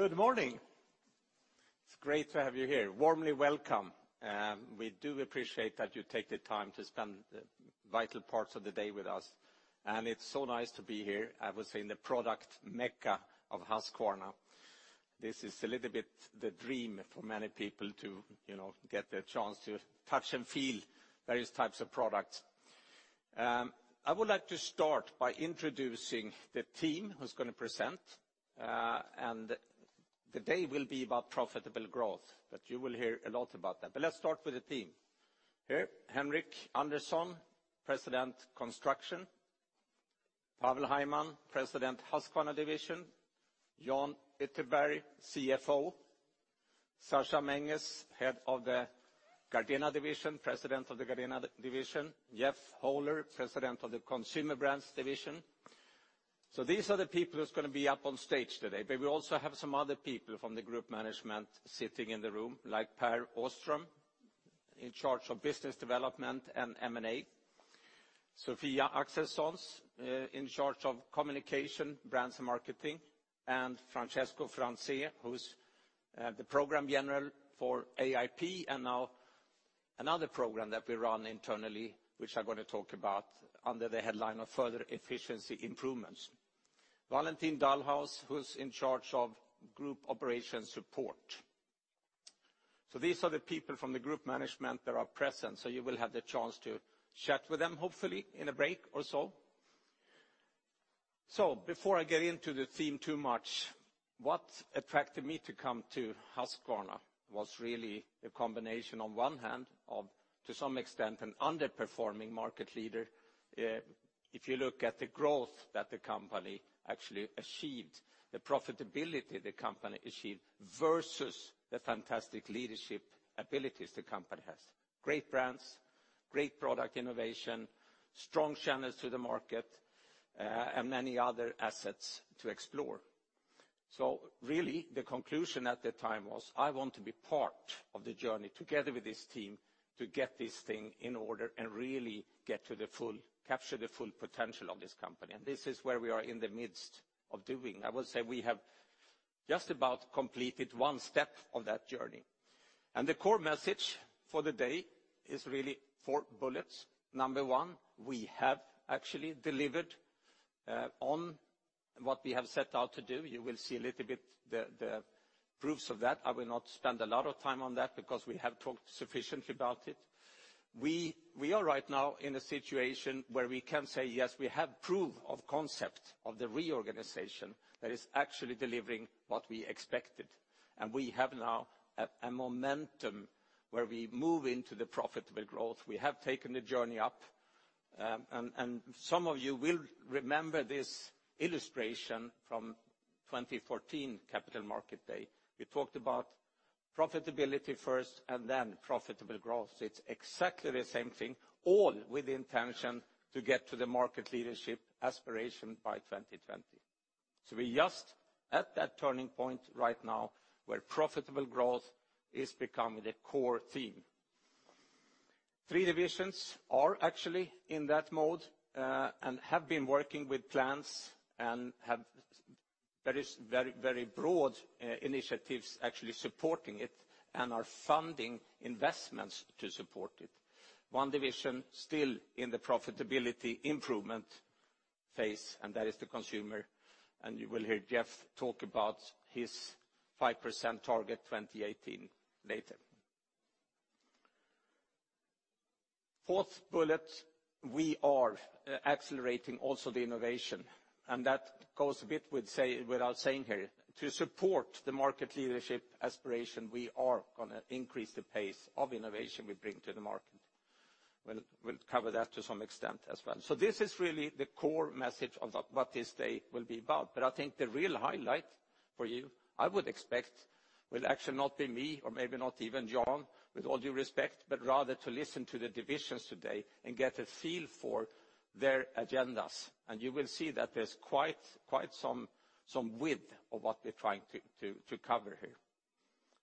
Good morning. It is great to have you here. Warmly welcome. We do appreciate that you take the time to spend vital parts of the day with us, and it is so nice to be here, I would say in the product mecca of Husqvarna. This is a little bit the dream for many people to get the chance to touch and feel various types of products. I would like to start by introducing the team who is going to present. The day will be about profitable growth, but you will hear a lot about that. Let us start with the team. Here, Henric Andersson, President, Construction. Pavel Hajman, President, Husqvarna Division. Jan Ytterberg, CFO. Sascha Menges, Head of the Gardena Division, President of the Gardena Division. Jeff Hohler, President of the Consumer Brands Division. These are the people who is going to be up on stage today, but we also have some other people from the group management sitting in the room, like Pär Åström, in charge of Business Development and M&A. Sofia Axelsson, in charge of Communication, Brands, and Marketing, and Francesco Franzé, who is the Program General for AIP and now another program that we run internally, which I am going to talk about under the headline of further efficiency improvements. Valentin Dahlhaus, who is in charge of Group Operations Support. These are the people from the group management that are present. You will have the chance to chat with them, hopefully, in a break or so. Before I get into the theme too much, what attracted me to come to Husqvarna was really a combination, on one hand, of, to some extent, an underperforming market leader. If you look at the growth that the company actually achieved, the profitability the company achieved, versus the fantastic leadership abilities the company has. Great brands, great product innovation, strong channels to the market, and many other assets to explore. Really, the conclusion at the time was, I want to be part of the journey together with this team to get this thing in order and really capture the full potential of this company. This is where we are in the midst of doing. I would say we have just about completed one step of that journey. The core message for the day is really four bullets. Number one, we have actually delivered on what we have set out to do. You will see a little bit the proofs of that. I will not spend a lot of time on that because we have talked sufficiently about it. We are right now in a situation where we can say, yes, we have proof of concept of the reorganization that is actually delivering what we expected. We have now a momentum where we move into the profitable growth. We have taken the journey up. Some of you will remember this illustration from 2014 Capital Market Day. We talked about profitability first and then profitable growth. It is exactly the same thing, all with the intention to get to the Market leadership 2020 aspiration by 2020. We are just at that turning point right now where profitable growth is becoming a core theme. Three divisions are actually in that mode, and have been working with plans, and have very broad initiatives actually supporting it, and are funding investments to support it. One division still in the profitability improvement phase, and that is the consumer, you will hear Jeff talk about his 5% target 2018 later. Fourth bullet, we are accelerating also the innovation, that goes a bit without saying here. To support the market leadership aspiration, we are going to increase the pace of innovation we bring to the market. We will cover that to some extent as well. This is really the core message of what this day will be about. I think the real highlight for you, I would expect, will actually not be me, or maybe not even Jan, with all due respect, but rather to listen to the divisions today and get a feel for their agendas. You will see that there is quite some width of what we are trying to cover here.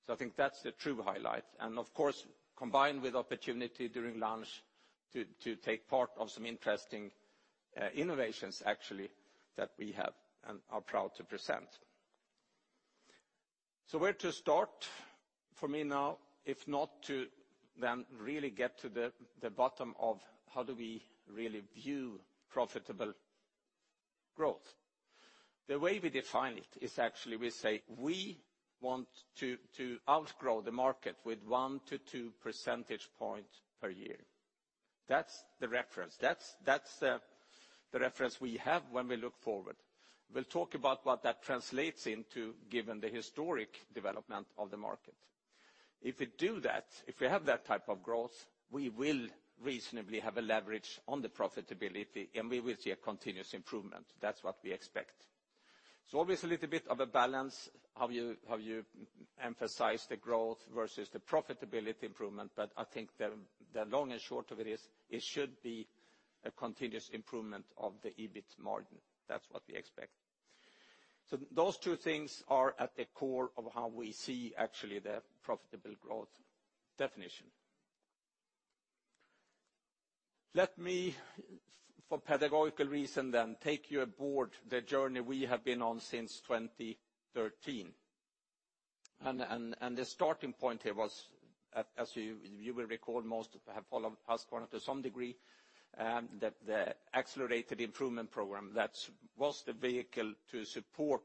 I think that is the true highlight. Of course, combined with opportunity during lunch to take part of some interesting innovations, actually, that we have and are proud to present. Where to start for me now, if not to then really get to the bottom of how do we really view profitable growth? The way we define it is actually we say we want to outgrow the market with 1-2 percentage point per year. That is the reference. That is the reference we have when we look forward. We will talk about what that translates into given the historic development of the market. If we do that, if we have that type of growth, we will reasonably have a leverage on the profitability, and we will see a continuous improvement. That is what we expect. Obviously, a little bit of a balance, how you emphasize the growth versus the profitability improvement, but I think the long and short of it is, it should be a continuous improvement of the EBIT margin. That is what we expect. Those two things are at the core of how we see actually the profitable growth definition. Let me, for pedagogical reason then, take you aboard the journey we have been on since 2013. The starting point here was, as you will recall, most have followed Husqvarna to some degree, that the Accelerated Improvement Program that was the vehicle to support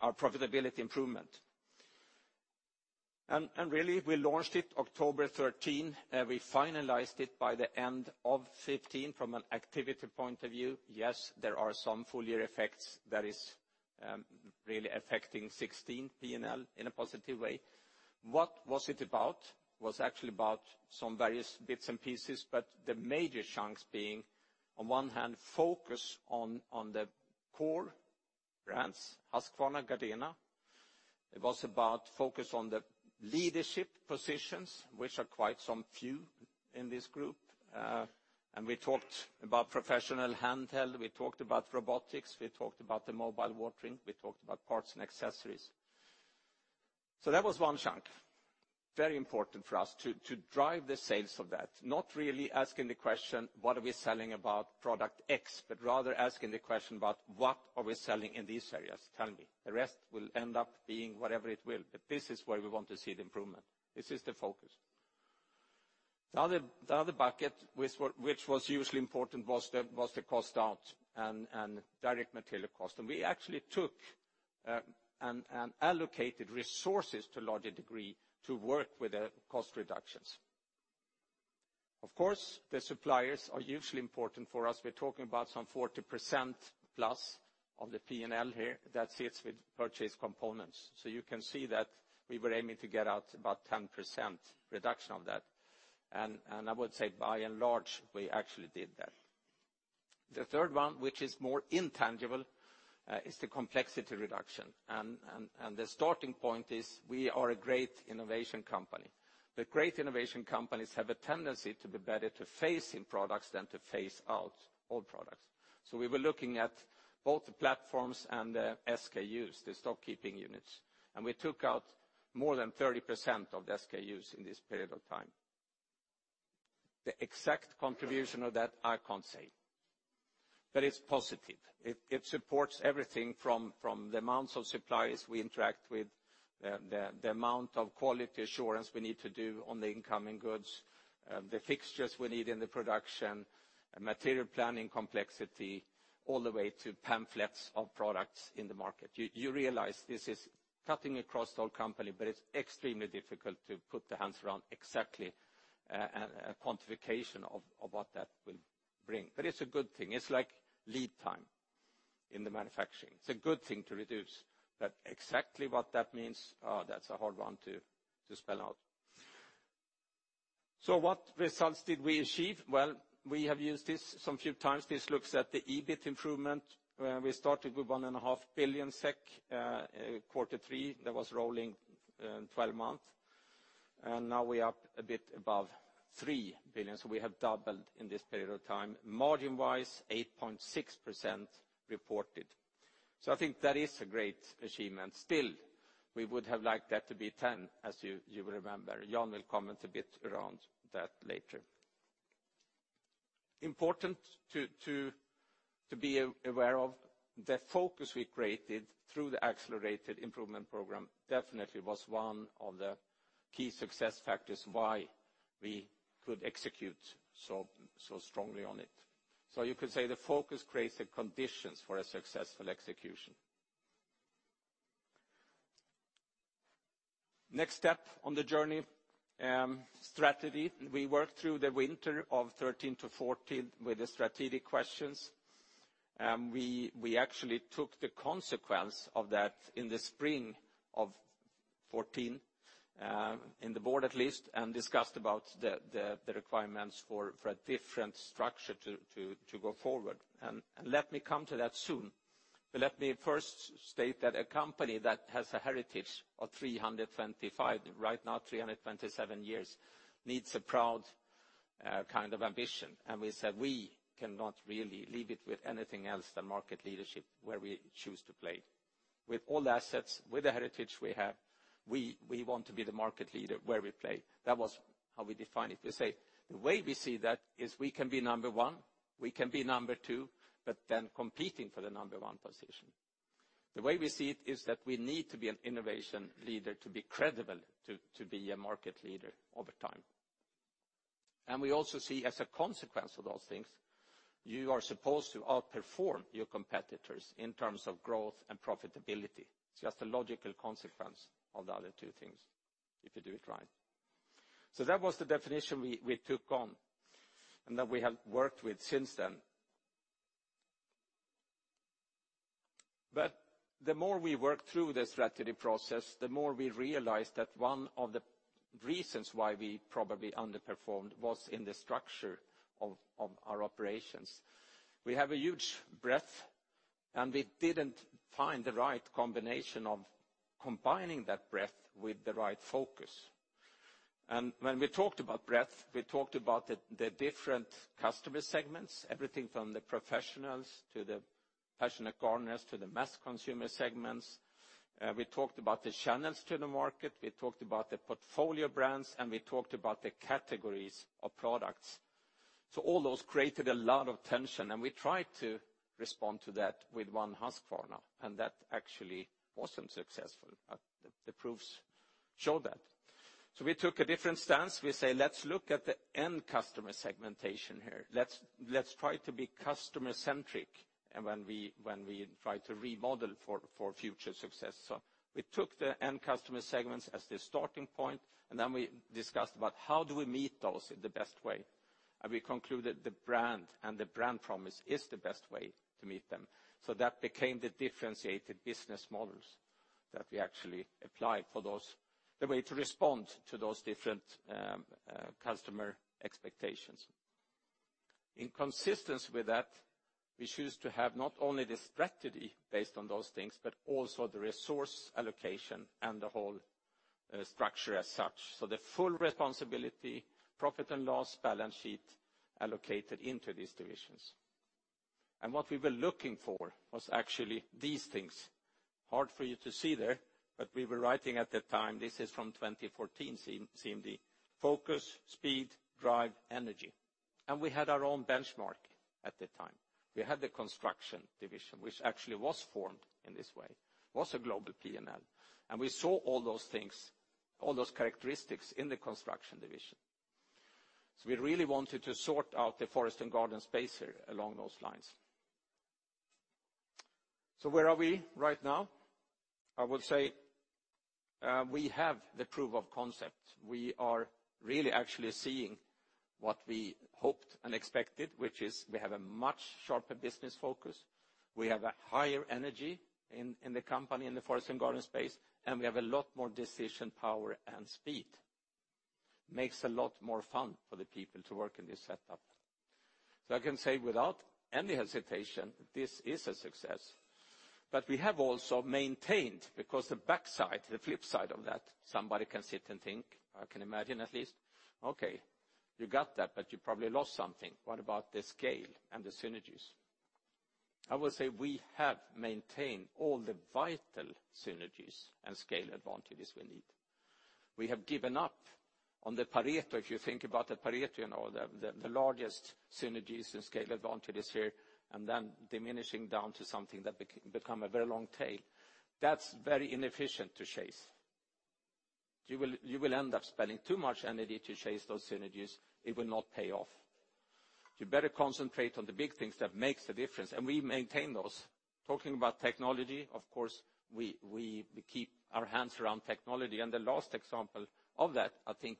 our profitability improvement. Really, we launched it October 2013. We finalized it by the end of 2015 from an activity point of view. Yes, there are some full year effects that is really affecting 2016 P&L in a positive way. What was it about? It was actually about some various bits and pieces, but the major chunks being, on one hand, focus on the core brands, Husqvarna and Gardena. It was about focus on the leadership positions, which are quite some few in this group. We talked about professional handheld, we talked about robotics, we talked about the mobile watering, we talked about parts and accessories. That was one chunk. Very important for us to drive the sales of that. Not really asking the question, what are we selling about product X? Rather asking the question about, what are we selling in these areas? Tell me. The rest will end up being whatever it will, but this is where we want to see the improvement. This is the focus. The other bucket which was hugely important was the cost out and direct material cost. We actually took and allocated resources to a large degree to work with the cost reductions. Of course, the suppliers are hugely important for us. We're talking about some 40%+ of the P&L here that sits with purchase components. You can see that we were aiming to get out about 10% reduction of that. I would say by and large, we actually did that. The third one, which is more intangible, is the complexity reduction. The starting point is we are a great innovation company. The great innovation companies have a tendency to be better to phase in products than to phase out old products. We were looking at both the platforms and the SKUs, the stock keeping units. We took out more than 30% of the SKUs in this period of time. The exact contribution of that, I can't say. It's positive. It supports everything from the amounts of suppliers we interact with, the amount of quality assurance we need to do on the incoming goods, the fixtures we need in the production, material planning complexity, all the way to pamphlets of products in the market. You realize this is cutting across the whole company, it's extremely difficult to put the hands around exactly a quantification of what that will bring. It's a good thing. It's like lead time in the manufacturing. It's a good thing to reduce, exactly what that means, that's a hard one to spell out. What results did we achieve? Well, we have used this some few times. This looks at the EBIT improvement, where we started with 1.5 billion SEK, quarter three that was rolling 12 months, and now we're up a bit above 3 billion. We have doubled in this period of time. Margin-wise, 8.6% reported. I think that is a great achievement. Still, we would have liked that to be 10, as you will remember. Jan will comment a bit around that later. Important to be aware of the focus we created through the accelerated improvement program definitely was one of the key success factors why we could execute so strongly on it. You could say the focus creates the conditions for a successful execution. Next step on the journey, strategy. We worked through the winter of 2013 to 2014 with the strategic questions. We actually took the consequence of that in the spring of 2014, in the board at least, and discussed about the requirements for a different structure to go forward. Let me come to that soon. Let me first state that a company that has a heritage of 325, right now 327 years, needs a proud kind of ambition. We said we cannot really leave it with anything else than market leadership where we choose to play. With all the assets, with the heritage we have, we want to be the market leader where we play. That was how we defined it. We say, the way we see that is we can be number one, we can be number two, but then competing for the number one position. The way we see it is that we need to be an innovation leader to be credible, to be a market leader over time. We also see as a consequence of those things, you are supposed to outperform your competitors in terms of growth and profitability. It's just a logical consequence of the other two things, if you do it right. That was the definition we took on and that we have worked with since then. The more we worked through the strategy process, the more we realized that one of the reasons why we probably underperformed was in the structure of our operations. We have a huge breadth, and we didn't find the right combination of combining that breadth with the right focus. When we talked about breadth, we talked about the different customer segments, everything from the professionals to the passionate gardeners to the mass consumer segments. We talked about the channels to the market, we talked about the portfolio brands, we talked about the categories of products. All those created a lot of tension, and we tried to respond to that with one Husqvarna, and that actually wasn't successful. The proofs show that. We took a different stance. We say, "Let's look at the end customer segmentation here. Let's try to be customer-centric, and when we try to remodel for future success." We took the end customer segments as the starting point, and then we discussed about how do we meet those in the best way. We concluded the brand and the brand promise is the best way to meet them. That became the differentiated business models that we actually applied for those, the way to respond to those different customer expectations. In consistence with that, we choose to have not only the strategy based on those things, but also the resource allocation and the whole structure as such. The full responsibility, profit and loss, balance sheet allocated into these divisions. What we were looking for was actually these things. Hard for you to see there, but we were writing at the time, this is from 2014 CMD, focus, speed, drive, energy. We had our own benchmark at the time. We had the Construction division, which actually was formed in this way, was a global P&L. We saw all those things, all those characteristics in the Construction division. We really wanted to sort out the forest and garden space here along those lines. Where are we right now? I would say we have the proof of concept. We are really actually seeing what we hoped and expected, which is we have a much sharper business focus. We have a higher energy in the company, in the forest and garden space, and we have a lot more decision power and speed. Makes a lot more fun for the people to work in this setup. I can say without any hesitation, this is a success. We have also maintained, because the backside, the flip side of that, somebody can sit and think, I can imagine at least, "Okay, you got that, but you probably lost something. What about the scale and the synergies?" I would say we have maintained all the vital synergies and scale advantages we need. We have given up on the Pareto. If you think about the Pareto, the largest synergies and scale advantages here, and then diminishing down to something that become a very long tail. That's very inefficient to chase. You will end up spending too much energy to chase those synergies. It will not pay off. You better concentrate on the big things that makes the difference, and we maintain those. Talking about technology, of course, we keep our hands around technology, and the last example of that, I think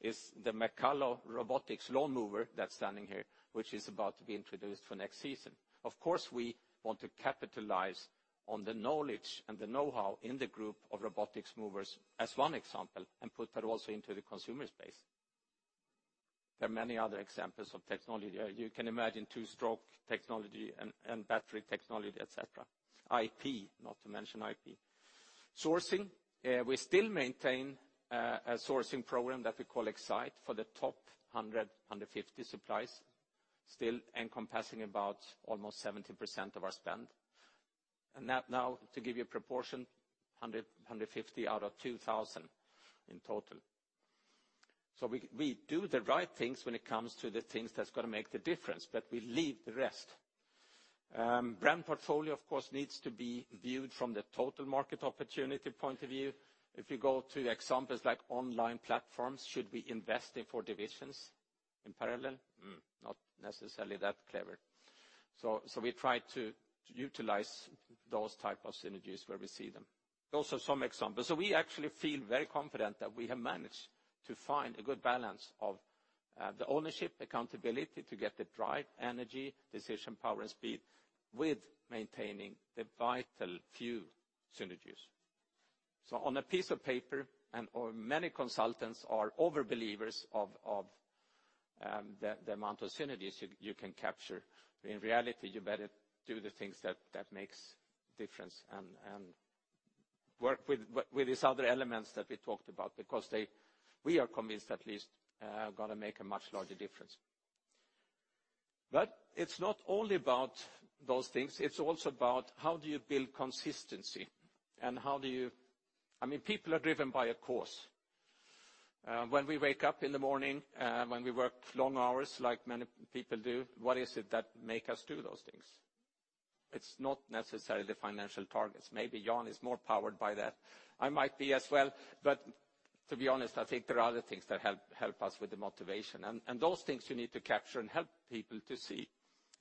is the McCulloch robotic lawnmower that is standing here, which is about to be introduced for next season. Of course, we want to capitalize on the knowledge and the know-how in the group of robotic mowers as one example, and put that also into the consumer space. There are many other examples of technology. You can imagine two-stroke technology and battery technology, et cetera. IP, not to mention IP. Sourcing, we still maintain a sourcing program that we call Excite for the top 100-150 suppliers, still encompassing about almost 70% of our spend. That now, to give you a proportion, 100-150 out of 2,000 in total. We do the right things when it comes to the things that is going to make the difference, but we leave the rest. Brand portfolio, of course, needs to be viewed from the total market opportunity point of view. If you go to examples like online platforms, should we invest in four divisions in parallel? Not necessarily that clever. We try to utilize those type of synergies where we see them. Those are some examples. We actually feel very confident that we have managed to find a good balance of the ownership accountability to get the drive, energy, decision, power, and speed with maintaining the vital few synergies. On a piece of paper, many consultants are over-believers of the amount of synergies you can capture. In reality, you better do the things that makes difference and work with these other elements that we talked about because they, we are convinced at least, got to make a much larger difference. It is not only about those things, it is also about how do you build consistency, and how do you. I mean, people are driven by a cause. When we wake up in the morning, when we work long hours like many people do, what is it that make us do those things? It is not necessarily the financial targets. Maybe Jan is more powered by that. I might be as well, but to be honest, I think there are other things that help us with the motivation. Those things you need to capture and help people to see.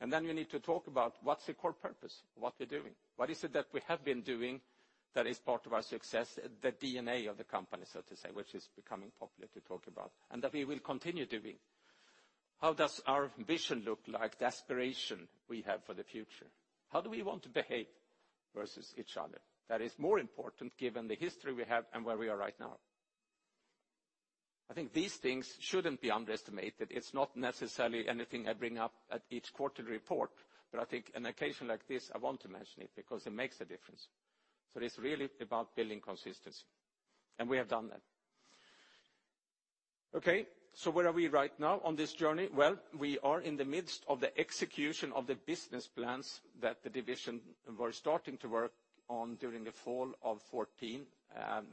You need to talk about what is the core purpose of what we are doing. What is it that we have been doing that is part of our success, the DNA of the company, so to say, which is becoming popular to talk about, and that we will continue doing. How does our vision look like, the aspiration we have for the future? How do we want to behave versus each other? That is more important given the history we have and where we are right now. I think these things shouldn't be underestimated. It is not necessarily anything I bring up at each quarterly report, but I think an occasion like this, I want to mention it because it makes a difference. It is really about building consistency, and we have done that. Okay. Where are we right now on this journey? We are in the midst of the execution of the business plans that the division were starting to work on during the fall of 2014,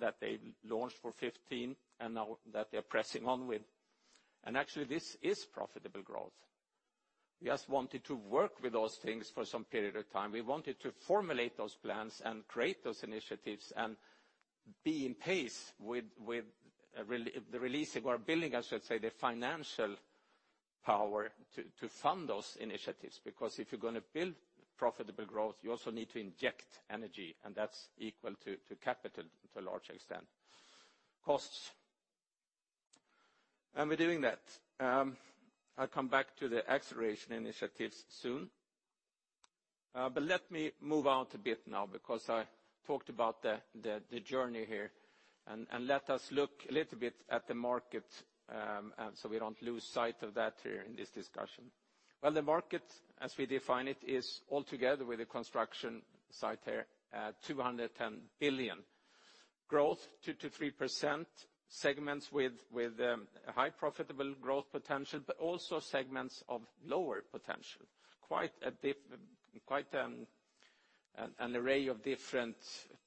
that they launched for 2015, and now that they're pressing on with. Actually, this is profitable growth. We just wanted to work with those things for some period of time. We wanted to formulate those plans and create those initiatives, and be in pace with the releasing or building, I should say, the financial power to fund those initiatives. Because if you're going to build profitable growth, you also need to inject energy, and that's equal to capital to a large extent. Costs. We're doing that. I'll come back to the acceleration initiatives soon. Let me move out a bit now, because I talked about the journey here, and let us look a little bit at the market, so we don't lose sight of that here in this discussion. The market, as we define it, is altogether with the construction site here at 210 billion. Growth 2%-3%, segments with a high profitable growth potential, but also segments of lower potential. Quite an array of different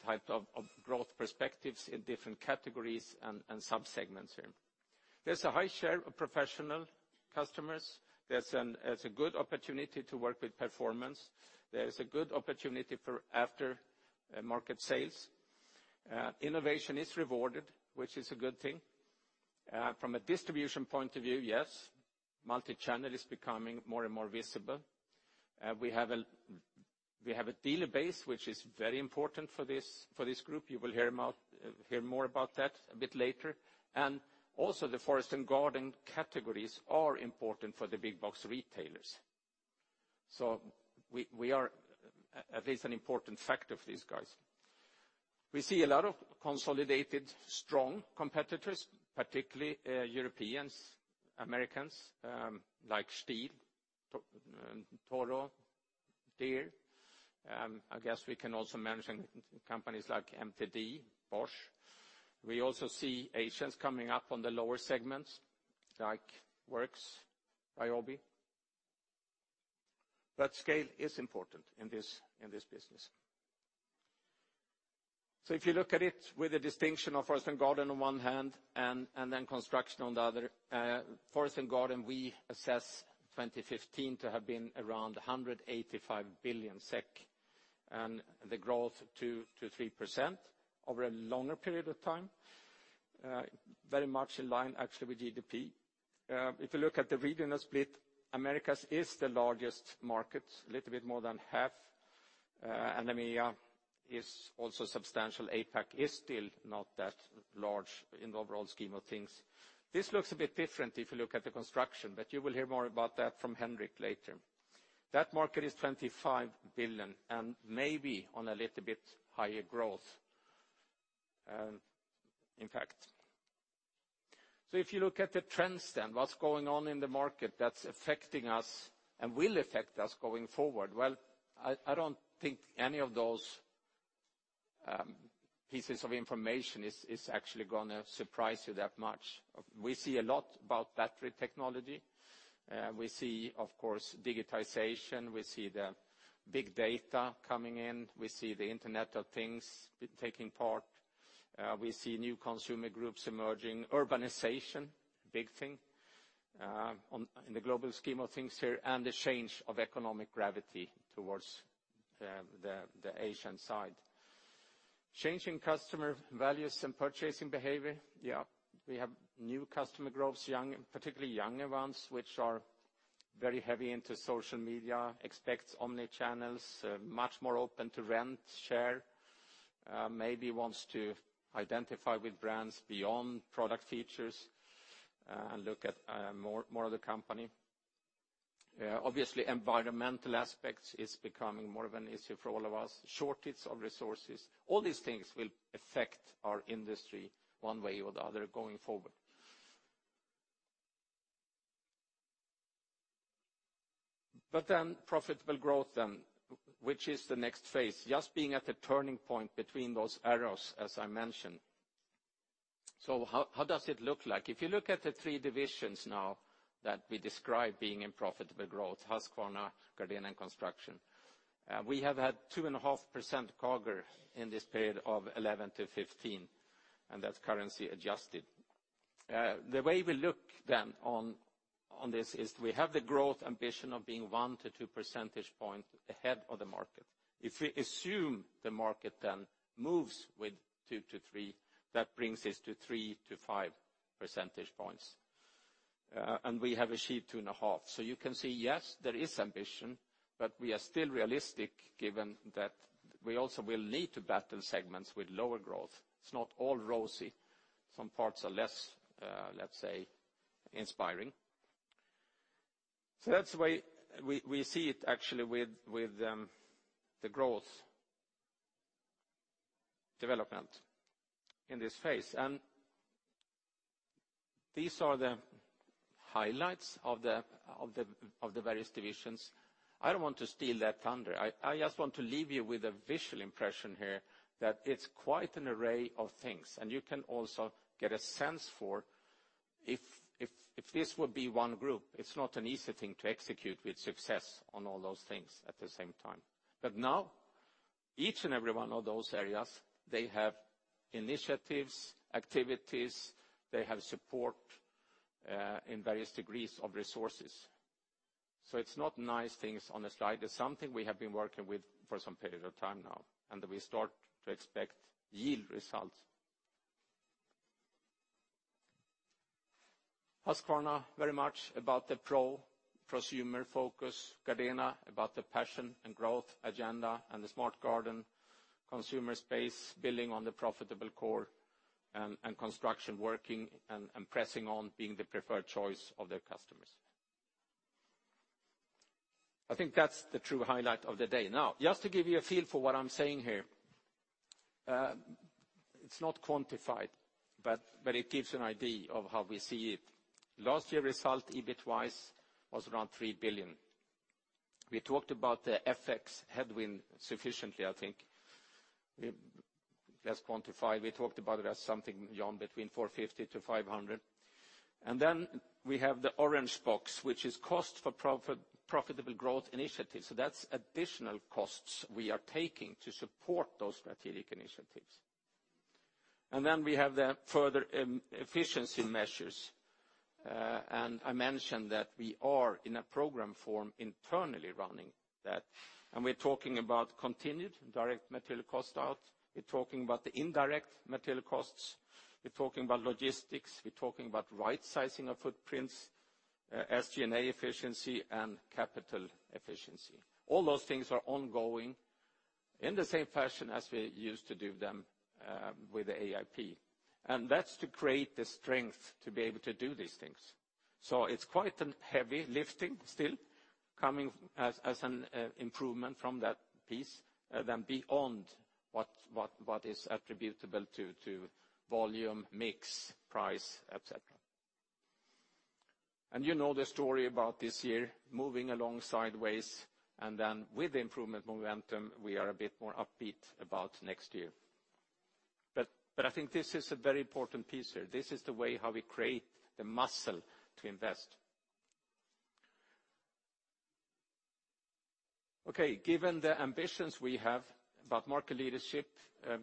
type of growth perspectives in different categories and sub-segments here. There's a high share of professional customers. There's a good opportunity to work with performance. There is a good opportunity for after-market sales. Innovation is rewarded, which is a good thing. From a distribution point of view, multi-channel is becoming more and more visible. We have a dealer base, which is very important for this group. You will hear more about that a bit later. Also the forest and garden categories are important for the big box retailers. We are at least an important factor for these guys. We see a lot of consolidated, strong competitors, particularly Europeans, Americans, like Stihl, Toro, Deere. I guess we can also mention companies like MTD, Bosch. We also see Asians coming up on the lower segments, like WORX, Ryobi. Scale is important in this business. If you look at it with the distinction of forest and garden on one hand, and then Construction on the other, forest and garden, we assess 2015 to have been around 185 billion SEK, and the growth 2%-3% over a longer period of time. Very much in line, actually, with GDP. If you look at the regional split, Americas is the largest market, a little bit more than half. EMEA is also substantial. APAC is still not that large in the overall scheme of things. This looks a bit different if you look at the Construction, but you will hear more about that from Henric later. That market is 25 billion, and may be on a little bit higher growth, in fact. If you look at the trends then, what's going on in the market that's affecting us and will affect us going forward? I don't think any of those pieces of information is actually going to surprise you that much. We see a lot about battery technology. We see, of course, digitization. We see the big data coming in. We see the Internet of Things taking part. We see new consumer groups emerging. Urbanization, big thing in the global scheme of things here. The change of economic gravity towards the Asian side. Changing customer values and purchasing behavior. We have new customer growths, particularly younger ones, which are very heavy into social media, expects omnichannels, much more open to rent, share. Maybe wants to identify with brands beyond product features, and look at more of the company. Obviously, environmental aspects is becoming more of an issue for all of us. Shortage of resources. All these things will affect our industry one way or the other going forward. Profitable growth then, which is the next phase, just being at the turning point between those arrows, as I mentioned. How does it look like? If you look at the three divisions now that we describe being in profitable growth, Husqvarna, Gardena, and Construction, we have had 2.5% CAGR in this period of 2011 to 2015, and that's currency adjusted. The way we look then on this is we have the growth ambition of being 1-2 percentage points ahead of the market. If we assume the market then moves with 2-3, that brings us to 3-5 percentage points. We have achieved 2.5. You can see, yes, there is ambition, but we are still realistic given that we also will need to battle segments with lower growth. It's not all rosy. Some parts are less, let's say, inspiring. That's the way we see it actually with the growth development in this phase. These are the Highlights of the various divisions. I don't want to steal their thunder. I just want to leave you with a visual impression here that it's quite an array of things, and you can also get a sense for if this would be one group. It's not an easy thing to execute with success on all those things at the same time. Each and every one of those areas, they have initiatives, activities, they have support in various degrees of resources. It's not nice things on a slide. It's something we have been working with for some period of time now, and we start to expect yield results. Husqvarna, very much about the prosumer focus, Gardena, about the passion and growth agenda, and the Smart Garden consumer space, building on the profitable core, and Construction working and pressing on being the preferred choice of their customers. I think that's the true highlight of the day. Just to give you a feel for what I'm saying here. It's not quantified, but it gives you an idea of how we see it. Last year's result EBIT wise was around 3 billion. We talked about the FX headwind sufficiently, I think. Let's quantify. We talked about it as something, Jan, between 450 million and SEK 500 million. We have the orange box, which is cost for profitable growth initiatives. That's additional costs we are taking to support those strategic initiatives. We have the further efficiency measures. I mentioned that we are in a program form internally running that, and we're talking about continued direct material cost out. We're talking about the indirect material costs. We're talking about logistics. We're talking about right sizing of footprints, SG&A efficiency and capital efficiency. All those things are ongoing in the same fashion as we used to do them with the AIP, that's to create the strength to be able to do these things. It's quite a heavy lifting still coming as an improvement from that piece than beyond what is attributable to volume, mix, price, et cetera. You know the story about this year, moving along sideways, then with the improvement momentum, we are a bit more upbeat about next year. I think this is a very important piece here. This is the way how we create the muscle to invest. Okay. Given the ambitions we have about market leadership,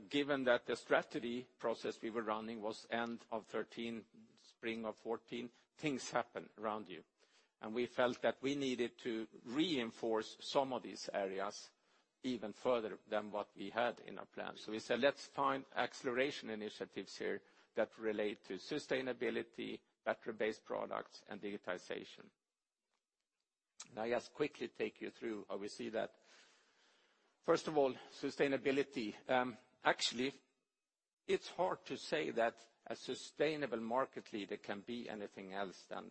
given that the strategy process we were running was end of 2013, spring of 2014, things happen around you. We felt that we needed to reinforce some of these areas even further than what we had in our plan. We said, let's find acceleration initiatives here that relate to sustainability, battery-based products, and digitization. I just quickly take you through how we see that. First of all, sustainability. Actually, it's hard to say that a sustainable market leader can be anything else than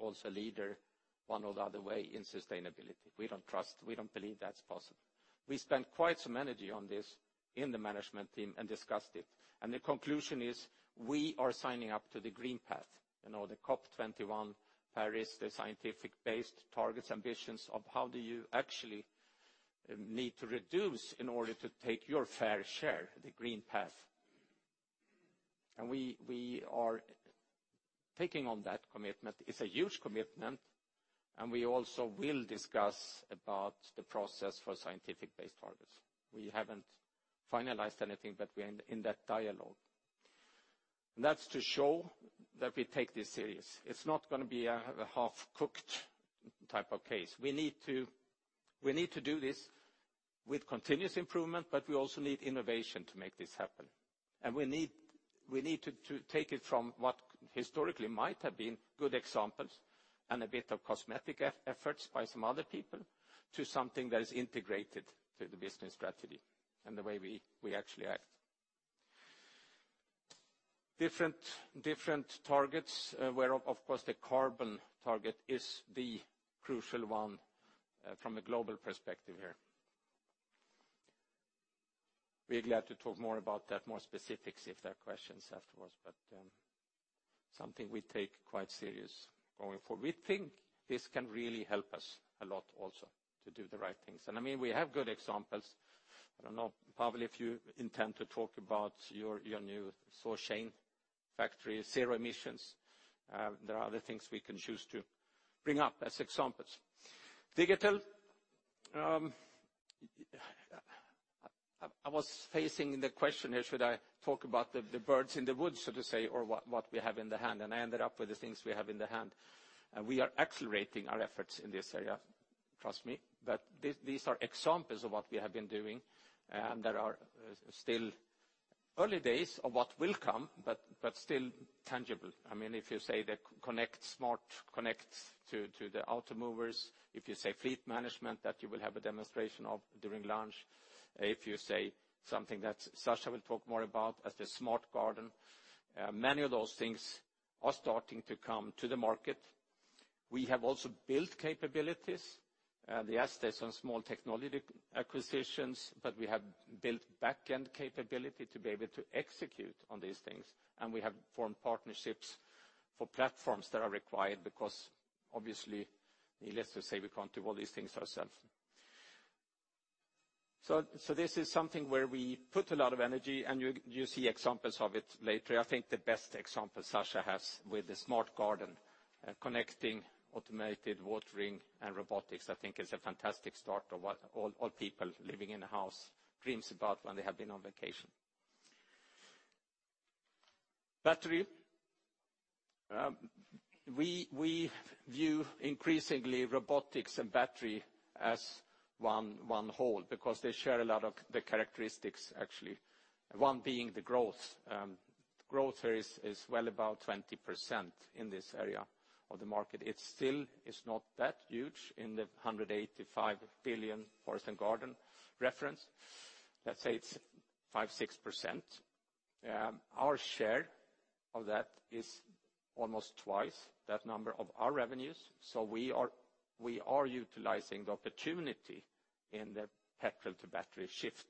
also a leader one or the other way in sustainability. We don't believe that's possible. We spent quite some energy on this in the management team and discussed it, the conclusion is we are signing up to the green path, the COP21 Paris, the scientific-based targets, ambitions of how do you actually need to reduce in order to take your fair share of the green path. We are taking on that commitment. It's a huge commitment, we also will discuss about the process for scientific-based targets. We haven't finalized anything, we are in that dialogue. That's to show that we take this serious. It's not going to be a half-cooked type of case. We need to do this with continuous improvement, we also need innovation to make this happen. We need to take it from what historically might have been good examples and a bit of cosmetic efforts by some other people to something that is integrated to the business strategy and the way we actually act. Different targets, where, of course, the carbon target is the crucial one from a global perspective here. We're glad to talk more about that, more specifics if there are questions afterwards, something we take quite serious going forward. We think this can really help us a lot also to do the right things. I mean, we have good examples. I don't know, Pavel, if you intend to talk about your new source chain factory, zero emissions. There are other things we can choose to bring up as examples. Digital. I was facing the question here, should I talk about the birds in the woods, so to say, or what we have in the hand, I ended up with the things we have in the hand. We are accelerating our efforts in this area, trust me. These are examples of what we have been doing, and there are still early days of what will come, still tangible. If you say the Connect Smart connects to the Automowers, if you say fleet management that you will have a demonstration of during launch, if you say something that Sascha will talk more about as the Smart Garden. Many of those things are starting to come to the market. We have also built capabilities. Yes, there's some small technology acquisitions, but we have built back-end capability to be able to execute on these things, and we have formed partnerships for platforms that are required because obviously, needless to say, we can't do all these things ourselves. This is something where we put a lot of energy, and you'll see examples of it later. I think the best example Sascha has with the Smart Garden, connecting automated watering and robotics, I think is a fantastic start of what all people living in a house dreams about when they have been on vacation. Battery. We view increasingly robotics and battery as one whole because they share a lot of the characteristics actually. One being the growth. Growth here is well above 20% in this area of the market. It still is not that huge in the 185 billion forest and garden reference. Let's say it's 5%-6%. Our share of that is almost twice that number of our revenues. We are utilizing the opportunity in the petrol to battery shift,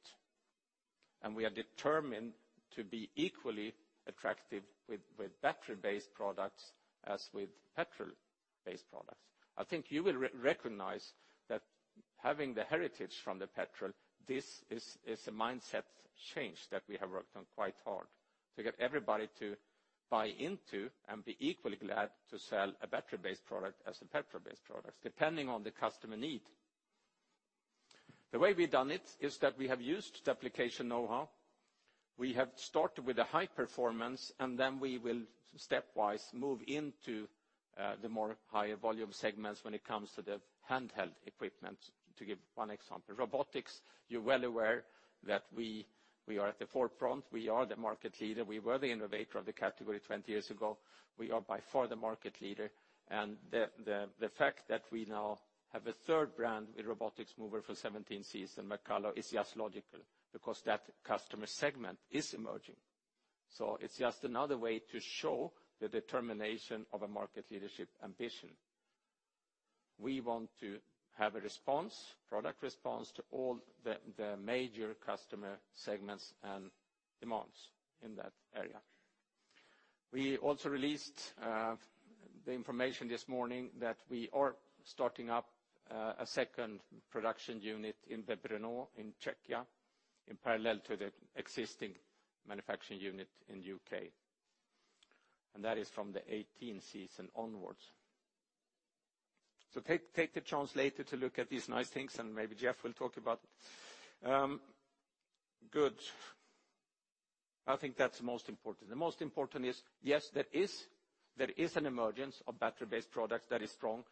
and we are determined to be equally attractive with battery-based products as with petrol-based products. I think you will recognize that having the heritage from the petrol, this is a mindset change that we have worked on quite hard to get everybody to buy into and be equally glad to sell a battery-based product as a petrol-based product, depending on the customer need. The way we've done it is that we have used the application knowhow. We have started with a high performance, and then we will stepwise move into the more higher volume segments when it comes to the handheld equipment, to give one example. Robotics, you're well aware that we are at the forefront. We are the market leader. We were the innovator of the category 20 years ago. We are by far the market leader, and the fact that we now have a third brand with robotic mower for '17 season, McCulloch, is just logical because that customer segment is emerging. It's just another way to show the determination of a market leadership ambition. We want to have a product response to all the major customer segments and demands in that area. We also released the information this morning that we are starting up a second production unit in Brno, in Czechia, in parallel to the existing manufacturing unit in U.K. That is from the '18 season onwards. Take the chance later to look at these nice things, and maybe Jeff will talk about it. Good. I think that's most important. The most important is, yes, there is an emergence of battery-based products that is strong.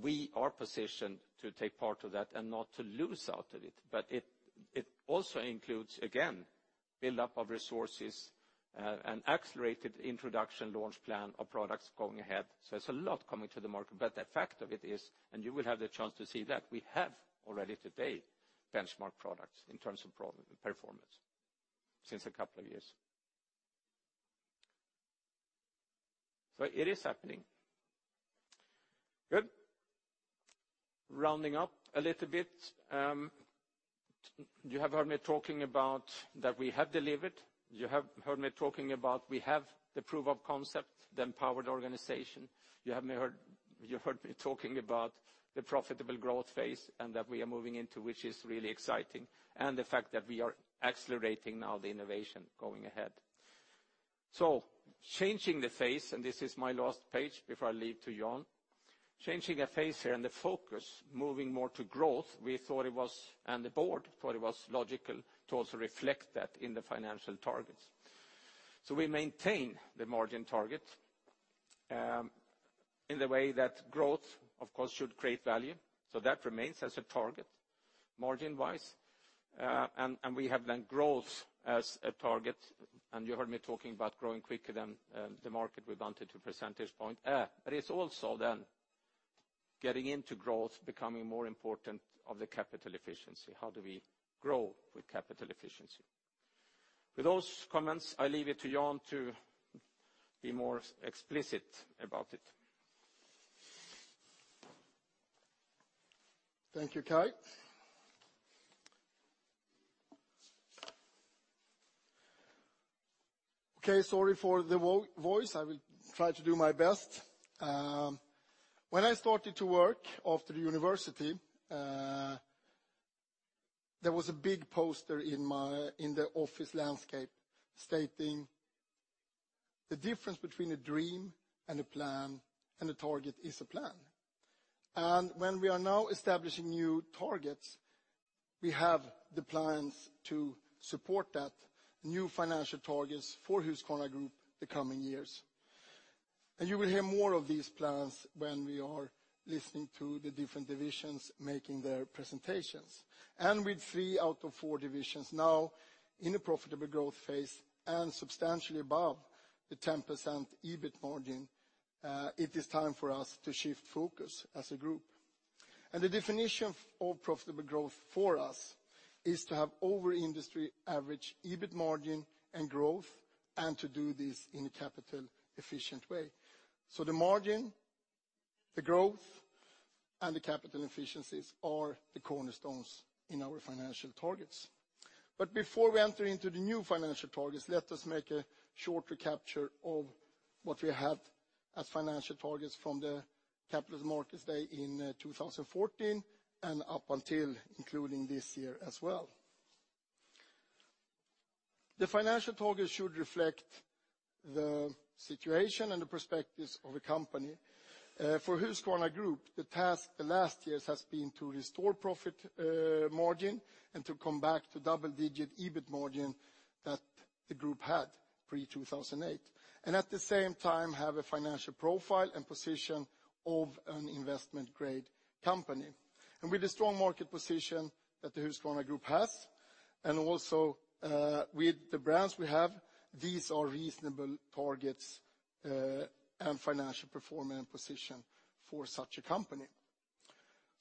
We are positioned to take part of that and not to lose out at it. It also includes, again, build-up of resources, an accelerated introduction launch plan of products going ahead. It's a lot coming to the market, the fact of it is, and you will have the chance to see that we have already today benchmark products in terms of performance since a couple of years. It is happening. Good. Rounding up a little bit. You have heard me talking about that we have delivered, you have heard me talking about we have the proof of concept, the empowered organization. You have heard me talking about the profitable growth phase, and that we are moving into, which is really exciting, and the fact that we are accelerating now the innovation going ahead. Changing the phase, and this is my last page before I leave to Jan. Changing a phase here and the focus moving more to growth, and the board thought it was logical to also reflect that in the financial targets. We maintain the margin target, in the way that growth, of course, should create value. That remains as a target margin-wise. We have then growth as a target, and you heard me talking about growing quicker than the market. We wanted two percentage point. It's also then getting into growth becoming more important of the capital efficiency. How do we grow with capital efficiency? With those comments, I leave it to Jan to be more explicit about it. Thank you, Kai. Okay, sorry for the voice. I will try to do my best. When I started to work after university, there was a big poster in the office landscape stating the difference between a dream and a plan, and a target is a plan. When we are now establishing new targets, we have the plans to support that new financial targets for Husqvarna Group the coming years. You will hear more of these plans when we are listening to the different divisions making their presentations. With three out of four divisions now in a profitable growth phase and substantially above the 10% EBIT margin, it is time for us to shift focus as a group. The definition of profitable growth for us is to have over-industry average EBIT margin and growth, and to do this in a capital-efficient way. The margin, the growth, and the capital efficiencies are the cornerstones in our financial targets. Before we enter into the new financial targets, let us make a short recapture of what we have as financial targets from the capital markets day in 2014 and up until including this year as well. The financial target should reflect the situation and the perspectives of a company. For Husqvarna Group, the task the last years has been to restore profit margin and to come back to double-digit EBIT margin that the group had pre-2008. At the same time, have a financial profile and position of an investment-grade company. With the strong market position that the Husqvarna Group has, and also with the brands we have, these are reasonable targets, and financial performance and position for such a company.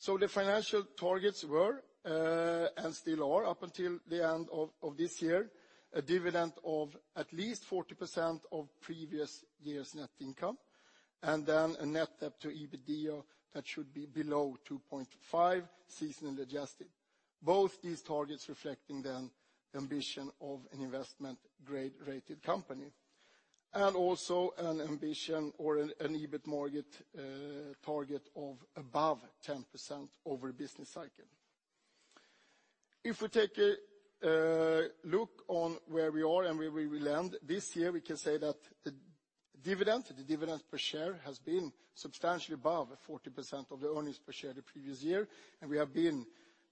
The financial targets were, and still are up until the end of this year, a dividend of at least 40% of previous year's net income, then a net debt to EBITDA that should be below 2.5, seasonally adjusted. Both these targets reflecting the ambition of an investment-grade-rated company. Also an ambition or an EBIT target of above 10% over a business cycle. If we take a look on where we are and where we will end this year, we can say that the dividend per share has been substantially above 40% of the earnings per share the previous year, and we have been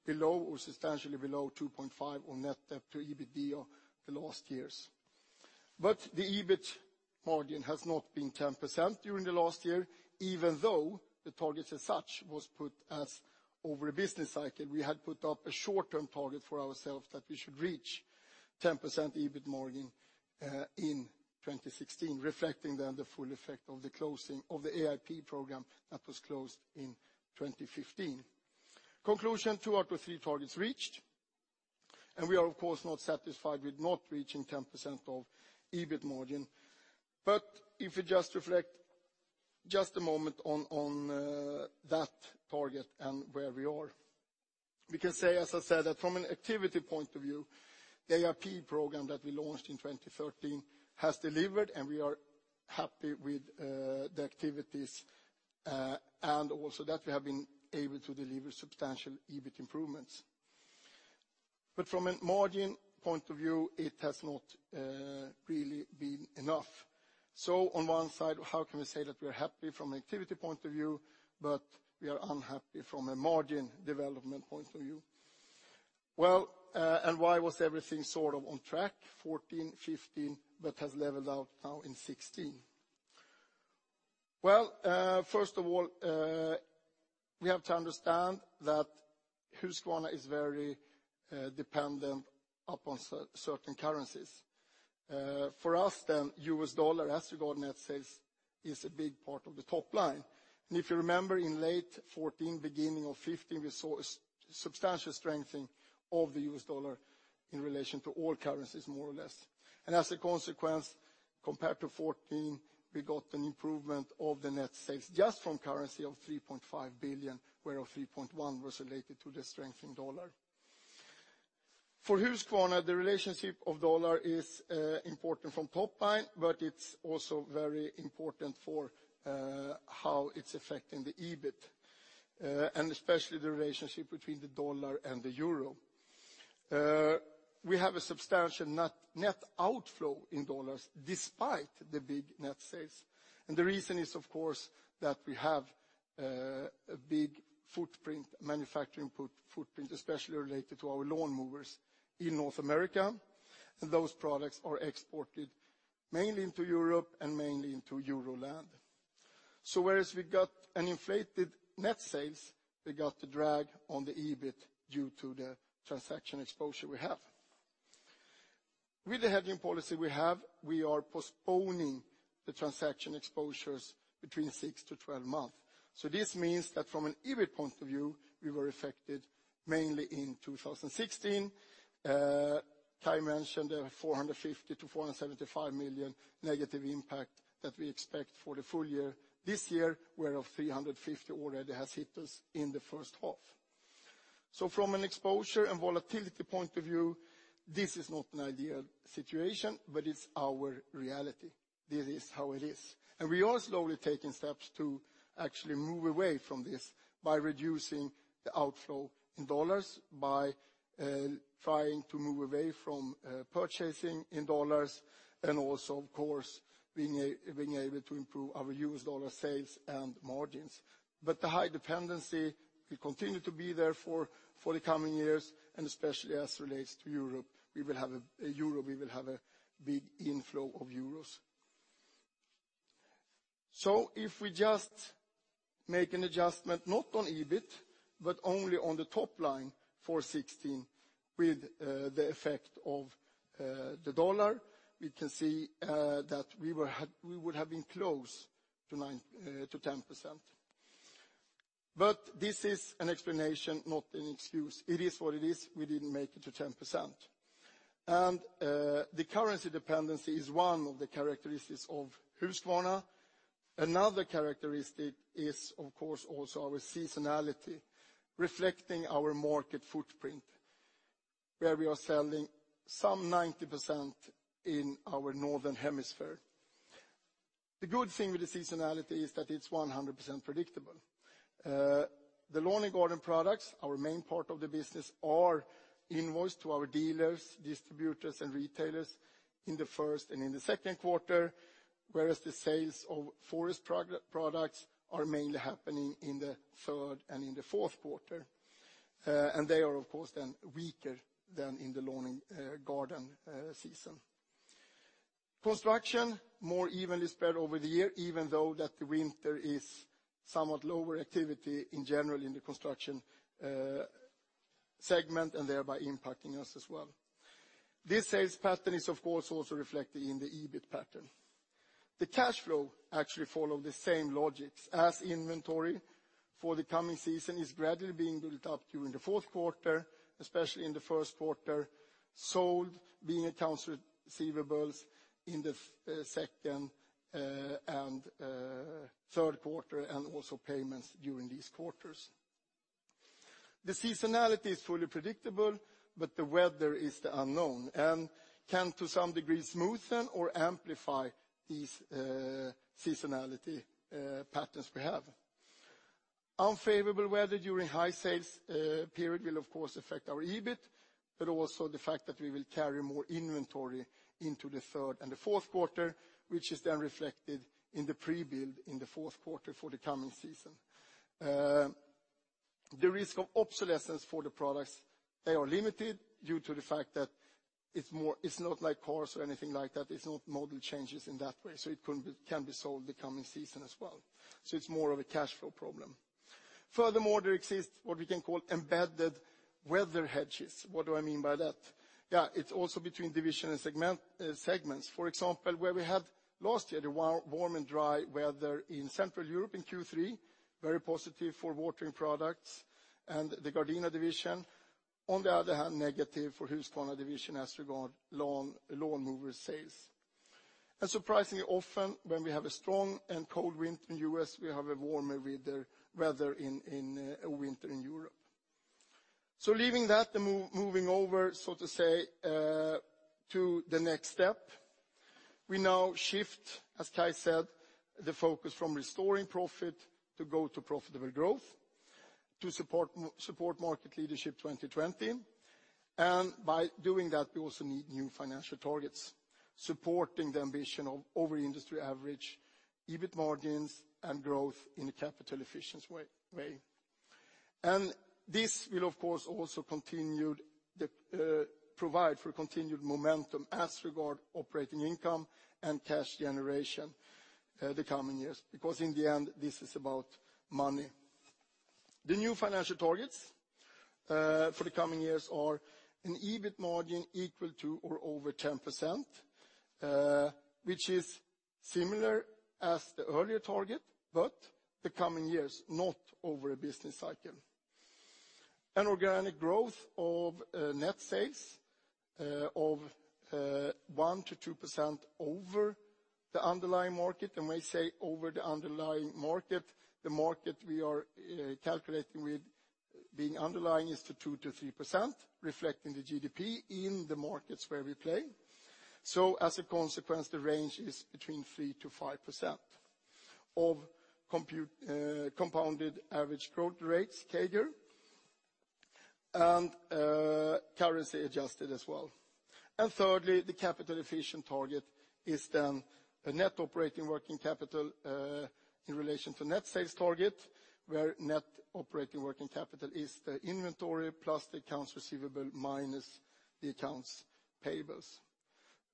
below or substantially below 2.5 on net debt to EBITDA the last years. The EBIT margin has not been 10% during the last year, even though the target as such was put as over a business cycle. We had put up a short-term target for ourselves that we should reach 10% EBIT margin in 2016, reflecting then the full effect of the closing of the AIP program that was closed in 2015. Conclusion, two out of three targets reached. We are of course not satisfied with not reaching 10% of EBIT margin. If we just reflect just a moment on that target and where we are, we can say, as I said, that from an activity point of view, the AIP program that we launched in 2013 has delivered, and we are happy with the activities, and also that we have been able to deliver substantial EBIT improvements. From a margin point of view, it has not really been enough. On one side, how can we say that we're happy from an activity point of view, but we are unhappy from a margin development point of view? Why was everything sort of on track 2014, 2015, but has leveled out now in 2016? First of all, we have to understand that Husqvarna is very dependent upon certain currencies. For us then, U.S. dollar, as regard net sales, is a big part of the top line. If you remember in late 2014, beginning of 2015, we saw a substantial strengthening of the U.S. dollar in relation to all currencies, more or less. As a consequence, compared to 2014, we got an improvement of the net sales just from currency of 3.5 billion, where $3.1 was related to the strengthening U.S. dollar. For Husqvarna, the relationship of U.S. dollar is important from top line, but it's also very important for how it's affecting the EBIT, especially the relationship between the U.S. dollar and the EUR. We have a substantial net outflow in U.S. dollars despite the big net sales. The reason is, of course, that we have a big footprint, manufacturing footprint, especially related to our lawnmowers in North America. Those products are exported mainly into Europe and mainly into Euroland. Whereas we got an inflated net sales, we got the drag on the EBIT due to the transaction exposure we have. With the hedging policy we have, we are postponing the transaction exposures between 6 to 12 months. This means that from an EBIT point of view, we were affected mainly in 2016. Kai mentioned the 450 million-475 million negative impact that we expect for the full year this year, whereof 350 already has hit us in the first half. From an exposure and volatility point of view, this is not an ideal situation, but it's our reality. This is how it is. We are slowly taking steps to actually move away from this by reducing the outflow in U.S. dollars, by trying to move away from purchasing in U.S. dollars, and also, of course, being able to improve our U.S. dollar sales and margins. The high dependency will continue to be there for the coming years, and especially as relates to Europe, we will have a big inflow of EUR. If we just make an adjustment, not on EBIT, but only on the top line for 2016 with the effect of the U.S. dollar, we can see that we would have been close to 10%. This is an explanation, not an excuse. It is what it is. We didn't make it to 10%. The currency dependency is one of the characteristics of Husqvarna. Another characteristic is, of course, also our seasonality, reflecting our market footprint, where we are selling some 90% in our northern hemisphere. The good thing with the seasonality is that it's 100% predictable. The lawn and garden products, our main part of the business, are invoiced to our dealers, distributors, and retailers in the first and in the second quarter, whereas the sales of forest products are mainly happening in the third and in the fourth quarter. They are, of course, then weaker than in the lawn and garden season. Construction, more evenly spread over the year, even though that the winter is somewhat lower activity in general in the construction segment, and thereby impacting us as well. This sales pattern is, of course, also reflected in the EBIT pattern. The cash flow actually follow the same logic as inventory for the coming season is gradually being built up during the fourth quarter, especially in the first quarter, sold, being accounts receivables in the second and third quarter, and also payments during these quarters. The seasonality is fully predictable, the weather is the unknown and can, to some degree, smoothen or amplify these seasonality patterns we have. Unfavorable weather during high sales period will, of course, affect our EBIT, also the fact that we will carry more inventory into the third and the fourth quarter, which is then reflected in the pre-build in the fourth quarter for the coming season. The risk of obsolescence for the products, they are limited due to the fact that it's not like cars or anything like that. It's not model changes in that way, so it can be sold the coming season as well. It's more of a cash flow problem. Furthermore, there exists what we can call embedded weather hedges. What do I mean by that? It's also between division and segments. For example, where we had last year, the warm and dry weather in Central Europe in Q3, very positive for watering products and the Gardena Division. On the other hand, negative for Husqvarna Division as regard lawnmower sales. Surprisingly often, when we have a strong and cold winter in the U.S., we have a warmer weather in winter in Europe. Leaving that and moving over, so to say, to the next step. We now shift, as Kai said, the focus from restoring profit to go to profitable growth to support Market Leadership 2020. By doing that, we also need new financial targets supporting the ambition of over-industry average EBIT margins and growth in a capital efficient way. This will, of course, also provide for continued momentum as regard operating income and cash generation the coming years, because in the end, this is about money. The new financial targets for the coming years are an EBIT margin equal to or over 10%, which is similar as the earlier target, but the coming years, not over a business cycle. An organic growth of net sales of 1%-2% over the underlying market. When we say over the underlying market, the market we are calculating with being underlying is the 2%-3%, reflecting the GDP in the markets where we play. As a consequence, the range is between 3%-5% of compounded average growth rates, CAGR, and currency adjusted as well. Thirdly, the capital efficient target is then a net operating working capital in relation to net sales target, where net operating working capital is the inventory plus the accounts receivable minus the accounts payables.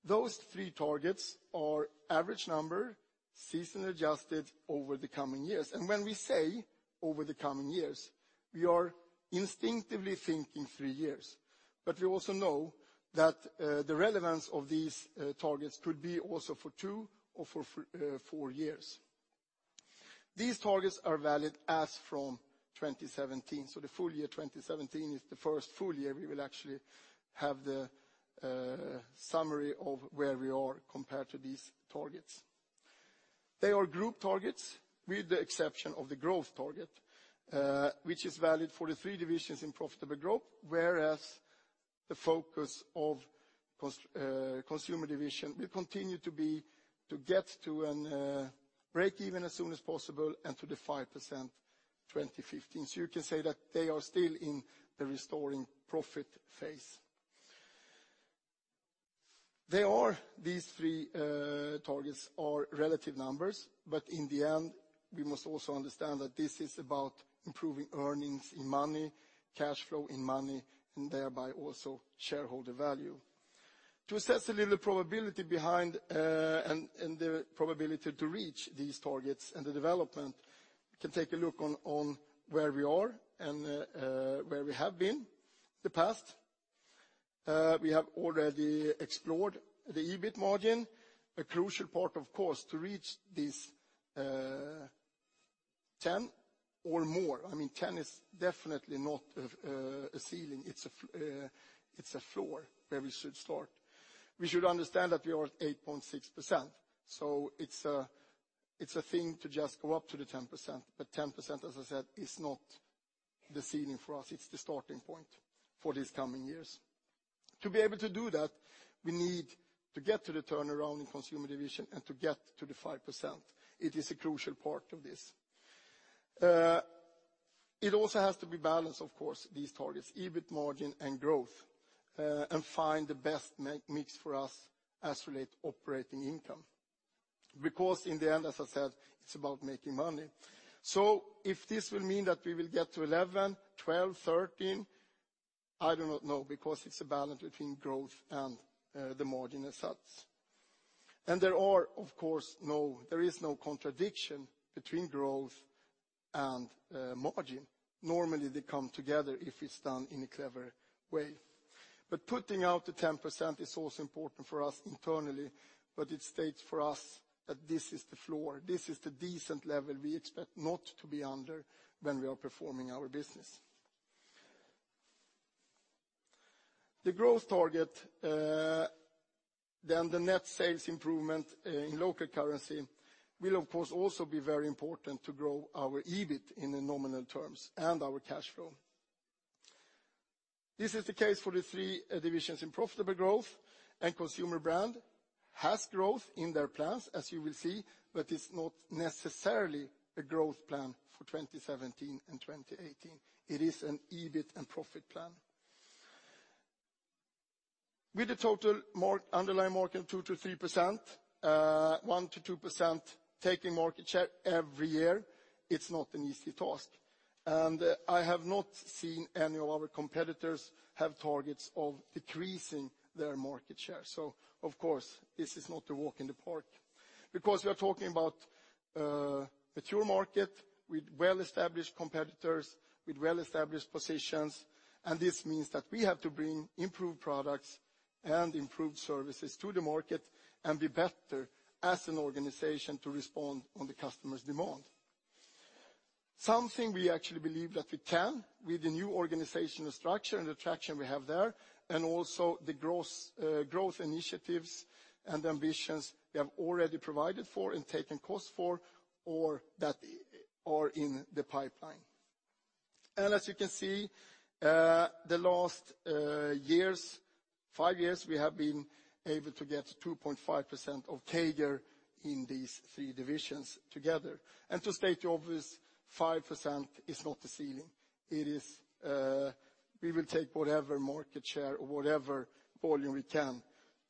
Those three targets are average number, season-adjusted over the coming years. When we say over the coming years, we are instinctively thinking three years. We also know that the relevance of these targets could be also for two or for four years. These targets are valid as from 2017. The full year 2017 is the first full year we will actually have the summary of where we are compared to these targets. They are group targets, with the exception of the growth target, which is valid for the three divisions in profitable growth, whereas the focus of Consumer Brands Division will continue to be to get to a break even as soon as possible and to the 5% 2015. You can say that they are still in the restoring profit phase. These three targets are relative numbers, in the end, we must also understand that this is about improving earnings in money, cash flow in money, and thereby also shareholder value. To assess a little probability behind and the probability to reach these targets and the development, we can take a look on where we are and where we have been the past. We have already explored the EBIT margin. A crucial part, of course, to reach this 10% or more. 10 is definitely not a ceiling. It's a floor where we should start. We should understand that we are at 8.6%. It's a thing to just go up to the 10%, 10%, as I said, is not the ceiling for us. It's the starting point for these coming years. To be able to do that, we need to get to the turnaround in Consumer Brands and to get to the 5%. It is a crucial part of this. It also has to be balanced, of course, these targets, EBIT margin and growth, and find the best mix for us as relate operating income. In the end, as I said, it's about making money. If this will mean that we will get to 11, 12, 13, I do not know because it's a balance between growth and the margin as such. There is no contradiction between growth and margin. Normally they come together if it's done in a clever way. Putting out the 10% is also important for us internally, but it states for us that this is the floor. This is the decent level we expect not to be under when we are performing our business. The growth target, the net sales improvement in local currency will, of course, also be very important to grow our EBIT in the nominal terms and our cash flow. This is the case for the three divisions in profitable growth and Consumer Brands has growth in their plans, as you will see, but it's not necessarily a growth plan for 2017 and 2018. It is an EBIT and profit plan. With the total underlying market 2%-3%, 1%-2% taking market share every year, it's not an easy task. I have not seen any of our competitors have targets of decreasing their market share. Of course, this is not a walk in the park. We are talking about a mature market with well-established competitors, with well-established positions, this means that we have to bring improved products and improved services to the market and be better as an organization to respond on the customer's demand. Something we actually believe that we can with the new organizational structure and the traction we have there, also the growth initiatives and ambitions we have already provided for and taken cost for, or that are in the pipeline. As you can see, the last years, five years, we have been able to get 2.5% of CAGR in these three divisions together. To state the obvious, 5% is not the ceiling. We will take whatever market share or whatever volume we can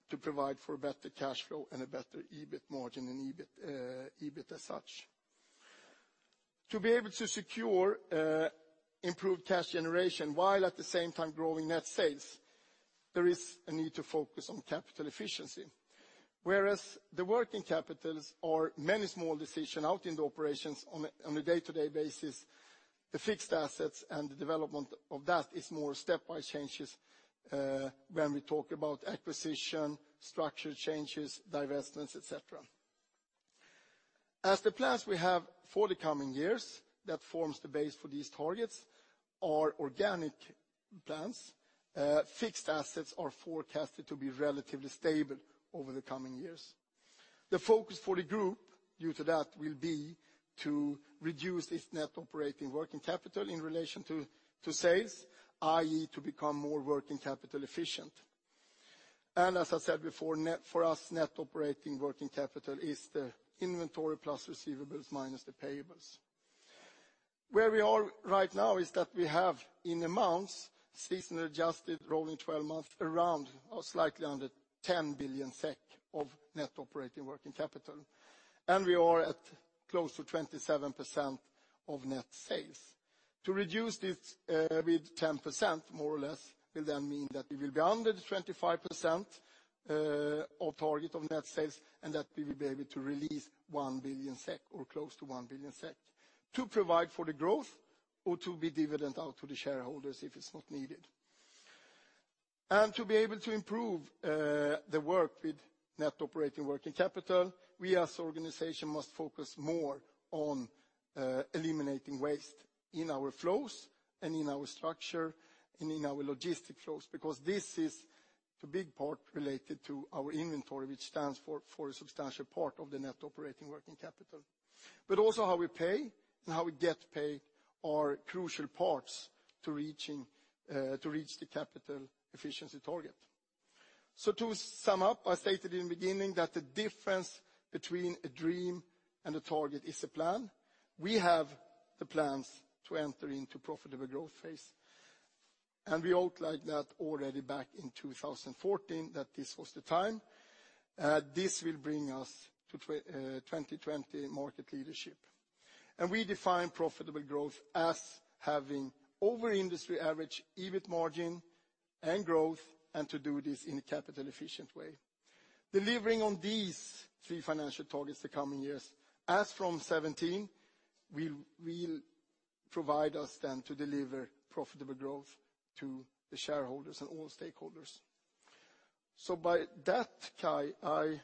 to provide for a better cash flow and a better EBIT margin and EBIT as such. To be able to secure improved cash generation while at the same time growing net sales, there is a need to focus on capital efficiency. Whereas the working capital are many small decision out in the operations on a day-to-day basis, the fixed assets and the development of that is more stepwise changes when we talk about acquisition, structure changes, divestments, et cetera. As the plans we have for the coming years that forms the base for these targets are organic plans, fixed assets are forecasted to be relatively stable over the coming years. The focus for the group due to that will be to reduce its net operating working capital in relation to sales, i.e., to become more working capital efficient. As I said before, for us, net operating working capital is the inventory plus receivables minus the payables. Where we are right now is that we have in amounts, seasonally adjusted, rolling 12 months, around or slightly under 10 billion SEK of net operating working capital. We are at close to 27% of net sales. To reduce this with 10% more or less will then mean that we will be under the 25% of target of net sales, and that we will be able to release 1 billion SEK or close to 1 billion SEK to provide for the growth or to be dividend out to the shareholders if it's not needed. To be able to improve the work with net operating working capital, we as an organization must focus more on eliminating waste in our flows and in our structure and in our logistic flows, because this is the big part related to our inventory, which stands for a substantial part of the net operating working capital. Also how we pay and how we get paid are crucial parts to reach the capital efficiency target. To sum up, I stated in the beginning that the difference between a dream and a target is a plan. We have the plans to enter into profitable growth phase, and we outlined that already back in 2014 that this was the time. This will bring us to 2020 Market Leadership. We define profitable growth as having over-industry average EBIT margin and growth, and to do this in a capital efficient way. Delivering on these three financial targets the coming years as from 2017 will provide us then to deliver profitable growth to the shareholders and all stakeholders. By that, Kai, I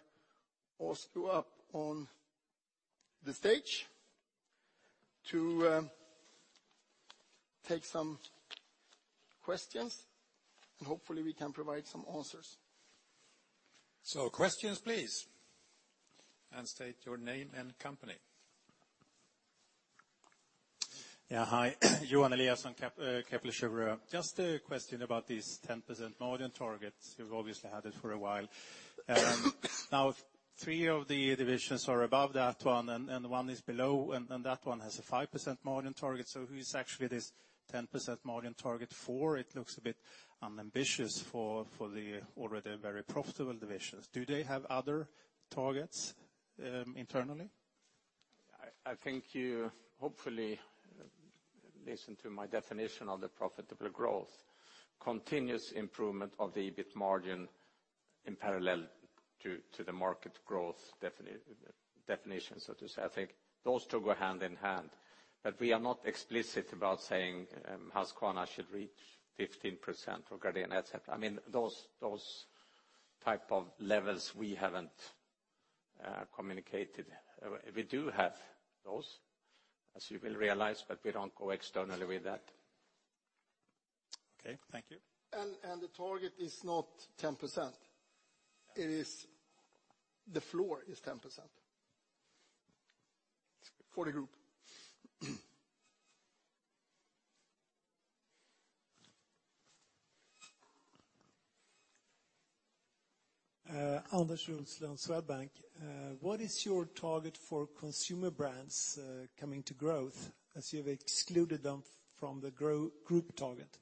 ask you up on the stage to take some questions, hopefully we can provide some answers. Questions, please. State your name and company. Yeah. Hi. Johan Eliason, Kepler Cheuvreux. Just a question about this 10% margin target. You've obviously had it for a while. Now three of the divisions are above that one and one is below, and that one has a 5% margin target. Who is actually this 10% margin target for? It looks a bit unambitious for the already very profitable divisions. Do they have other targets internally? I think you hopefully listened to my definition of the profitable growth. Continuous improvement of the EBIT margin in parallel to the market growth definition, so to say. I think those two go hand in hand. We are not explicit about saying Husqvarna should reach 15% or Gardena, et cetera. Those type of levels we haven't communicated. We do have those, as you will realize, but we don't go externally with that. Okay. Thank you. The target is not 10%. The floor is 10% for the group. Anders Roslund, Swedbank. What is your target for Consumer Brands coming to growth, as you've excluded them from the group target?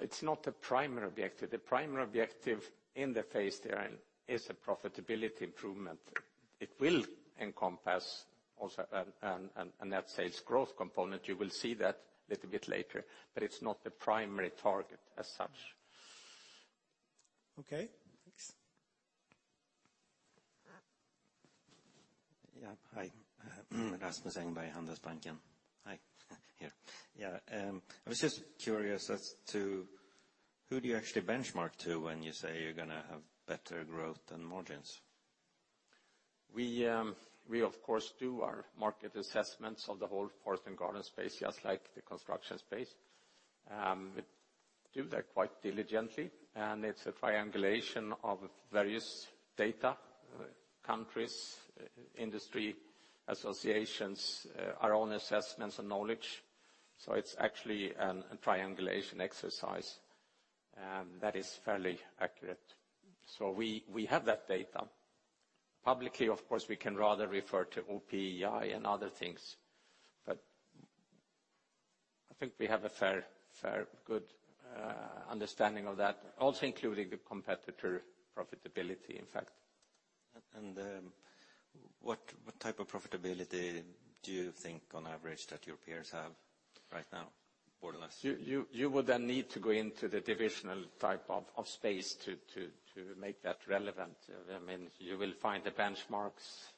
It's not the primary objective. The primary objective in the phase they're in is a profitability improvement. It will encompass also a net sales growth component. You will see that little bit later, it's not the primary target as such. Okay. Thanks. Yeah. Hi. Rasmus Engberg, Handelsbanken. Hi. Here. Yeah. I was just curious as to who do you actually benchmark to when you say you're going to have better growth than margins? We of course do our market assessments of the whole forest and garden space, just like the Construction space. We do that quite diligently, and it's a triangulation of various data, countries, industry associations, our own assessments and knowledge. So it's actually a triangulation exercise that is fairly accurate. So we have that data. Publicly, of course, we can rather refer to OPEI and other things, but I think we have a fair good understanding of that, also including the competitor profitability, in fact. What type of profitability do you think on average that your peers have right now, more or less? You would need to go into the divisional type of space to make that relevant. You will find the benchmarks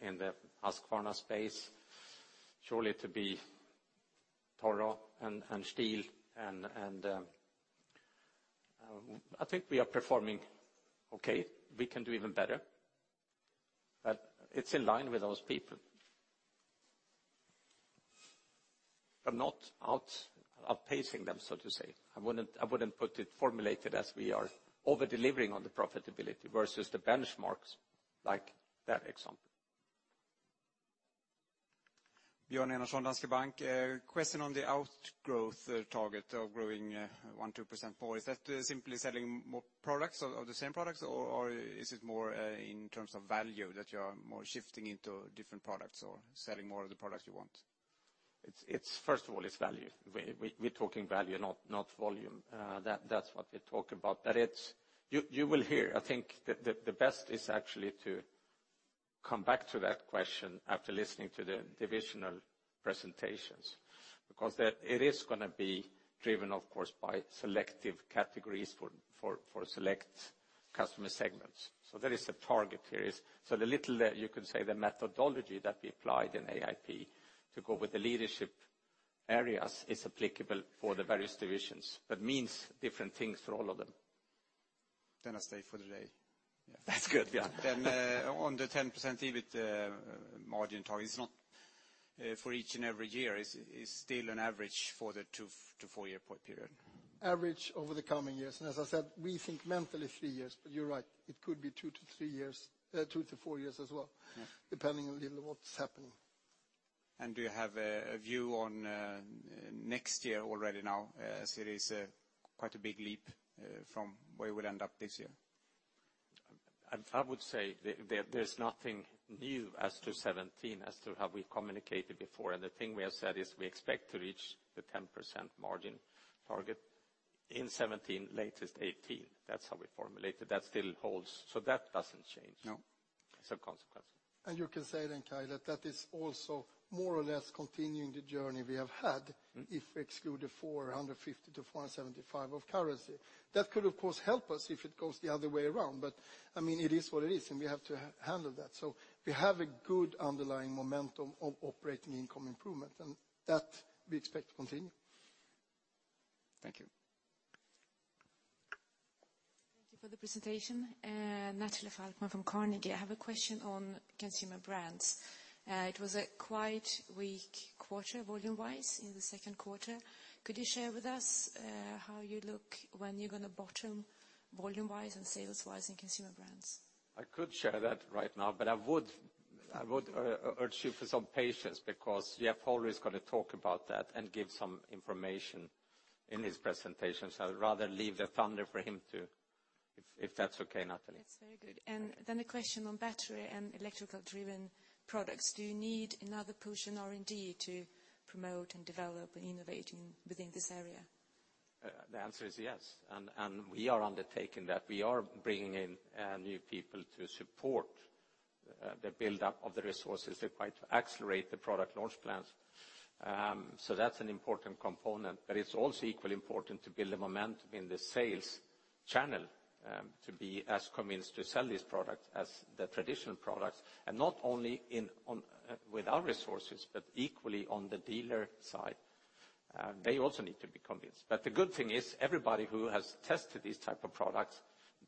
in the Husqvarna space, surely to be Toro and Stihl. I think we are performing okay. We can do even better, but it's in line with those people. Not outpacing them, so to say. I wouldn't put it formulated as we are over-delivering on the profitability versus the benchmarks, like that example. Björn Enarson, Danske Bank. Question on the outgrowth target of growing 1-2% more. Is that simply selling more products or the same products, or is it more in terms of value that you are more shifting into different products or selling more of the products you want? First of all, it's value. We're talking value, not volume. That's what we talk about. You will hear. I think the best is actually to come back to that question after listening to the divisional presentations, because it is going to be driven, of course, by selective categories for select customer segments. There is a target here. The little, you could say, the methodology that we applied in AIP to go with the leadership areas is applicable for the various divisions, but means different things for all of them. I stay for the day. That's good, yeah. On the 10% EBIT margin target, it's not for each and every year. It's still an average for the two to four-year period. Average over the coming years. As I said, we think mentally three years, but you're right, it could be two to four years as well, depending on what's happening. Do you have a view on next year already now? As it is quite a big leap from where you will end up this year. I would say there's nothing new as to 2017, as to how we've communicated before. The thing we have said is we expect to reach the 10% margin target in 2017, latest 2018. That's how we formulated. That still holds. That doesn't change. No. Consequently. You can say, Kai, that is also more or less continuing the journey we have had if we exclude the 450-475 of currency. That could, of course, help us if it goes the other way around. It is what it is, and we have to handle that. We have a good underlying momentum of operating income improvement, and that we expect to continue. Thank you. Thank you for the presentation. Natalie Falkman from Carnegie. I have a question on Consumer Brands. It was a quite weak quarter volume-wise in the second quarter. Could you share with us how you look when you're going to bottom volume-wise and sales-wise in Consumer Brands? I could share that right now, I would urge you for some patience because Jeff Hohler is going to talk about that and give some information in his presentation. I'd rather leave the thunder for him to, if that's okay, Natalie. That's very good. Then a question on battery and electrical-driven products. Do you need another push in R&D to promote and develop and innovate within this area? The answer is yes. We are undertaking that. We are bringing in new people to support the buildup of the resources required to accelerate the product launch plans. That's an important component, it's also equally important to build a momentum in the sales channel to be as convinced to sell these products as the traditional products. Not only with our resources, but equally on the dealer side. They also need to be convinced. The good thing is everybody who has tested these type of products,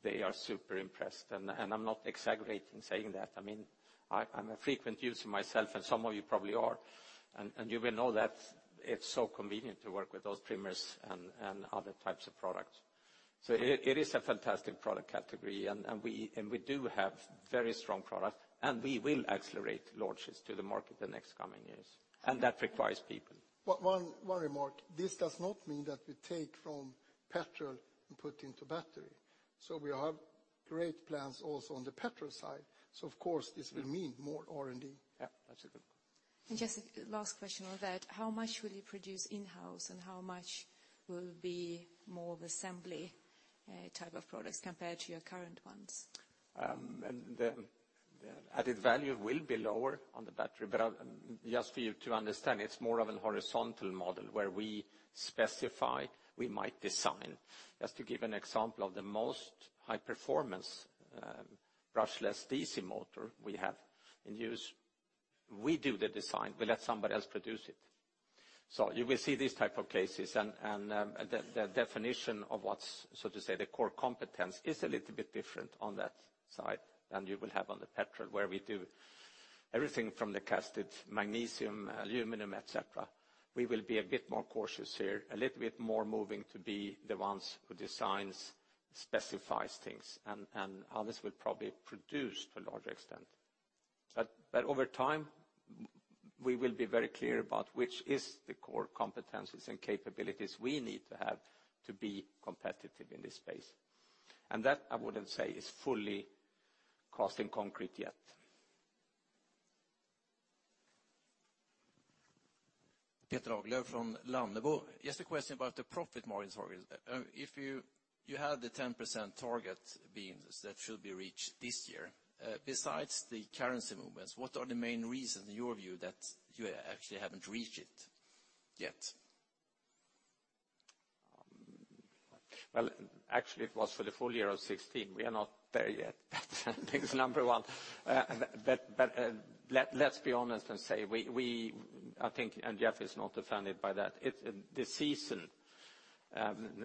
they are super impressed. I'm not exaggerating saying that. I'm a frequent user myself, and some of you probably are, and you will know that it's so convenient to work with those trimmers and other types of products. It is a fantastic product category, and we do have very strong product, and we will accelerate launches to the market the next coming years. That requires people. One remark. This does not mean that we take from petrol and put into battery. We have great plans also on the petrol side. Of course, this will mean more R&D. Yeah, that's a good point. Just last question on that. How much will you produce in-house, and how much will be more of assembly type of products compared to your current ones? The added value will be lower on the battery, just for you to understand, it's more of a horizontal model where we specify, we might design. Just to give an example of the most high performance brushless DC motor we have in use, we do the design. We let somebody else produce it. You will see these type of cases, and the definition of what's, so to say, the core competence is a little bit different on that side than you will have on the petrol, where we do everything from the casted magnesium, aluminum, et cetera. We will be a bit more cautious here, a little bit more moving to be the ones who designs, specifies things, and others will probably produce to a large extent. Over time, we will be very clear about which is the core competencies and capabilities we need to have to be competitive in this space. That I wouldn't say is fully cast in concrete yet. Peter Agler from Lannebo. Just a question about the profit margins. If you had the 10% target that should be reached this year, besides the currency movements, what are the main reasons in your view that you actually haven't reached it yet? Well, actually, it was for the full year of 2016. We are not there yet. That's number one. Let's be honest and say I think, and Jeff is not offended by that, the season,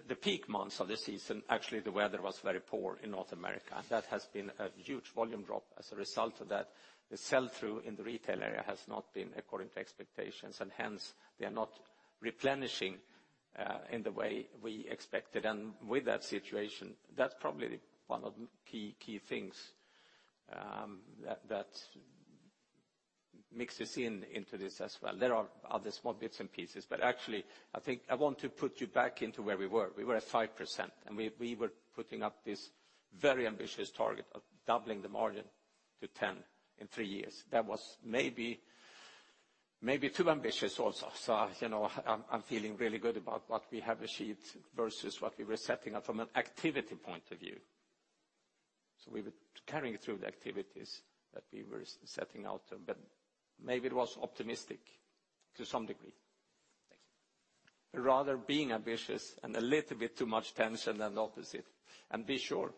the peak months of the season, actually the weather was very poor in North America. That has been a huge volume drop as a result of that. The sell-through in the retail area has not been according to expectations, and hence they are not replenishing in the way we expected. With that situation, that's probably one of the key things that mixes in into this as well. There are other small bits and pieces, but actually, I think I want to put you back into where we were. We were at 5%, and we were putting up this very ambitious target of doubling the margin to 10 in three years. That was maybe too ambitious also. I'm feeling really good about what we have achieved versus what we were setting up from an activity point of view. We were carrying through the activities that we were setting out, but maybe it was optimistic to some degree. Thank you. Rather being ambitious and a little bit too much tension than the opposite. Be sure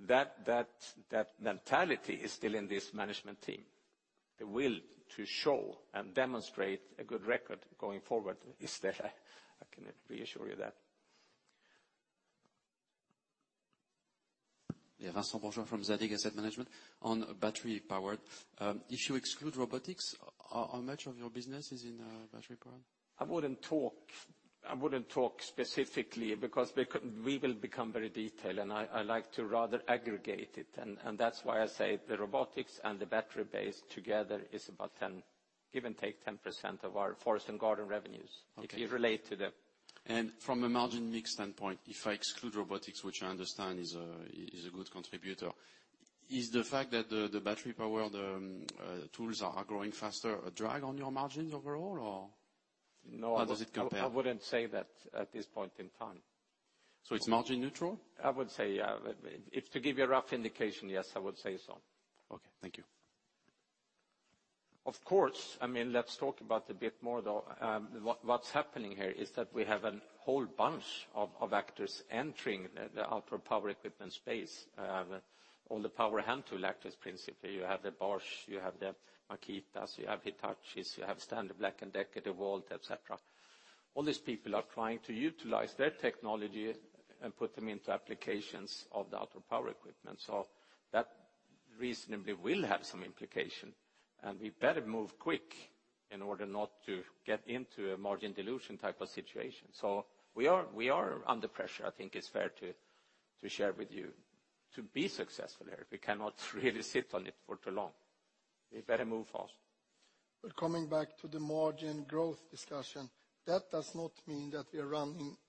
that mentality is still in this management team. The will to show and demonstrate a good record going forward is there. I can reassure you that. Yeah. Vincent Bourgeois from Zadig Asset Management. On battery powered, if you exclude robotics, how much of your business is in battery powered? I wouldn't talk specifically because we will become very detailed. I like to rather aggregate it. That's why I say the robotics and the battery base together is about 10, give and take 10% of our forest and garden revenues- Okay if you relate to the- From a margin mix standpoint, if I exclude robotics, which I understand is a good contributor, is the fact that the battery powered tools are growing faster a drag on your margins overall, or how does it compare? No, I wouldn't say that at this point in time. It's margin neutral? I would say, yeah. If to give you a rough indication, yes, I would say so. Okay. Thank you. Of course. Let's talk about a bit more though, what's happening here, is that we have a whole bunch of actors entering the outdoor power equipment space. All the power hand tool actors, principally. You have the Bosch, you have the Makita, you have Hitachi, you have Stanley Black & Decker, DEWALT, et cetera. All these people are trying to utilize their technology and put them into applications of the outdoor power equipment. That reasonably will have some implication, and we better move quick in order not to get into a margin dilution type of situation. We are under pressure, I think it's fair to share with you. To be successful here, we cannot really sit on it for too long. We better move fast. Coming back to the margin growth discussion, that does not mean that we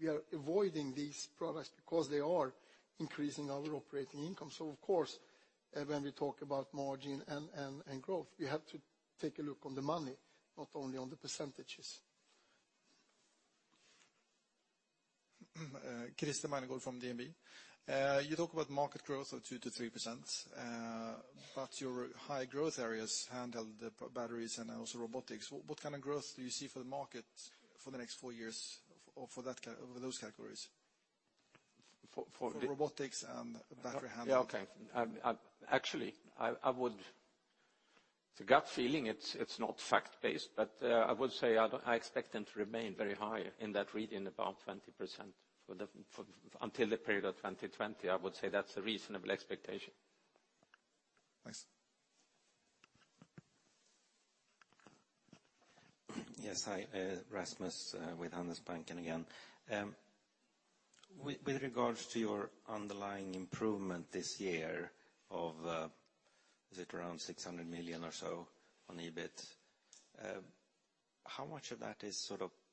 are avoiding these products because they are increasing our operating income. Of course, when we talk about margin and growth, we have to take a look on the money, not only on the percentages. Christer Magnergård from DNB. You talk about market growth of 2% to 3%, your high growth areas, handheld batteries and also robotics, what kind of growth do you see for the market for the next four years over those categories? For- For robotics and battery handheld. Yeah, okay. Actually, it's a gut feeling, it's not fact-based, but I would say I expect them to remain very high in that region, about 20% until the period of 2020. I would say that's a reasonable expectation. Thanks. Yes. Hi, Rasmus with Handelsbanken again. With regards to your underlying improvement this year of, is it around 600 million or so on EBIT? How much of that is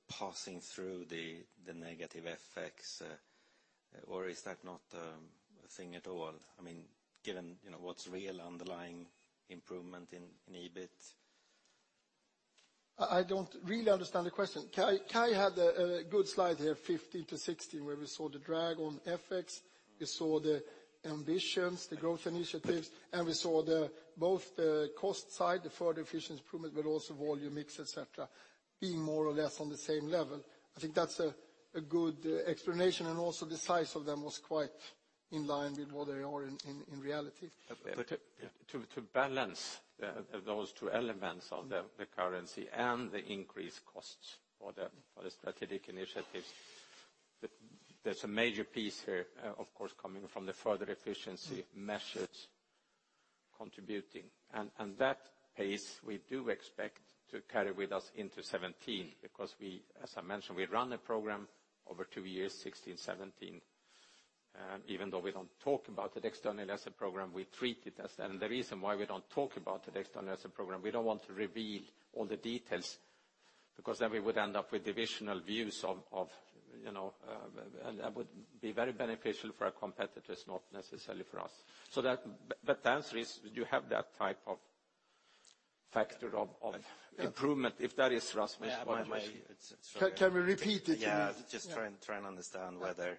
passing through the negative FX or is that not a thing at all? Given what's real underlying improvement in EBIT. I don't really understand the question. Kai had a good slide here, 2015 to 2016, where we saw the drag on FX. We saw the ambitions, the growth initiatives, and we saw both the cost side, the further efficiency improvement, but also volume mix, et cetera, being more or less on the same level. I think that's a good explanation. Also the size of them was quite in line with what they are in reality. To balance those two elements of the currency and the increased costs for the strategic initiatives, there is a major piece here, of course, coming from the further efficiency measures contributing. That pace we do expect to carry with us into 2017 because we, as I mentioned, we run a program over two years, 2016, 2017. Even though we do not talk about it externally as a program, we treat it as that. The reason why we do not talk about it externally as a program, we do not want to reveal all the details, because then we would end up with divisional views of. That would be very beneficial for our competitors, not necessarily for us. The answer is, you have that type of factor of improvement, if that is Rasmus, what I am asking. Can we repeat it? Just trying to understand whether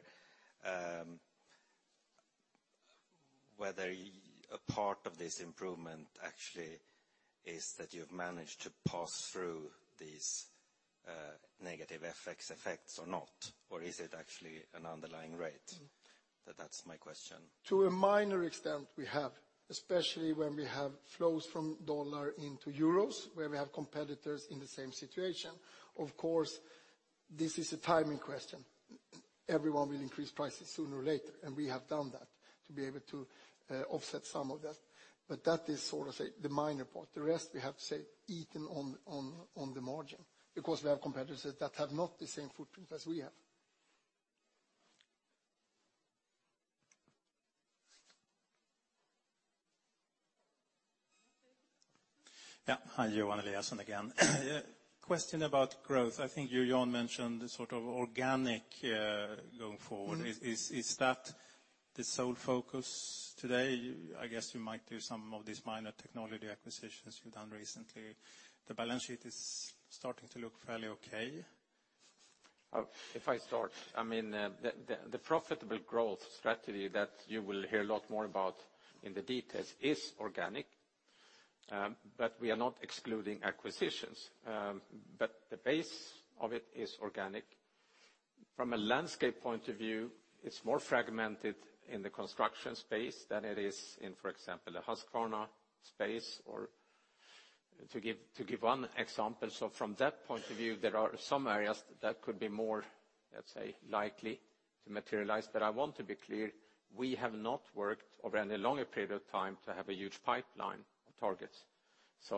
a part of this improvement actually is that you have managed to pass through these negative FX effects or not, or is it actually an underlying rate? That is my question. To a minor extent, we have. Especially when we have flows from USD into EUR, where we have competitors in the same situation. Of course, this is a timing question. Everyone will increase prices sooner or later, we have done that to be able to offset some of that. That is the minor part. The rest we have eaten on the margin because we have competitors that have not the same footprint as we have. Yeah. Hi, Johan Eliason again. Question about growth. I think you, Johan, mentioned the organic going forward. Is that the sole focus today? I guess you might do some of these minor technology acquisitions you've done recently. The balance sheet is starting to look fairly okay. If I start. The profitable growth strategy that you will hear a lot more about in the details is organic, but we are not excluding acquisitions. The base of it is organic. From a landscape point of view, it's more fragmented in the Construction space than it is in, for example, the Husqvarna space, to give one example. From that point of view, there are some areas that could be more, let's say, likely to materialize. I want to be clear, we have not worked over any longer period of time to have a huge pipeline of targets.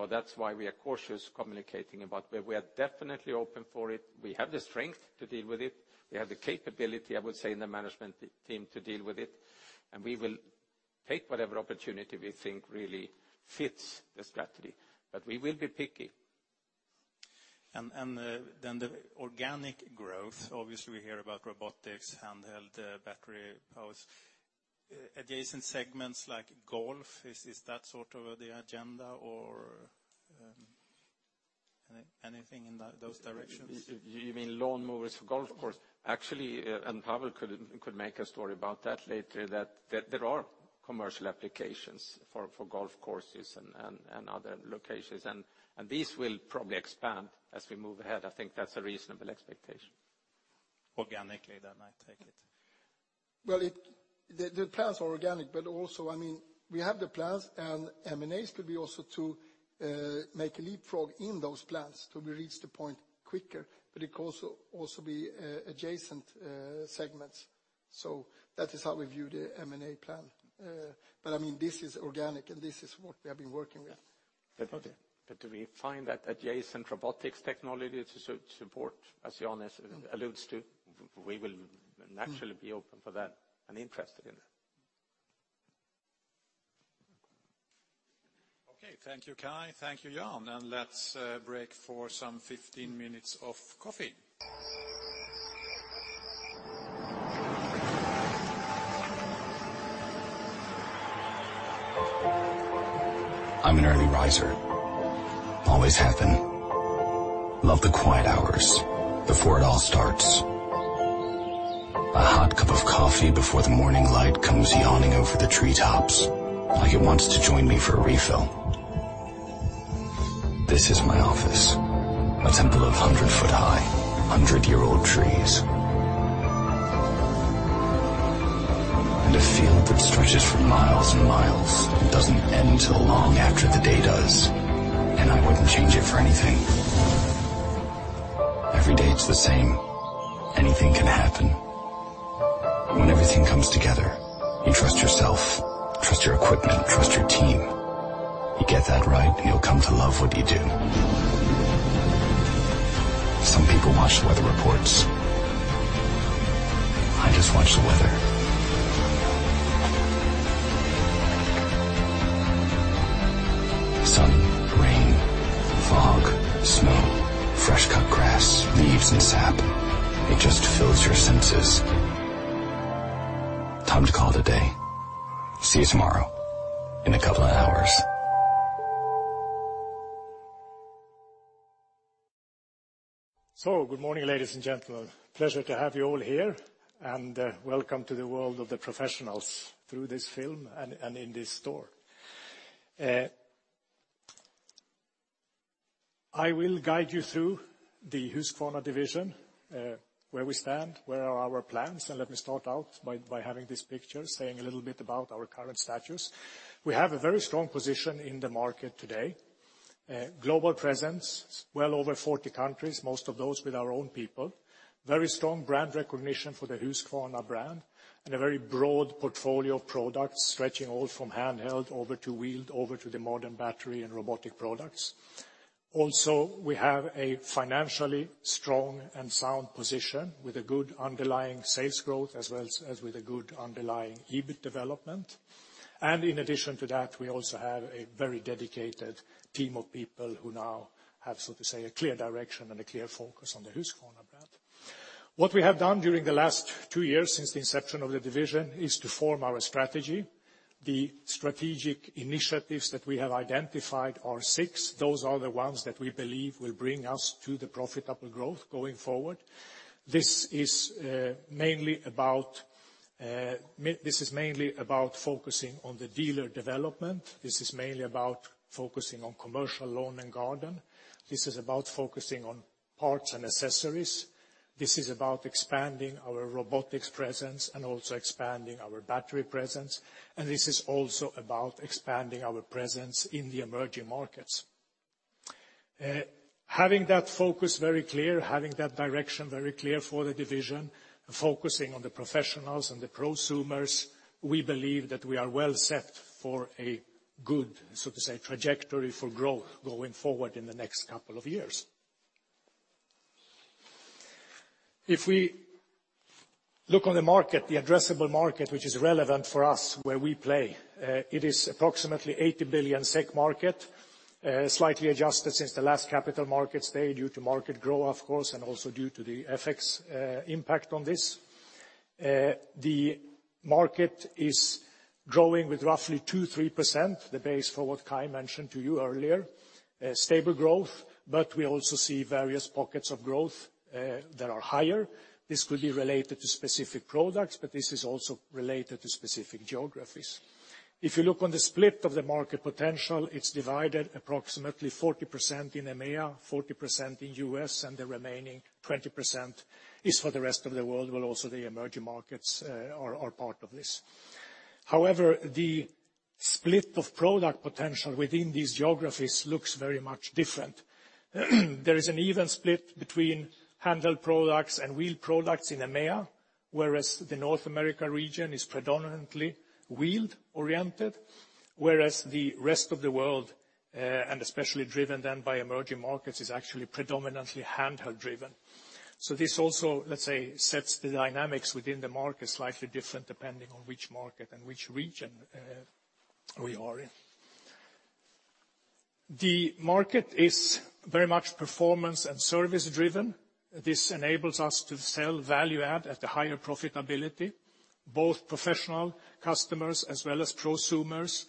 That's why we are cautious communicating about, but we are definitely open for it. We have the strength to deal with it. We have the capability, I would say, in the management team to deal with it. We will take whatever opportunity we think really fits the strategy. We will be picky. The organic growth, obviously we hear about robotics, handheld battery powers. Adjacent segments like golf, is that sort of the agenda or? Anything in those directions? You mean lawnmowers for golf course? Actually, and Pavel could make a story about that later, that there are commercial applications for golf courses and other locations, and these will probably expand as we move ahead. I think that's a reasonable expectation. Organically then, I take it. The plans are organic, but also we have the plans and M&As could be also to make a leapfrog in those plans to reach the point quicker, but it could also be adjacent segments. That is how we view the M&A plan. This is organic and this is what we have been working with. Do we find that adjacent robotics technology to support, as Jan alludes to? We will naturally be open for that and interested in that. Thank you, Kai. Thank you, Jan, let's break for some 15 minutes of coffee. I'm an early riser. Always have been. Love the quiet hours before it all starts. A hot cup of coffee before the morning light comes yawning over the treetops like it wants to join me for a refill. This is my office, a temple of 100-foot high, 100-year-old trees. A field that stretches for miles and miles and doesn't end till long after the day does. I wouldn't change it for anything. Every day it's the same. Anything can happen. When everything comes together, you trust yourself, trust your equipment, trust your team. You get that right, and you'll come to love what you do. Some people watch the weather reports. I just watch the weather. Sun, rain, fog, snow, fresh cut grass, leaves and sap. It just fills your senses. Time to call it a day. See you tomorrow in a couple of hours. Good morning, ladies and gentlemen. Pleasure to have you all here, and welcome to the world of the professionals through this film and in this store. I will guide you through the Husqvarna Division, where we stand, where are our plans, and let me start out by having this picture saying a little bit about our current status. We have a very strong position in the market today. Global presence, well over 40 countries, most of those with our own people. Very strong brand recognition for the Husqvarna brand, and a very broad portfolio of products stretching all from handheld over to wheeled over to the modern battery and robotic products. Also, we have a financially strong and sound position with a good underlying sales growth as well as with a good underlying EBIT development. In addition to that, we also have a very dedicated team of people who now have, so to say, a clear direction and a clear focus on the Husqvarna brand. What we have done during the last two years since the inception of the Division is to form our strategy. The strategic initiatives that we have identified are six. Those are the ones that we believe will bring us to the profitable growth going forward. This is mainly about focusing on the dealer development. This is mainly about focusing on commercial lawn and garden. This is about focusing on parts and accessories. This is about expanding our robotics presence and also expanding our battery presence. This is also about expanding our presence in the emerging markets. Having that focus very clear, having that direction very clear for the Division, focusing on the professionals and the prosumers, we believe that we are well set for a good, so to say, trajectory for growth going forward in the next couple of years. If we look on the market, the addressable market, which is relevant for us where we play, it is approximately 80 billion SEK market, slightly adjusted since the last capital market day due to market growth, of course, and also due to the FX impact on this. The market is growing with roughly 2%-3%, the base for what Kai mentioned to you earlier. Stable growth, but we also see various pockets of growth that are higher. This could be related to specific products, but this is also related to specific geographies. If you look on the split of the market potential, it is divided approximately 40% in EMEA, 40% in U.S., the remaining 20% is for the rest of the world, while also the emerging markets are part of this. However, the split of product potential within these geographies looks very much different. There is an even split between handheld products and wheeled products in EMEA, whereas the North America region is predominantly wheeled-oriented, whereas the rest of the world, and especially driven then by emerging markets, is actually predominantly handheld-driven. This also, let us say, sets the dynamics within the market slightly different depending on which market and which region we are in. The market is very much performance and service driven. This enables us to sell value-add at a higher profitability. Both professional customers as well as prosumers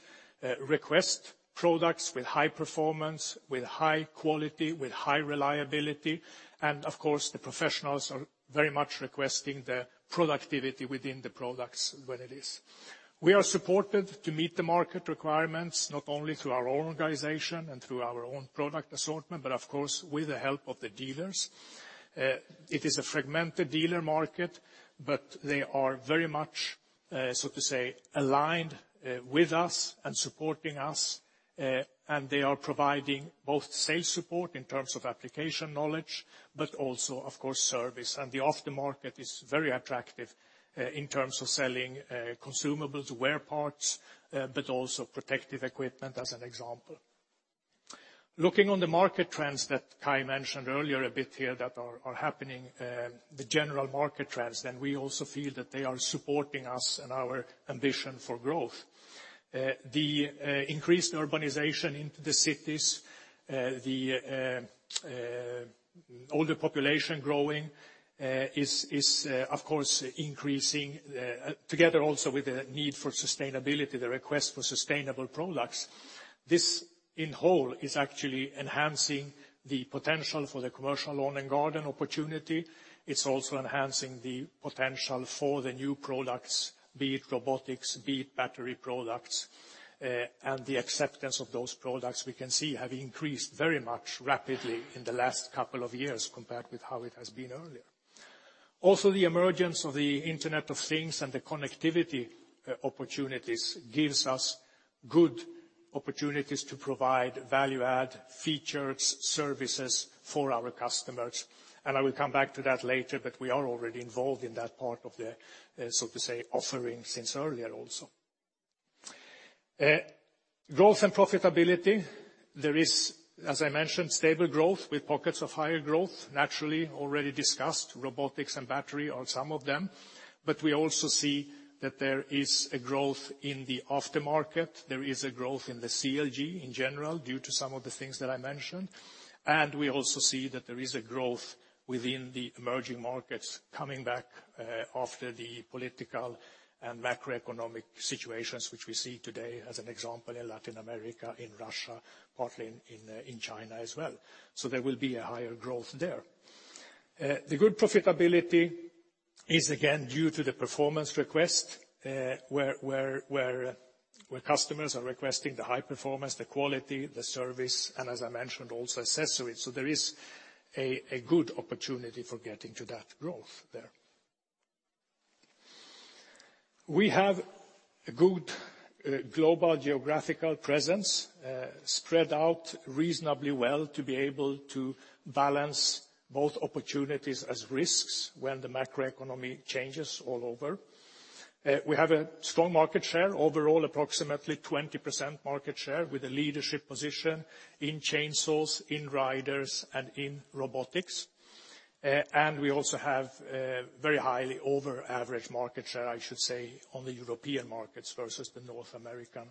request products with high performance, with high quality, with high reliability, and of course, the professionals are very much requesting the productivity within the products when it is. We are supported to meet the market requirements, not only through our organization and through our own product assortment, but of course, with the help of the dealers. It is a fragmented dealer market, but they are very much, so to say, aligned with us and supporting us, and they are providing both sales support in terms of application knowledge, but also, of course, service. The aftermarket is very attractive in terms of selling consumables, wear parts, but also protective equipment, as an example. Looking on the market trends that Kai mentioned earlier a bit here that are happening, the general market trends, we also feel that they are supporting us in our ambition for growth. The increased urbanization into the cities, the older population growing is, of course, increasing together also with the need for sustainability, the request for sustainable products. This in whole is actually enhancing the potential for the commercial lawn and garden opportunity. It is also enhancing the potential for the new products, be it robotics, be it battery products, and the acceptance of those products we can see have increased very much rapidly in the last couple of years compared with how it has been earlier. Also, the emergence of the Internet of Things and the connectivity opportunities gives us good opportunities to provide value-add features, services for our customers. I will come back to that later, but we are already involved in that part of the, so to say, offering since earlier also. Growth and profitability. There is, as I mentioned, stable growth with pockets of higher growth, naturally already discussed. Robotics and battery are some of them. We also see that there is a growth in the aftermarket. There is a growth in the CLG in general due to some of the things that I mentioned. We also see that there is a growth within the emerging markets coming back after the political and macroeconomic situations, which we see today, as an example, in Latin America, in Russia, partly in China as well. There will be a higher growth there. The good profitability is again due to the performance request, where customers are requesting the high performance, the quality, the service, and as I mentioned, also accessories. There is a good opportunity for getting to that growth there. We have a good global geographical presence, spread out reasonably well to be able to balance both opportunities as risks when the macro economy changes all over. We have a strong market share overall, approximately 20% market share with a leadership position in chainsaws, in riders, and in robotics. We also have very highly over average market share, I should say, on the European markets versus the North American.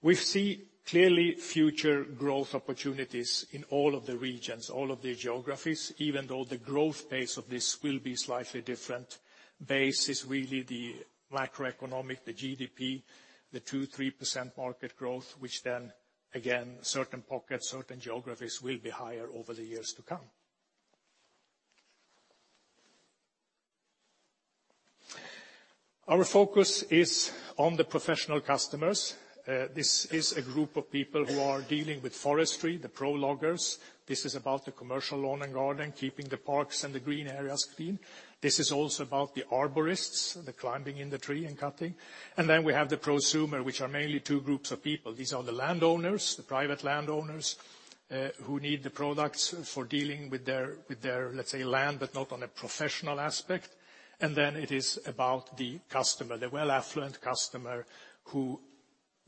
We see clearly future growth opportunities in all of the regions, all of the geographies, even though the growth pace of this will be slightly different. The base is really the macroeconomic, the GDP, the 2%-3% market growth, which then again, certain pockets, certain geographies will be higher over the years to come. Our focus is on the professional customers. This is a group of people who are dealing with forestry, the pro loggers. This is about the commercial lawn and garden, keeping the parks and the green areas clean. This is also about the arborists, the climbing in the tree and cutting. We have the prosumer, which are mainly two groups of people. These are the landowners, the private landowners, who need the products for dealing with their, let's say, land, but not on a professional aspect. It is about the customer, the well affluent customer who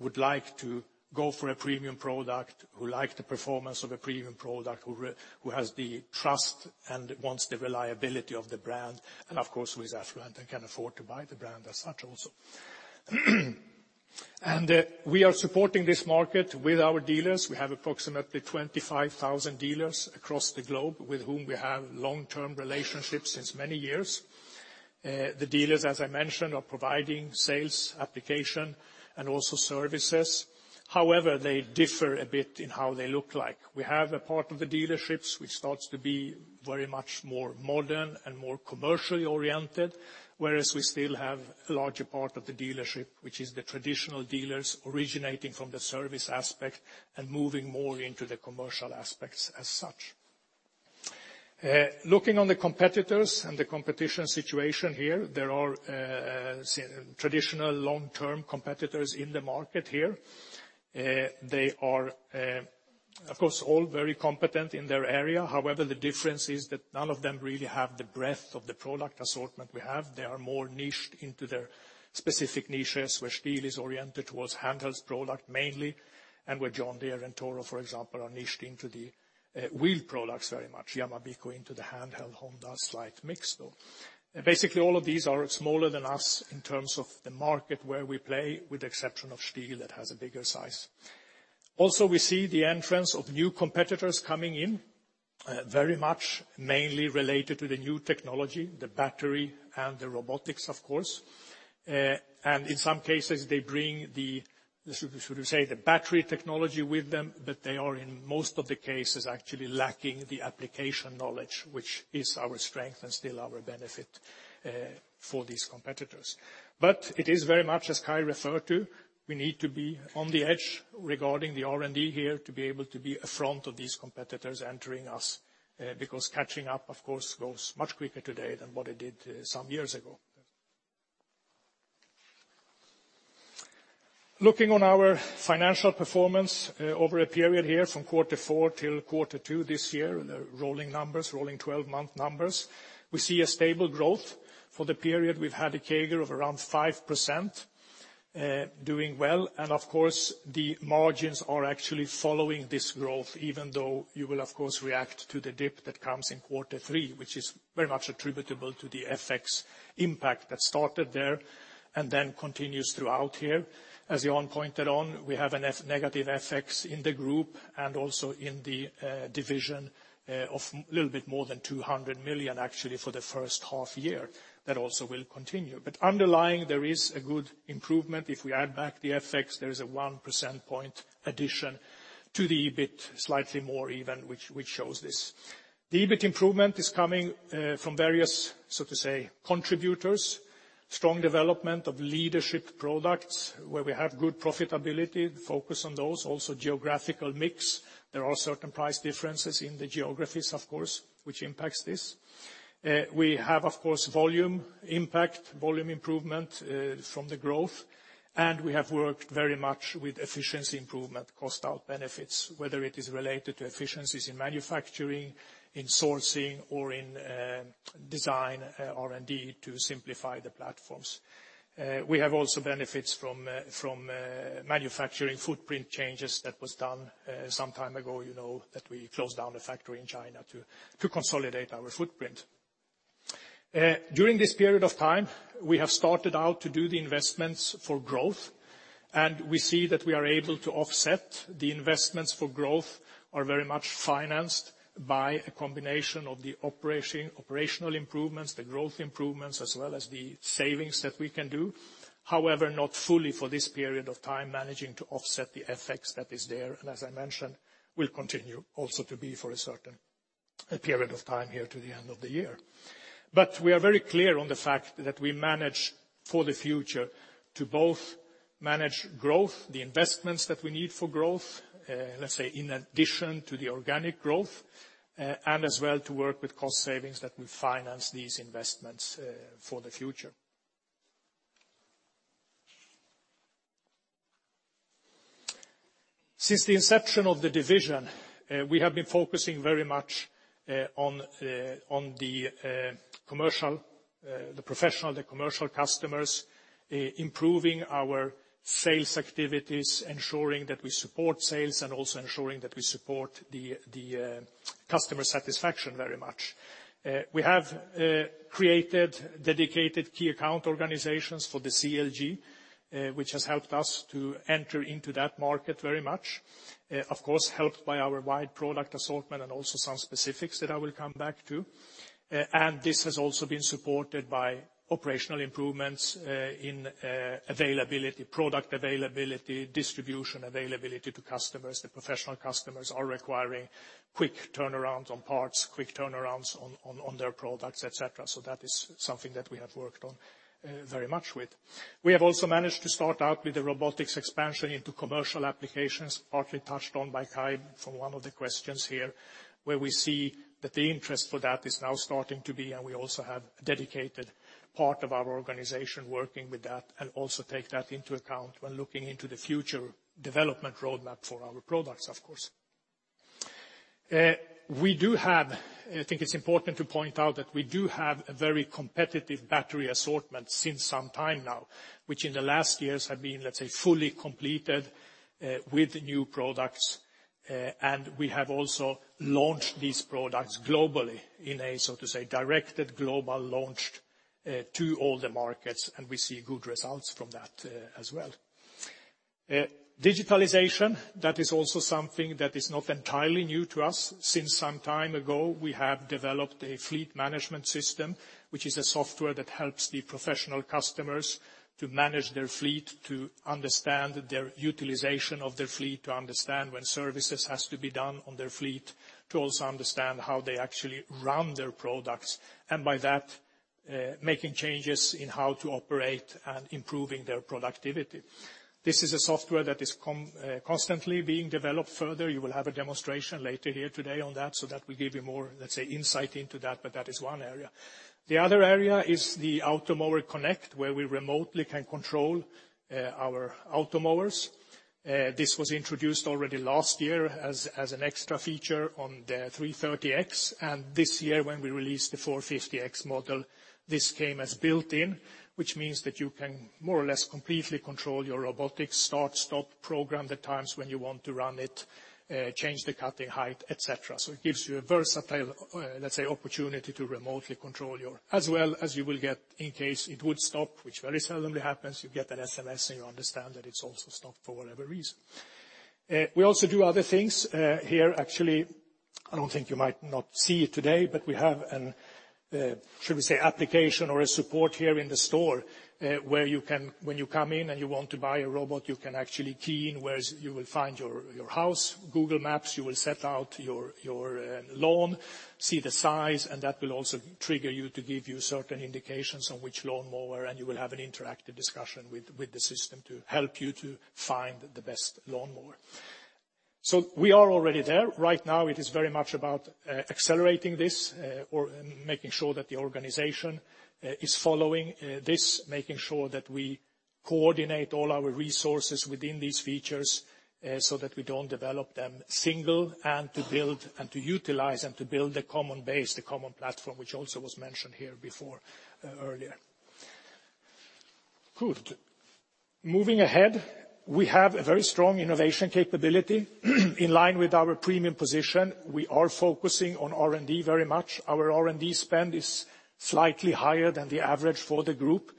would like to go for a premium product, who like the performance of a premium product, who has the trust and wants the reliability of the brand, and of course, who is affluent and can afford to buy the brand as such also. We are supporting this market with our dealers. We have approximately 25,000 dealers across the globe with whom we have long-term relationships since many years. The dealers, as I mentioned, are providing sales application and also services. However, they differ a bit in how they look like. We have a part of the dealerships which starts to be very much more modern and more commercially oriented, whereas we still have a larger part of the dealership, which is the traditional dealers originating from the service aspect and moving more into the commercial aspects as such. Looking on the competitors and the competition situation here, there are traditional long-term competitors in the market here. They are, of course, all very competent in their area. However, the difference is that none of them really have the breadth of the product assortment we have. They are more niched into their specific niches where Stihl is oriented towards handheld product mainly, and where John Deere and Toro, for example, are niched into the wheel products very much. Yamabiko into the handheld, Honda slight mix though. Basically, all of these are smaller than us in terms of the market where we play, with the exception of Stihl that has a bigger size. Also, we see the entrance of new competitors coming in very much mainly related to the new technology, the battery, and the robotics, of course. In some cases, they bring the, should we say, the battery technology with them, but they are, in most of the cases, actually lacking the application knowledge, which is our strength and still our benefit for these competitors. It is very much, as Kai referred to, we need to be on the edge regarding the R&D here to be able to be in front of these competitors entering us, because catching up, of course, goes much quicker today than what it did some years ago. Looking on our financial performance over a period here from Quarter Four till Quarter Two this year in the rolling 12-month numbers, we see a stable growth. For the period, we've had a CAGR of around 5%, doing well. Of course, the margins are actually following this growth, even though you will, of course, react to the dip that comes in Quarter Three, which is very much attributable to the FX impact that started there and then continues throughout here. As Jan pointed on, we have a negative FX in the group and also in the division of a little bit more than 200 million, actually, for the first half year. That also will continue. Underlying, there is a good improvement. If we add back the FX, there is a 1% point addition to the EBIT, slightly more even, which shows this. The EBIT improvement is coming from various, so to say, contributors, strong development of leadership products where we have good profitability, focus on those, also geographical mix. There are certain price differences in the geographies, of course, which impacts this. We have, of course, volume impact, volume improvement from the growth. We have worked very much with efficiency improvement, cost out benefits, whether it is related to efficiencies in manufacturing, in sourcing, or in design R&D to simplify the platforms. We have also benefits from manufacturing footprint changes that was done some time ago, you know that we closed down a factory in China to consolidate our footprint. During this period of time, we have started out to do the investments for growth. We see that we are able to offset the investments for growth are very much financed by a combination of the operational improvements, the growth improvements, as well as the savings that we can do. However, not fully for this period of time, managing to offset the FX that is there, as I mentioned, will continue also to be for a certain period of time here to the end of the year. We are very clear on the fact that we manage for the future to both manage growth, the investments that we need for growth, let's say, in addition to the organic growth, as well to work with cost savings that will finance these investments for the future. Since the inception of the division, we have been focusing very much on the professional, the commercial customers, improving our sales activities, ensuring that we support sales, also ensuring that we support the customer satisfaction very much. We have created dedicated key account organizations for the CLG, which has helped us to enter into that market very much. Of course, helped by our wide product assortment and also some specifics that I will come back to. This has also been supported by operational improvements in availability, product availability, distribution availability to customers. The professional customers are requiring quick turnarounds on parts, quick turnarounds on their products, et cetera. That is something that we have worked on very much with. We have also managed to start out with the robotics expansion into commercial applications, partly touched on by Kai from one of the questions here, where we see that the interest for that is now starting to be, and we also have a dedicated part of our organization working with that and also take that into account when looking into the future development roadmap for our products, of course. I think it's important to point out that we do have a very competitive battery assortment since some time now, which in the last years have been, let's say, fully completed with new products. We have also launched these products globally in a, so to say, directed global launch to all the markets, and we see good results from that as well. Digitalization, that is also something that is not entirely new to us. Since some time ago, we have developed a fleet management system, which is a software that helps the professional customers to manage their fleet, to understand their utilization of their fleet, to understand when services has to be done on their fleet, to also understand how they actually run their products, and by that, making changes in how to operate and improving their productivity. This is a software that is constantly being developed further. You will have a demonstration later here today on that will give you more, let's say, insight into that, but that is one area. The other area is the Automower Connect, where we remotely can control our Automowers. This was introduced already last year as an extra feature on the 330X, and this year when we released the 450X model, this came as built-in, which means that you can more or less completely control your robotic start, stop, program the times when you want to run it, change the cutting height, et cetera. It gives you a versatile, let's say, opportunity to remotely control. As well as you will get in case it would stop, which very seldomly happens, you get an SMS and you understand that it's also stopped for whatever reason. We also do other things here. Actually, I don't think you might not see it today, but we have an, should we say application or a support here in the store where when you come in and you want to buy a robot, you can actually key in where you will find your house, Google Maps. You will set out your lawn, see the size, and that will also trigger you to give you certain indications on which lawnmower, and you will have an interactive discussion with the system to help you to find the best lawnmower. We are already there. Right now it is very much about accelerating this or making sure that the organization is following this, making sure that we coordinate all our resources within these features so that we don't develop them single, and to build and to utilize them to build a common base, the common platform, which also was mentioned here before, earlier. Good. Moving ahead, we have a very strong innovation capability. In line with our premium position, we are focusing on R&D very much. Our R&D spend is slightly higher than the average for the group,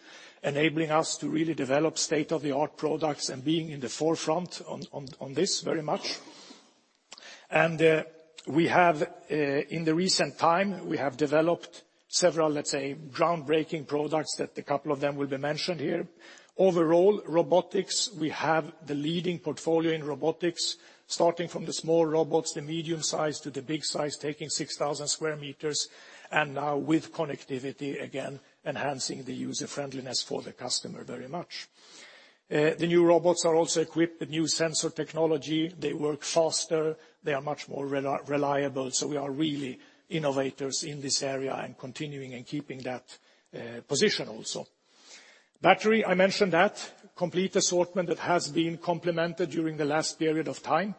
enabling us to really develop state-of-the-art products and being in the forefront on this very much. We have in the recent time, we have developed several groundbreaking products that a couple of them will be mentioned here. Overall, robotics, we have the leading portfolio in robotics, starting from the small robots, the medium size to the big size, taking 6,000 sq m, and now with connectivity, again, enhancing the user friendliness for the customer very much. The new robots are also equipped with new sensor technology. They work faster. They are much more reliable. We are really innovators in this area and continuing and keeping that position also. Battery, I mentioned that, complete assortment that has been complemented during the last period of time,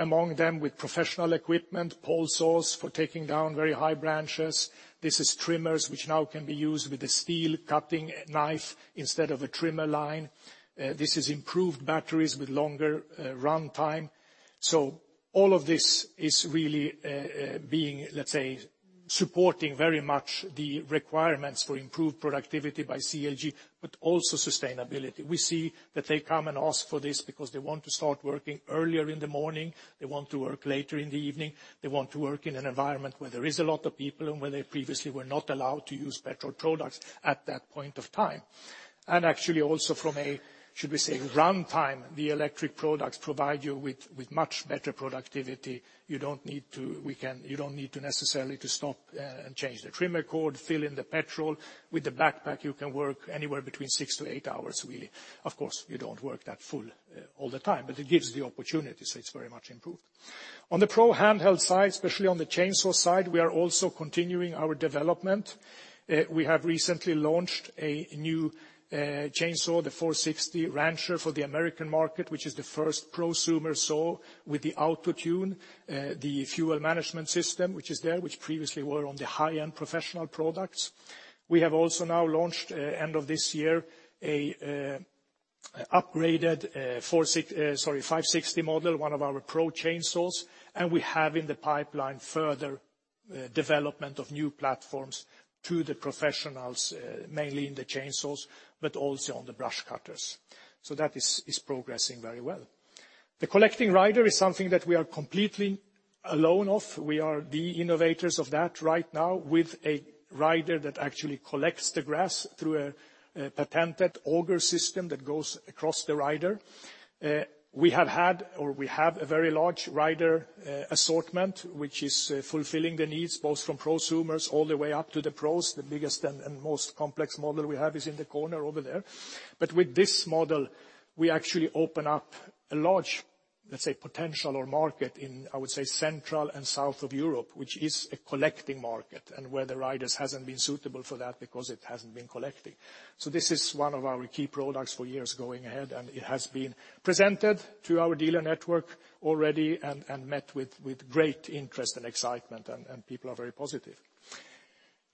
among them with professional equipment, pole saws for taking down very high branches. This is trimmers, which now can be used with a steel cutting knife instead of a trimmer line. This is improved batteries with longer runtime. All of this is really supporting very much the requirements for improved productivity by CLG, but also sustainability. We see that they come and ask for this because they want to start working earlier in the morning. They want to work later in the evening. They want to work in an environment where there is a lot of people and where they previously were not allowed to use petrol products at that point of time. Actually also from a, should we say, runtime, the electric products provide you with much better productivity. You don't need necessarily to stop and change the trimmer cord, fill in the petrol. With the backpack, you can work anywhere between 6-8 hours, really. Of course, you don't work that full all the time, but it gives the opportunity, it's very much improved. On the pro handheld side, especially on the chainsaw side, we are also continuing our development. We have recently launched a new chainsaw, the 460 Rancher for the American market, which is the first prosumer saw with the AutoTune, the fuel management system, which is there, which previously were on the high-end professional products. We have also now launched, end of this year, an upgraded 560 model, one of our pro chainsaws. We have in the pipeline further development of new platforms to the professionals, mainly in the chainsaws, but also on the brush cutters. That is progressing very well. The collecting rider is something that we are completely alone of. We are the innovators of that right now with a rider that actually collects the grass through a patented auger system that goes across the rider. We have had or we have a very large rider assortment, which is fulfilling the needs both from prosumers all the way up to the pros. The biggest and most complex model we have is in the corner over there. With this model, we actually open up a large, let's say, potential or market in, I would say, central and south of Europe, which is a collecting market and where the riders hasn't been suitable for that because it hasn't been collecting. This is one of our key products for years going ahead, and it has been presented to our dealer network already and met with great interest and excitement, and people are very positive.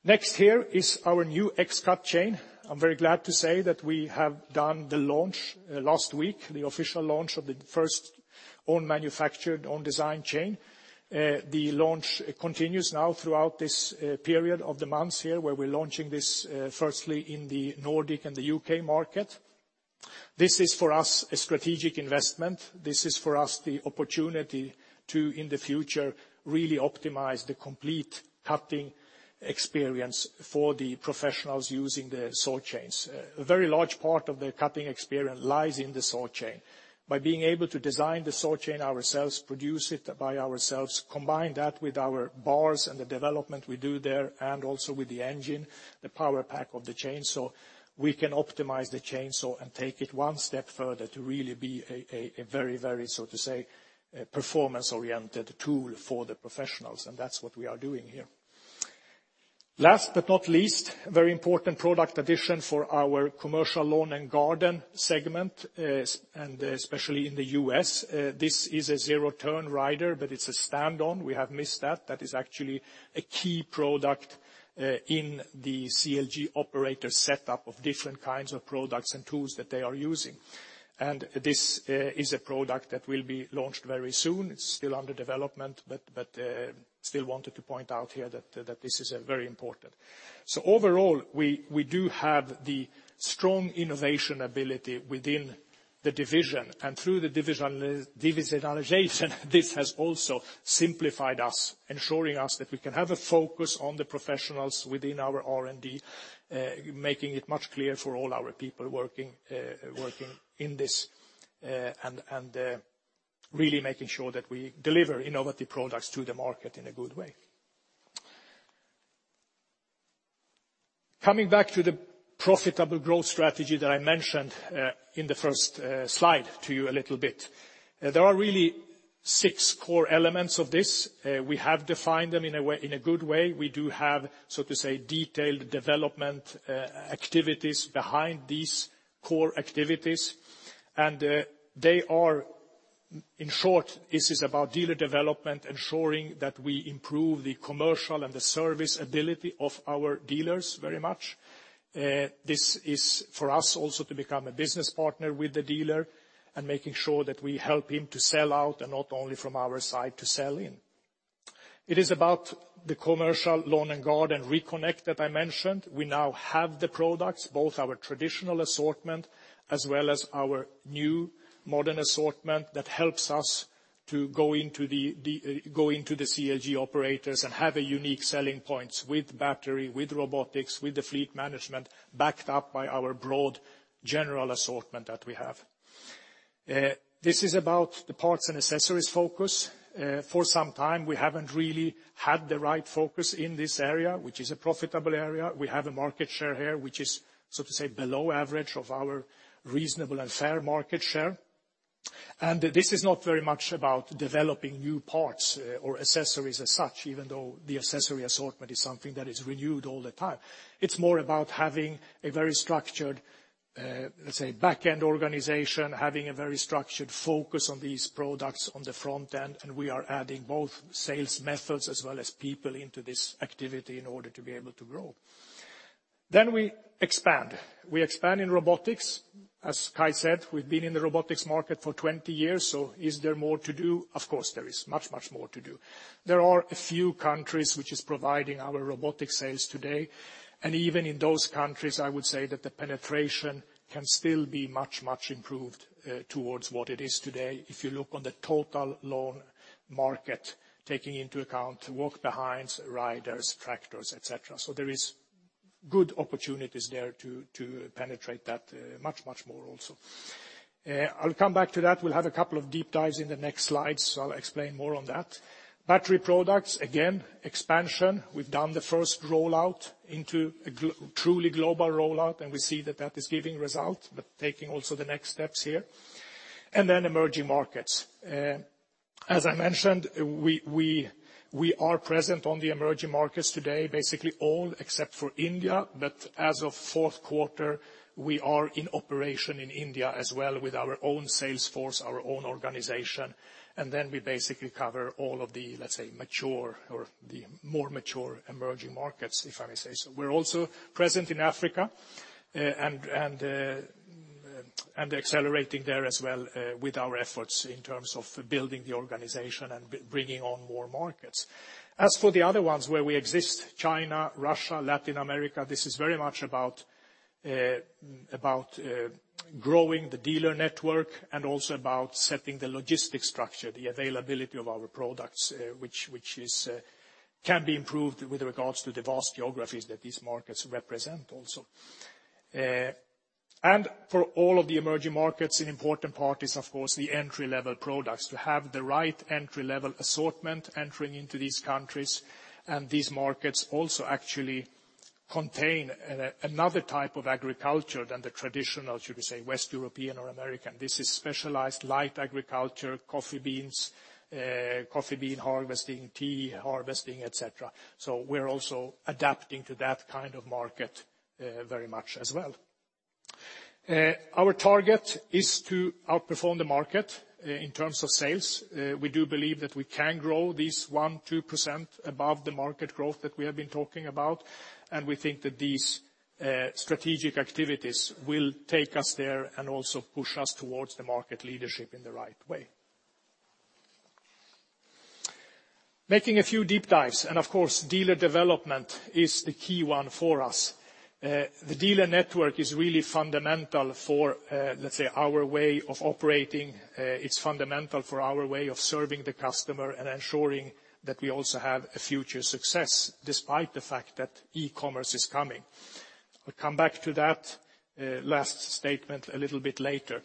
Next here is our new X-CUT chain. I'm very glad to say that we have done the launch last week, the official launch of the first own manufactured, own designed chain. The launch continues now throughout this period of the months here, where we're launching this firstly in the Nordic and the U.K. market. This is for us a strategic investment. This is for us the opportunity to, in the future, really optimize the complete cutting experience for the professionals using the saw chains. A very large part of the cutting experience lies in the saw chain. By being able to design the saw chain ourselves, produce it by ourselves, combine that with our bars and the development we do there, and also with the engine, the power pack of the chainsaw, we can optimize the chainsaw and take it one step further to really be a very, so to say, performance-oriented tool for the professionals, and that's what we are doing here. Last but not least, a very important product addition for our commercial lawn and garden segment, and especially in the U.S. This is a zero-turn rider, but it's a stand-on. We have missed that. That is actually a key product in the CLG operator setup of different kinds of products and tools that they are using. This is a product that will be launched very soon. It's still under development, but still wanted to point out here that this is very important. Overall, we do have the strong innovation ability within the division, and through the divisionization, this has also simplified us, ensuring us that we can have a focus on the professionals within our R&D, making it much clearer for all our people working in this, and really making sure that we deliver innovative products to the market in a good way. Coming back to the profitable growth strategy that I mentioned in the first slide to you a little bit. There are really six core elements of this. We have defined them in a good way. We do have, so to say, detailed development activities behind these core activities. They are, in short, this is about dealer development, ensuring that we improve the commercial and the service ability of our dealers very much. This is for us also to become a business partner with the dealer, and making sure that we help him to sell out and not only from our side to sell in. It is about the commercial lawn and garden reconnect that I mentioned. We now have the products, both our traditional assortment as well as our new modern assortment that helps us to go into the CLG operators and have a unique selling points with battery, with robotics, with the fleet management, backed up by our broad general assortment that we have. This is about the parts and accessories focus. For some time, we haven't really had the right focus in this area, which is a profitable area. We have a market share here, which is, so to say, below average of our reasonable and fair market share. This is not very much about developing new parts or accessories as such, even though the accessory assortment is something that is renewed all the time. It's more about having a very structured, let's say, back-end organization, having a very structured focus on these products on the front end, and we are adding both sales methods as well as people into this activity in order to be able to grow. We expand. We expand in robotics. As Kai said, we've been in the robotics market for 20 years. Is there more to do? Of course, there is much more to do. There are a few countries which is providing our robotic sales today. Even in those countries, I would say that the penetration can still be much improved towards what it is today. If you look on the total lawn market, taking into account walk behinds, riders, tractors, et cetera. There is good opportunities there to penetrate that much more also. I'll come back to that. We'll have a couple of deep dives in the next slide. I'll explain more on that. Battery products, again, expansion. We've done the first rollout into a truly global rollout, and we see that that is giving results, but taking also the next steps here. Emerging markets. As I mentioned, we are present on the emerging markets today, basically all except for India. As of fourth quarter, we are in operation in India as well with our own sales force, our own organization. We basically cover all of the, let's say, mature or the more mature emerging markets, if I may say so. We're also present in Africa and accelerating there as well with our efforts in terms of building the organization and bringing on more markets. As for the other ones where we exist, China, Russia, Latin America, this is very much about growing the dealer network and also about setting the logistics structure, the availability of our products, which can be improved with regards to the vast geographies that these markets represent also. For all of the emerging markets, an important part is, of course, the entry-level products. To have the right entry-level assortment entering into these countries. These markets also actually contain another type of agriculture than the traditional, should we say, West European or American. This is specialized light agriculture, coffee beans, coffee bean harvesting, tea harvesting, et cetera. We're also adapting to that kind of market very much as well. Our target is to outperform the market in terms of sales. We do believe that we can grow this 1%-2% above the market growth that we have been talking about. We think that these strategic activities will take us there and also push us towards the market leadership in the right way. Making a few deep dives, and of course, dealer development is the key one for us. The dealer network is really fundamental for, let's say, our way of operating. It's fundamental for our way of serving the customer and ensuring that we also have a future success despite the fact that e-commerce is coming. We'll come back to that last statement a little bit later.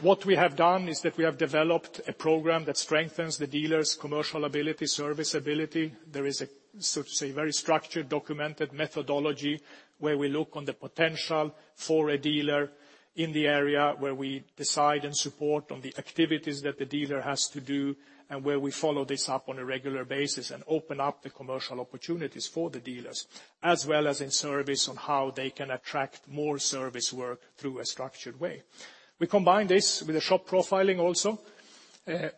What we have done is that we have developed a program that strengthens the dealer's commercial ability, service ability. There is a, so to say, very structured, documented methodology where we look on the potential for a dealer in the area where we decide and support on the activities that the dealer has to do, and where we follow this up on a regular basis and open up the commercial opportunities for the dealers, as well as in service on how they can attract more service work through a structured way. We combine this with a shop profiling also.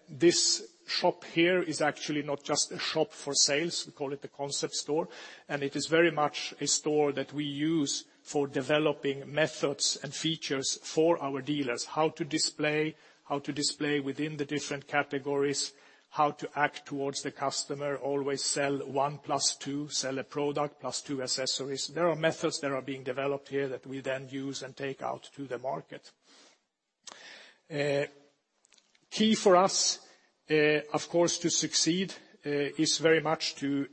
This shop here is actually not just a shop for sales. We call it the concept store, it is very much a store that we use for developing methods and features for our dealers. How to display within the different categories, how to act towards the customer. Always sell one plus two, sell a product plus two accessories. There are methods that are being developed here that we then use and take out to the market. Key for us, of course, to succeed is very much to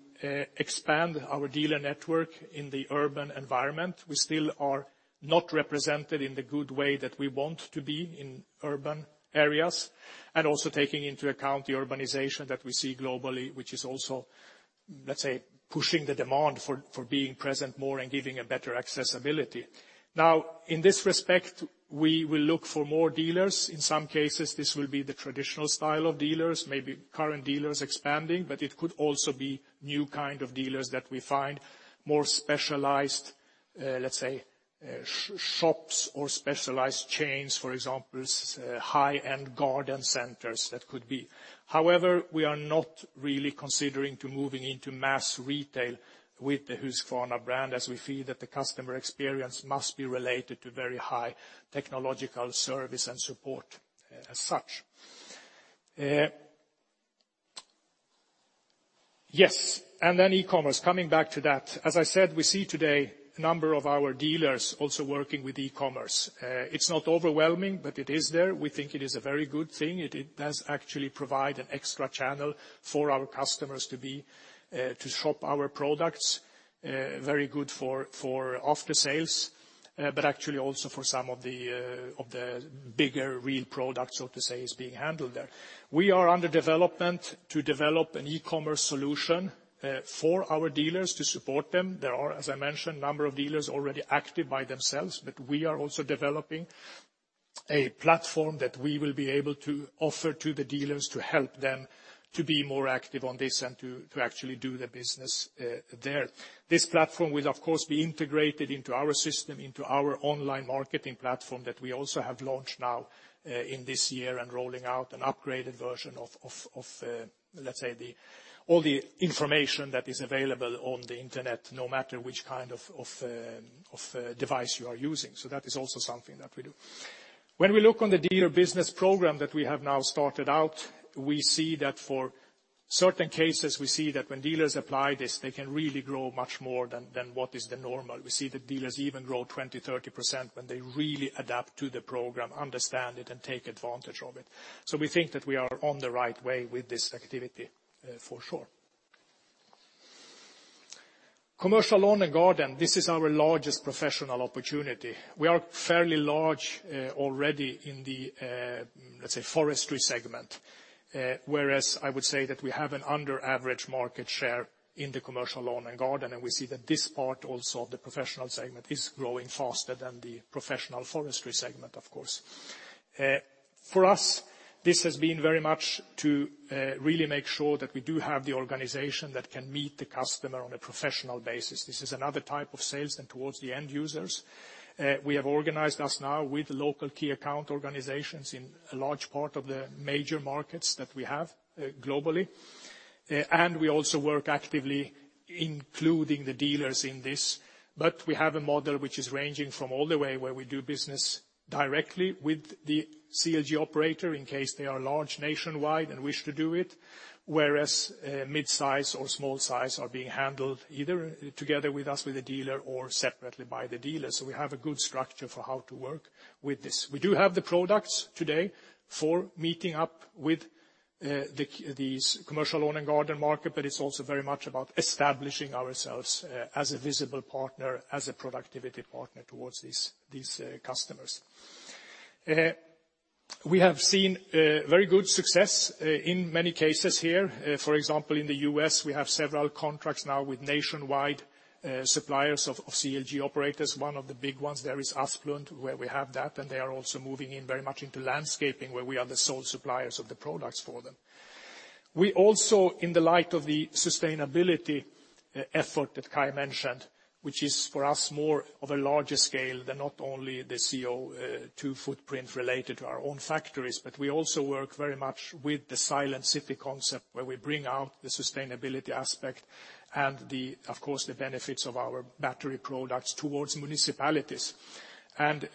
expand our dealer network in the urban environment. We still are not represented in the good way that we want to be in urban areas, also taking into account the urbanization that we see globally, which is also, let's say, pushing the demand for being present more and giving a better accessibility. Now, in this respect, we will look for more dealers. In some cases, this will be the traditional style of dealers, maybe current dealers expanding, it could also be new kind of dealers that we find more specialized, let's say, shops or specialized chains, for example, high-end garden centers that could be. However, we are not really considering to moving into mass retail with the Husqvarna brand as we feel that the customer experience must be related to very high technological service and support as such. Yes, e-commerce, coming back to that. As I said, we see today a number of our dealers also working with e-commerce. It's not overwhelming, but it is there. We think it is a very good thing. It does actually provide an extra channel for our customers to shop our products. Very good for after sales, actually also for some of the bigger real products, so to say, is being handled there. We are under development to develop an e-commerce solution for our dealers to support them. There are, as I mentioned, a number of dealers already active by themselves, we are also developing a platform that we will be able to offer to the dealers to help them to be more active on this and to actually do the business there. This platform will, of course, be integrated into our system, into our online marketing platform that we also have launched now in this year and rolling out an upgraded version of, let's say, all the information that is available on the internet, no matter which kind of device you are using. That is also something that we do. When we look on the dealer business program that we have now started out, we see that for certain cases, we see that when dealers apply this, they can really grow much more than what is the normal. We see the dealers even grow 20%-30% when they really adapt to the program, understand it, and take advantage of it. We think that we are on the right way with this activity for sure. Commercial Lawn and Garden, this is our largest professional opportunity. We are fairly large already in the, let's say, forestry segment, whereas I would say that we have an under-average market share in the Commercial Lawn and Garden, and we see that this part also of the professional segment is growing faster than the professional forestry segment, of course. For us, this has been very much to really make sure that we do have the organization that can meet the customer on a professional basis. This is another type of sales than towards the end users. We have organized us now with local key account organizations in a large part of the major markets that we have globally, and we also work actively including the dealers in this. We have a model which is ranging from all the way where we do business directly with the CLG operator in case they are large nationwide and wish to do it, whereas mid-size or small-size are being handled either together with us with the dealer or separately by the dealer. We have a good structure for how to work with this. We do have the products today for meeting up with these Commercial Lawn and Garden market, but it's also very much about establishing ourselves as a visible partner, as a productivity partner towards these customers. We have seen very good success in many cases here. For example, in the U.S., we have several contracts now with nationwide suppliers of CLG operators. One of the big ones there is Asplundh, where we have that, and they are also moving in very much into landscaping, where we are the sole suppliers of the products for them. We also, in the light of the sustainability effort that Kai mentioned, which is for us more of a larger scale than not only the CO2 footprint related to our own factories, but we also work very much with the silent city concept, where we bring out the sustainability aspect and of course, the benefits of our battery products towards municipalities.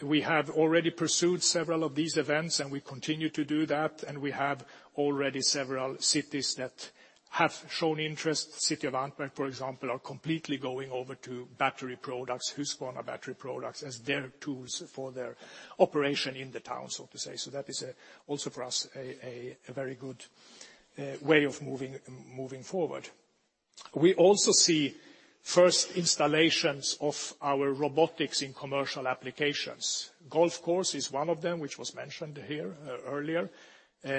We have already pursued several of these events, and we continue to do that, and we have already several cities that have shown interest. City of Antwerp, for example, are completely going over to battery products, Husqvarna battery products, as their tools for their operation in the town, so to say. That is also for us a very good way of moving forward. We also see first installations of our robotics in commercial applications. Golf course is one of them, which was mentioned here earlier.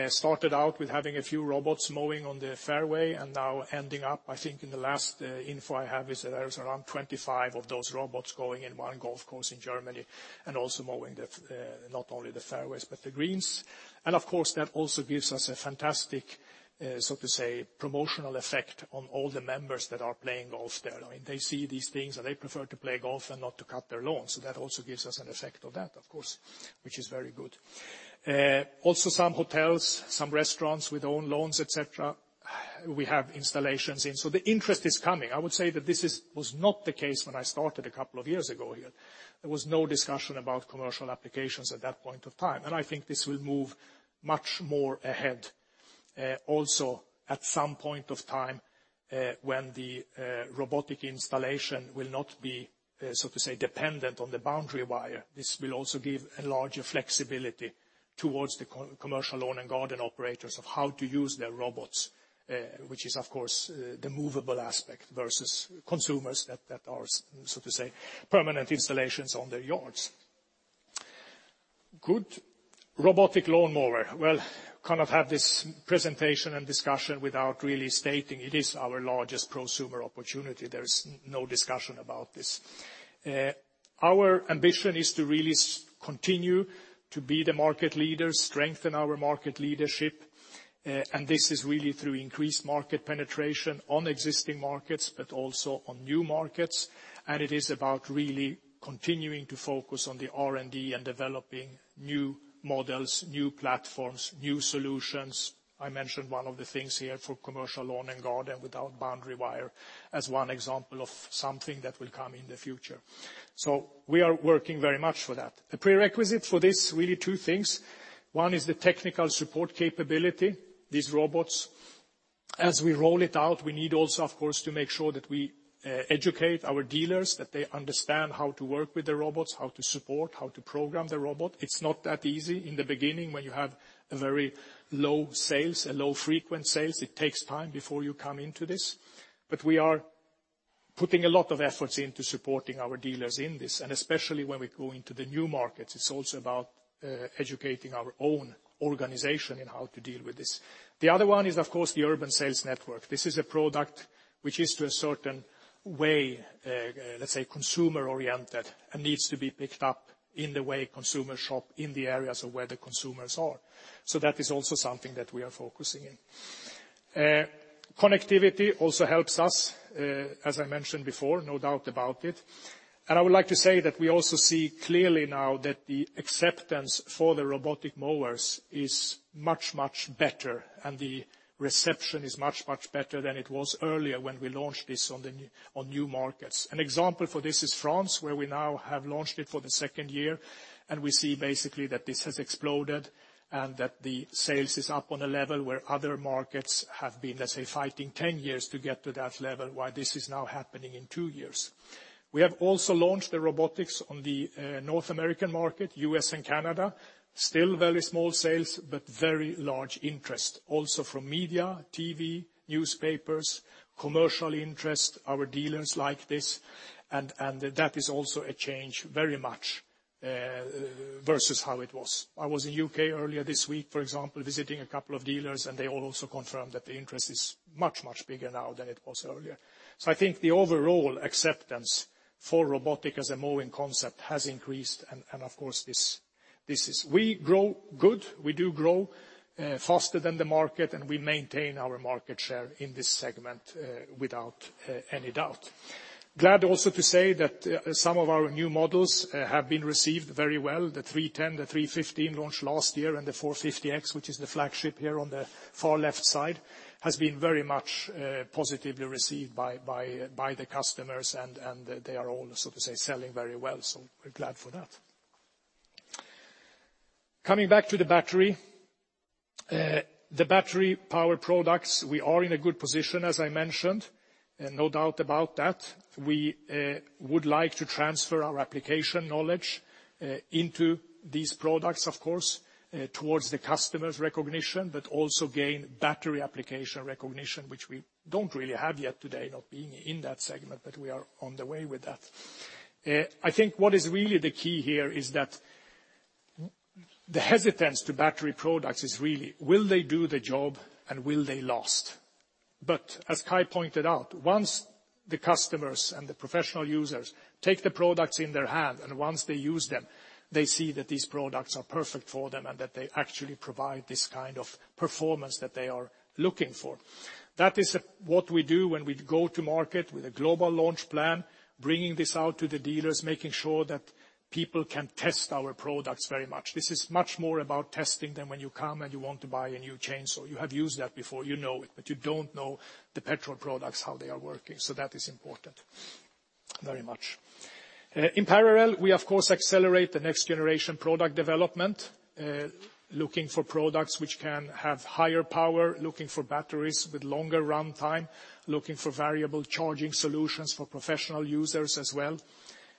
Started out with having a few robots mowing on the fairway and now ending up, I think in the last info I have is that there's around 25 of those robots going in one golf course in Germany, also mowing not only the fairways, but the greens. Of course, that also gives us a fantastic, so to say, promotional effect on all the members that are playing golf there. They see these things, and they prefer to play golf and not to cut their lawns. That also gives us an effect of that, of course, which is very good. Also, some hotels, some restaurants with own lawns, et cetera, we have installations in. The interest is coming. I would say that this was not the case when I started a couple of years ago here. There was no discussion about commercial applications at that point of time. I think this will move much more ahead. Also, at some point of time when the robotic installation will not be, so to say, dependent on the boundary wire, this will also give a larger flexibility towards the commercial lawn and garden operators of how to use their robots, which is, of course, the movable aspect, versus consumers that are, so to say, permanent installations on their yards. Good robotic lawnmower. Well, cannot have this presentation and discussion without really stating it is our largest prosumer opportunity. There is no discussion about this. Our ambition is to really continue to be the market leader, strengthen our market leadership, and this is really through increased market penetration on existing markets, but also on new markets. It is about really continuing to focus on the R&D and developing new models, new platforms, new solutions. I mentioned one of the things here for commercial lawn and garden without boundary wire as one example of something that will come in the future. We are working very much for that. The prerequisite for this, really two things. One is the technical support capability. These robots, as we roll it out, we need also, of course, to make sure that we educate our dealers, that they understand how to work with the robots, how to support, how to program the robot. It's not that easy in the beginning when you have a very low sales, a low frequent sales. It takes time before you come into this. We are putting a lot of efforts into supporting our dealers in this, and especially when we go into the new markets. It's also about educating our own organization in how to deal with this. The other one is, of course, the urban sales network. This is a product which is to a certain way, let's say, consumer-oriented and needs to be picked up in the way consumers shop in the areas of where the consumers are. That is also something that we are focusing in. Connectivity also helps us, as I mentioned before, no doubt about it. I would like to say that we also see clearly now that the acceptance for the robotic mowers is much, much better, and the reception is much, much better than it was earlier when we launched this on new markets. An example for this is France, where we now have launched it for the second year, and we see basically that this has exploded and that the sales is up on a level where other markets have been, let's say, fighting 10 years to get to that level, while this is now happening in two years. We have also launched the robotics on the North American market, U.S. and Canada. Still very small sales, but very large interest. Also from media, TV, newspapers, commercial interest. Our dealers like this, and that is also a change very much versus how it was. I was in U.K. earlier this week, for example, visiting a couple of dealers, and they all also confirmed that the interest is much, much bigger now than it was earlier. I think the overall acceptance for robotic as a mowing concept has increased. Of course this is. We grow good. We do grow faster than the market, and we maintain our market share in this segment without any doubt. Glad also to say that some of our new models have been received very well. The 310, the 315 launched last year, and the 450X, which is the flagship here on the far left side, has been very much positively received by the customers. They are all, so to say, selling very well, so we're glad for that. Coming back to the battery. The battery-powered products, we are in a good position, as I mentioned. No doubt about that. We would like to transfer our application knowledge into these products, of course, towards the customer's recognition, but also gain battery application recognition, which we don't really have yet today, not being in that segment. We are on the way with that. I think what is really the key here is that the hesitance to battery products is really, will they do the job and will they last? As Kai pointed out, once the customers and the professional users take the products in their hand, once they use them, they see that these products are perfect for them and that they actually provide this kind of performance that they are looking for. That is what we do when we go to market with a global launch plan, bringing this out to the dealers, making sure that people can test our products very much. This is much more about testing than when you come and you want to buy a new chainsaw. You have used that before, you know it, but you don't know the petrol products, how they are working. That is important, very much. In parallel, we of course accelerate the next generation product development. Looking for products which can have higher power, looking for batteries with longer runtime, looking for variable charging solutions for professional users as well.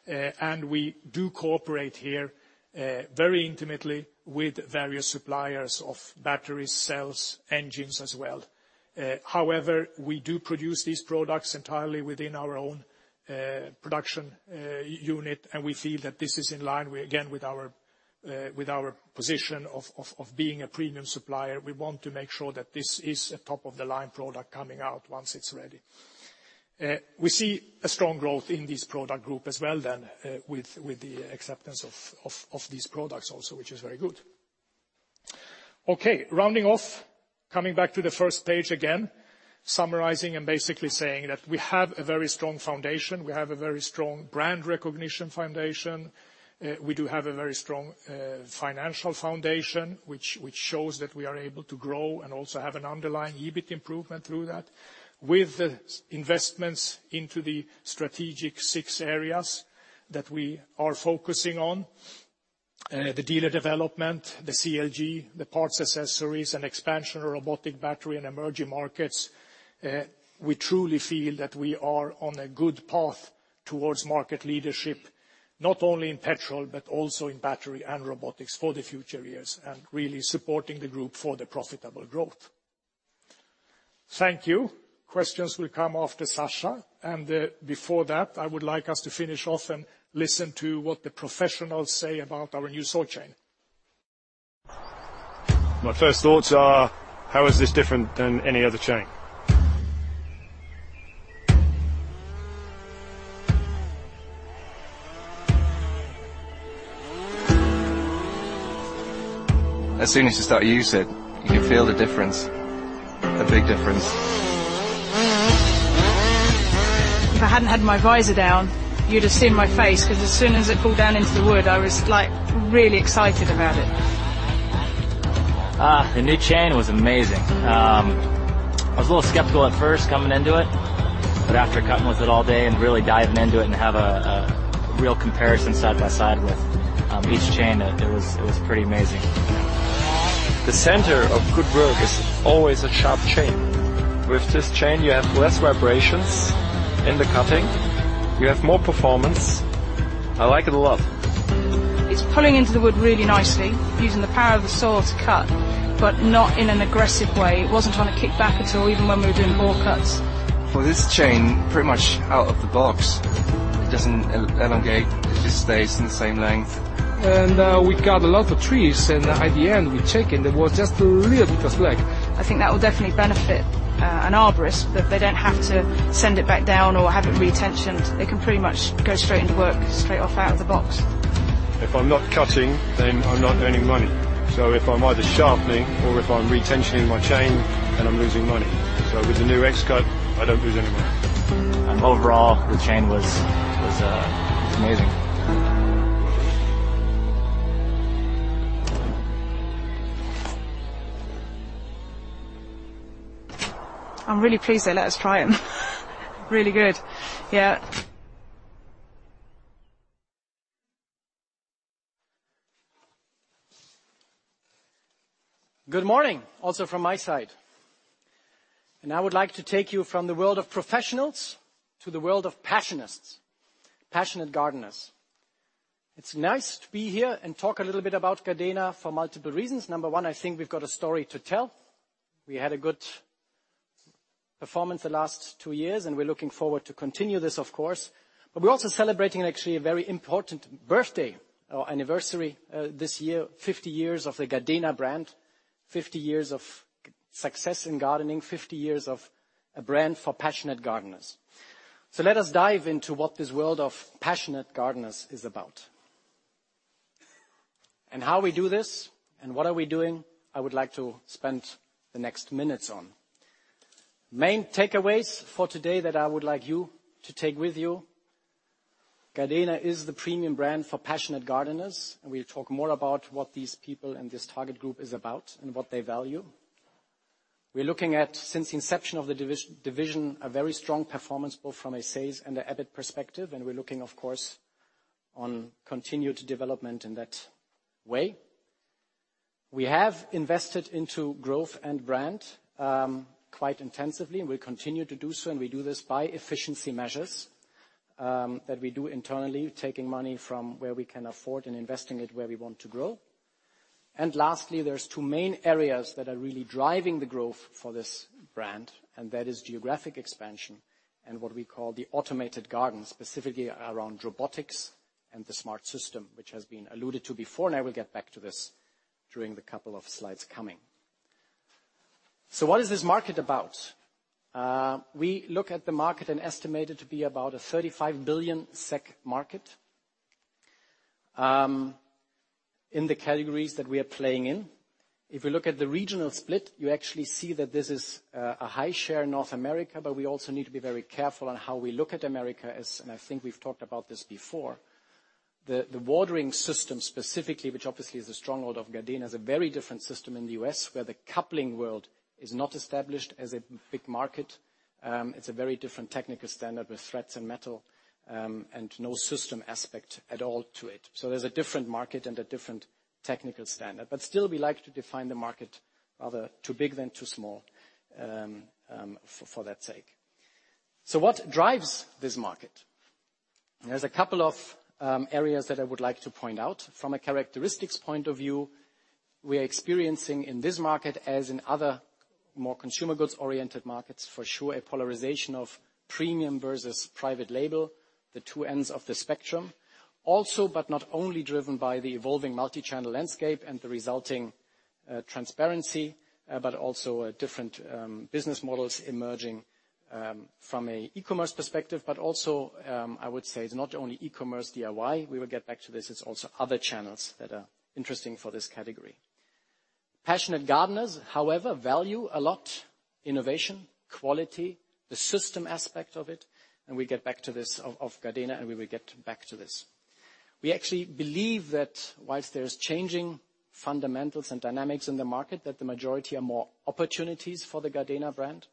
We do cooperate here very intimately with various suppliers of battery cells, engines as well. However, we do produce these products entirely within our own production unit. We feel that this is in line, again, with our position of being a premium supplier. We want to make sure that this is a top-of-the-line product coming out once it's ready. We see a strong growth in this product group as well with the acceptance of these products also, which is very good. Rounding off, coming back to the first page again, summarizing and basically saying that we have a very strong foundation. We have a very strong brand recognition foundation. We do have a very strong financial foundation, which shows that we are able to grow and also have an underlying EBIT improvement through that. With the investments into the strategic six areas that we are focusing on The dealer development, the CLG, the parts, accessories, and expansion of robotic battery in emerging markets. We truly feel that we are on a good path towards market leadership, not only in petrol, but also in battery and robotics for the future years, and really supporting the group for the profitable growth. Thank you. Questions will come after Sascha. Before that, I would like us to finish off and listen to what the professionals say about our new saw chain. My first thoughts are, how is this different than any other chain? As soon as you start to use it, you can feel the difference. A big difference. If I hadn't had my visor down, you'd have seen my face, because as soon as it pulled down into the wood, I was really excited about it. The new chain was amazing. I was a little skeptical at first coming into it. After cutting with it all day and really diving into it and have a real comparison side by side with each chain, it was pretty amazing. The center of good work is always a sharp chain. With this chain, you have less vibrations in the cutting. You have more performance. I like it a lot. It's pulling into the wood really nicely, using the power of the saw to cut, but not in an aggressive way. It wasn't trying to kickback at all, even when we were doing bore cuts. This chain pretty much out of the box. It doesn't elongate, it just stays the same length. We cut a lot of trees, and at the end, we check and the wood just really was black. I think that will definitely benefit an arborist, that they don't have to send it back down or have it re-tensioned. They can pretty much go straight into work, straight off out of the box. If I'm not cutting, then I'm not earning money. If I'm either sharpening or if I'm re-tensioning my chain, then I'm losing money. With the new X-CUT, I don't lose any money. Overall, the chain was amazing. I'm really pleased they let us try them. Really good. Yeah. Good morning, also from my side. I would like to take you from the world of professionals to the world of passionists. Passionate gardeners. It's nice to be here and talk a little bit about Gardena for multiple reasons. Number one, I think we've got a story to tell. We had a good performance the last two years, and we're looking forward to continue this, of course. We're also celebrating actually a very important birthday or anniversary this year. 50 years of the Gardena brand. 50 years of success in gardening. 50 years of a brand for passionate gardeners. Let us dive into what this world of passionate gardeners is about. How we do this, and what are we doing, I would like to spend the next minutes on. Main takeaways for today that I would like you to take with you. Gardena is the premium brand for passionate gardeners, we'll talk more about what these people and this target group is about and what they value. We're looking at, since the inception of the division, a very strong performance, both from a sales and an EBIT perspective, we're looking, of course, on continued development in that way. We have invested into growth and brand quite intensively, we continue to do so, and we do this by efficiency measures that we do internally, taking money from where we can afford and investing it where we want to grow. Lastly, there's two main areas that are really driving the growth for this brand, that is geographic expansion and what we call the automated garden, specifically around robotics and the smart system, which has been alluded to before, I will get back to this during the couple of slides coming. What is this market about? We look at the market and estimate it to be about a 35 billion SEK market in the categories that we are playing in. If we look at the regional split, you actually see that this is a high share in North America, but we also need to be very careful on how we look at America, I think we've talked about this before. The watering system specifically, which obviously is a stronghold of Gardena, is a very different system in the U.S., where the coupling world is not established as a big market. It's a very different technical standard with threads and metal, no system aspect at all to it. There's a different market and a different technical standard. Still, we like to define the market rather too big than too small for that sake. What drives this market? There's a couple of areas that I would like to point out. From a characteristics point of view, we are experiencing in this market, as in other more consumer goods-oriented markets, for sure, a polarization of premium versus private label. The two ends of the spectrum. Not only driven by the evolving multi-channel landscape and the resulting transparency, but also different business models emerging from an e-commerce perspective. I would say it's not only e-commerce DIY. We will get back to this. It's also other channels that are interesting for this category. Passionate gardeners, however, value a lot innovation, quality, the system aspect of it, we get back to this of Gardena, we will get back to this. We actually believe that whilst there is changing fundamentals and dynamics in the market that the majority are more opportunities for the Gardena brand,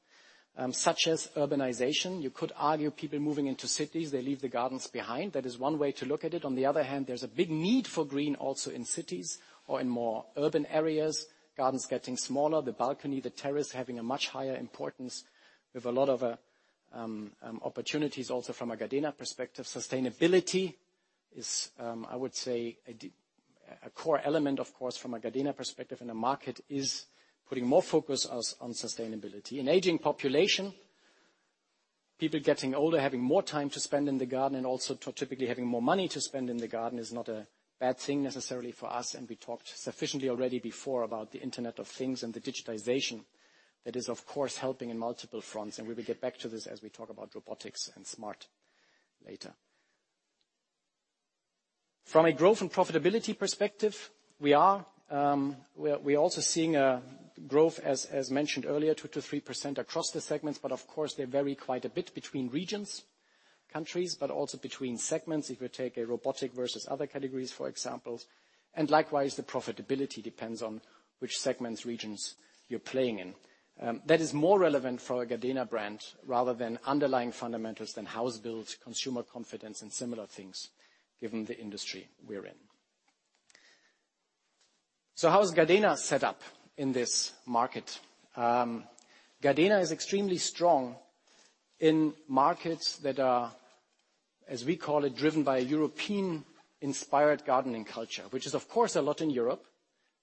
such as urbanization. You could argue people moving into cities, they leave the gardens behind. That is one way to look at it. The other hand, there's a big need for green also in cities or in more urban areas, gardens getting smaller, the balcony, the terrace, having a much higher importance. We have a lot of opportunities also from a Gardena perspective. Sustainability is, I would say, a core element, of course, from a Gardena perspective, the market is putting more focus on sustainability. An aging population, people getting older, having more time to spend in the garden, typically having more money to spend in the garden, is not a bad thing necessarily for us. We talked sufficiently already before about the Internet of Things and the digitization that is, of course, helping in multiple fronts, we will get back to this as we talk about robotics and smart later. From a growth and profitability perspective, we're also seeing a growth, as mentioned earlier, 2%-3% across the segments. Of course, they vary quite a bit between regions, countries, but also between segments. If you take a robotic versus other categories, for examples. Likewise, the profitability depends on which segments, regions you're playing in. That is more relevant for a Gardena brand rather than underlying fundamentals than house builds, consumer confidence, and similar things, given the industry we're in. How is Gardena set up in this market? Gardena is extremely strong in markets that are, as we call it, driven by a European-inspired gardening culture. It is, of course, a lot in Europe,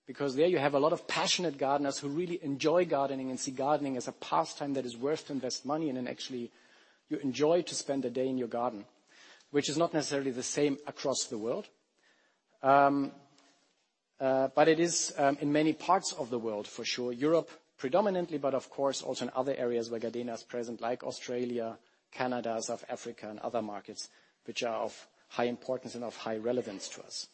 because there you have a lot of passionate gardeners who really enjoy gardening and see gardening as a pastime that is worth to invest money in, and actually, you enjoy to spend a day in your garden. It is not necessarily the same across the world. It is in many parts of the world for sure, Europe predominantly, but of course, also in other areas where Gardena is present, like Australia, Canada, South Africa, and other markets, which are of high importance and of high relevance to us.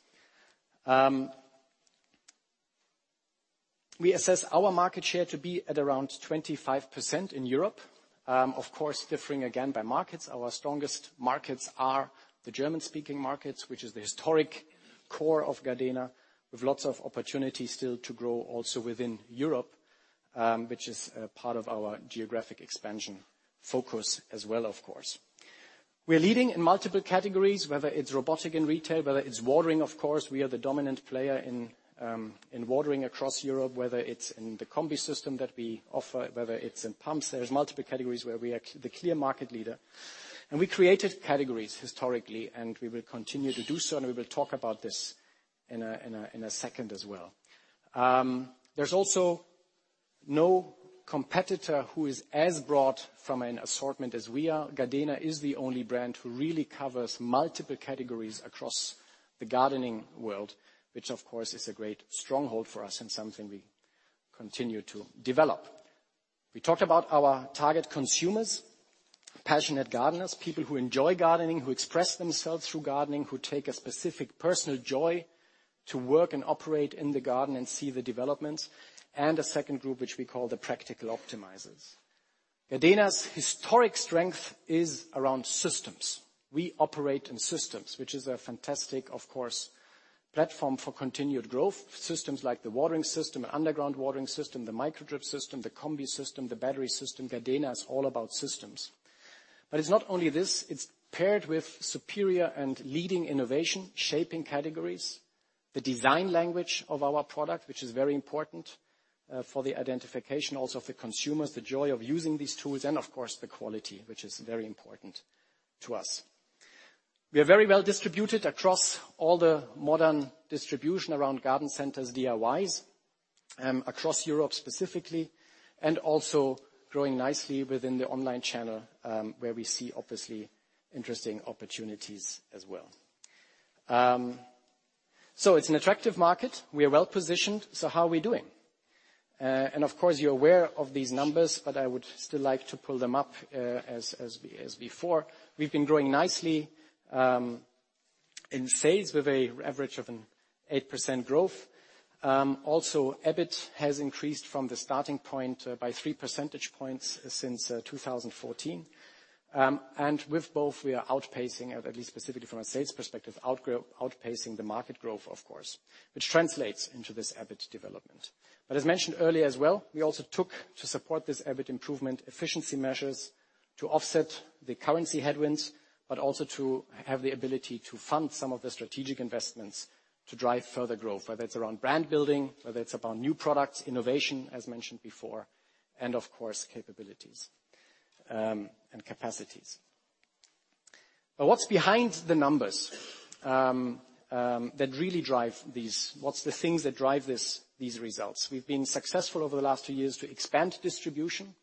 We assess our market share to be at around 25% in Europe, of course, differing again by markets. Our strongest markets are the German-speaking markets, which is the historic core of Gardena, with lots of opportunities still to grow also within Europe, which is a part of our geographic expansion focus as well, of course. We're leading in multiple categories, whether it's robotic and retail, whether it's watering, of course, we are the dominant player in watering across Europe, whether it's in the Combi system that we offer, whether it's in pumps. There's multiple categories where we are the clear market leader. We created categories historically, and we will continue to do so, and we will talk about this in a second as well. There's also no competitor who is as broad from an assortment as we are. Gardena is the only brand who really covers multiple categories across the gardening world, which of course, is a great stronghold for us and something we continue to develop. We talked about our target consumers, passionate gardeners, people who enjoy gardening, who express themselves through gardening, who take a specific personal joy to work and operate in the garden and see the developments, and a second group, which we call the practical optimizers. Gardena's historic strength is around systems. We operate in systems, which is a fantastic, of course, platform for continued growth. Systems like the watering system, underground watering system, the micro drip system, the Combi system, the battery system. Gardena is all about systems. It's not only this, it's paired with superior and leading innovation, shaping categories, the design language of our product, which is very important for the identification also of the consumers, the joy of using these tools, and of course, the quality, which is very important to us. We are very well distributed across all the modern distribution around garden centers, DIYs, across Europe specifically, and also growing nicely within the online channel, where we see obviously interesting opportunities as well. It's an attractive market. We are well-positioned. How are we doing? Of course, you're aware of these numbers, but I would still like to pull them up as before. We've been growing nicely in sales with an average of an 8% growth. Also, EBIT has increased from the starting point by three percentage points since 2014. With both, we are outpacing, at least specifically from a sales perspective, outpacing the market growth, of course, which translates into this EBIT development. As mentioned earlier as well, we also took to support this EBIT improvement efficiency measures to offset the currency headwinds, but also to have the ability to fund some of the strategic investments to drive further growth, whether it's around brand building, whether it's about new products, innovation, as mentioned before, and of course, capabilities and capacities. What's behind the numbers? What's the things that drive these results? We've been successful over the last two years to expand distribution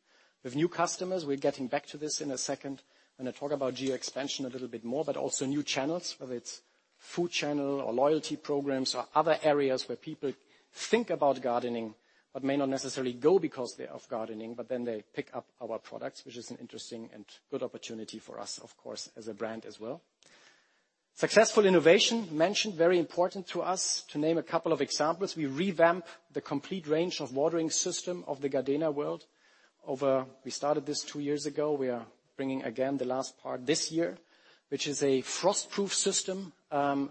with new customers. We're getting back to this in a second when I talk about geo expansion a little bit more. Also new channels, whether it's food channel or loyalty programs or other areas where people think about gardening, but may not necessarily go because of gardening, but then they pick up our products, which is an interesting and good opportunity for us, of course, as a brand as well. Successful innovation, mentioned very important to us. To name a couple of examples, we revamp the complete range of watering system of the Gardena world. We started this two years ago. We are bringing, again, the last part this year, which is a frost-proof system,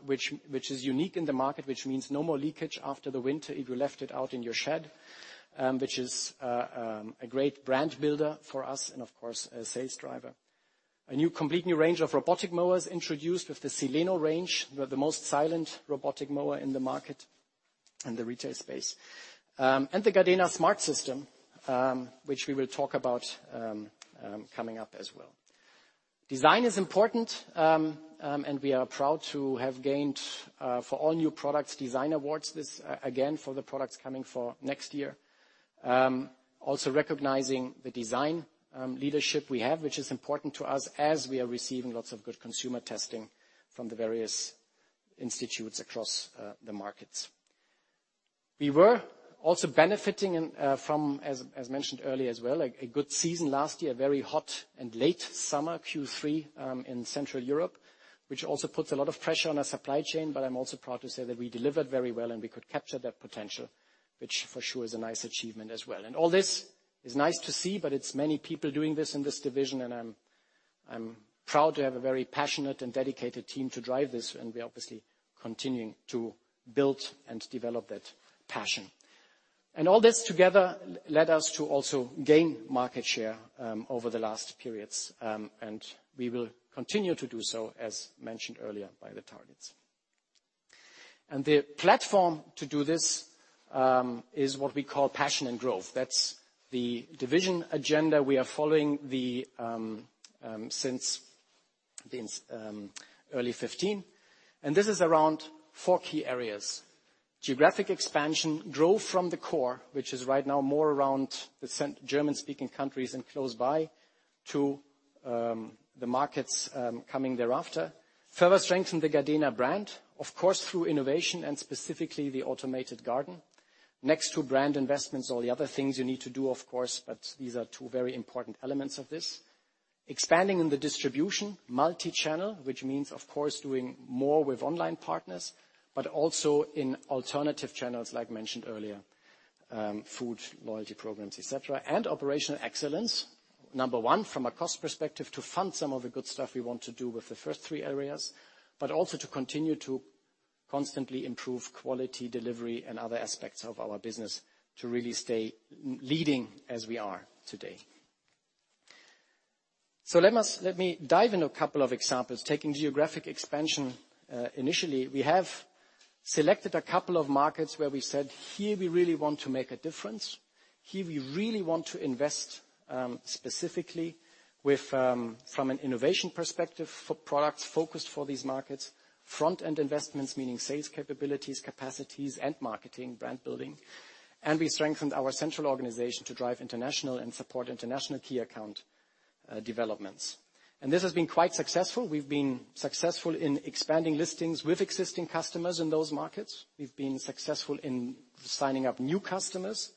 which is unique in the market, which means no more leakage after the winter if you left it out in your shed, which is a great brand builder for us and, of course, a sales driver. A complete new range of robotic mowers introduced with the SILENO range. We have the most silent robotic mower in the market and the retail space. The GARDENA smart system, which we will talk about coming up as well. Design is important, and we are proud to have gained, for all new products, design awards. This, again, for the products coming for next year. Also recognizing the design leadership we have, which is important to us as we are receiving lots of good consumer testing from the various institutes across the markets. We were also benefiting from, as mentioned earlier as well, a good season last year, very hot and late summer Q3 in Central Europe, which also puts a lot of pressure on our supply chain, but I'm also proud to say that we delivered very well, and we could capture that potential, which for sure is a nice achievement as well. All this is nice to see, but it's many people doing this in this division, and I'm proud to have a very passionate and dedicated team to drive this, and we're obviously continuing to build and develop that passion. All this together led us to also gain market share over the last periods. We will continue to do so, as mentioned earlier by the targets. The platform to do this, is what we call passion and growth. That's the division agenda we are following since early 2015, and this is around four key areas. Geographic expansion, growth from the core, which is right now more around the German-speaking countries and close by to the markets coming thereafter. Further strengthen the Gardena brand, of course, through innovation and specifically the automated garden. Next to brand investments, all the other things you need to do, of course, but these are two very important elements of this. Expanding in the distribution, multi-channel, which means, of course, doing more with online partners, but also in alternative channels like mentioned earlier, food, loyalty programs, et cetera. Operational excellence. Number one, from a cost perspective to fund some of the good stuff we want to do with the first three areas, but also to continue to constantly improve quality, delivery, and other aspects of our business to really stay leading as we are today. Let me dive into a couple of examples. Taking geographic expansion, initially, we have selected a couple of markets where we said, "Here we really want to make a difference. Here we really want to invest, specifically from an innovation perspective for products focused for these markets, front-end investments, meaning sales capabilities, capacities, and marketing, brand building." We strengthened our central organization to drive international and support international key account developments. This has been quite successful. We've been successful in expanding listings with existing customers in those markets. We've been successful in signing up new customers,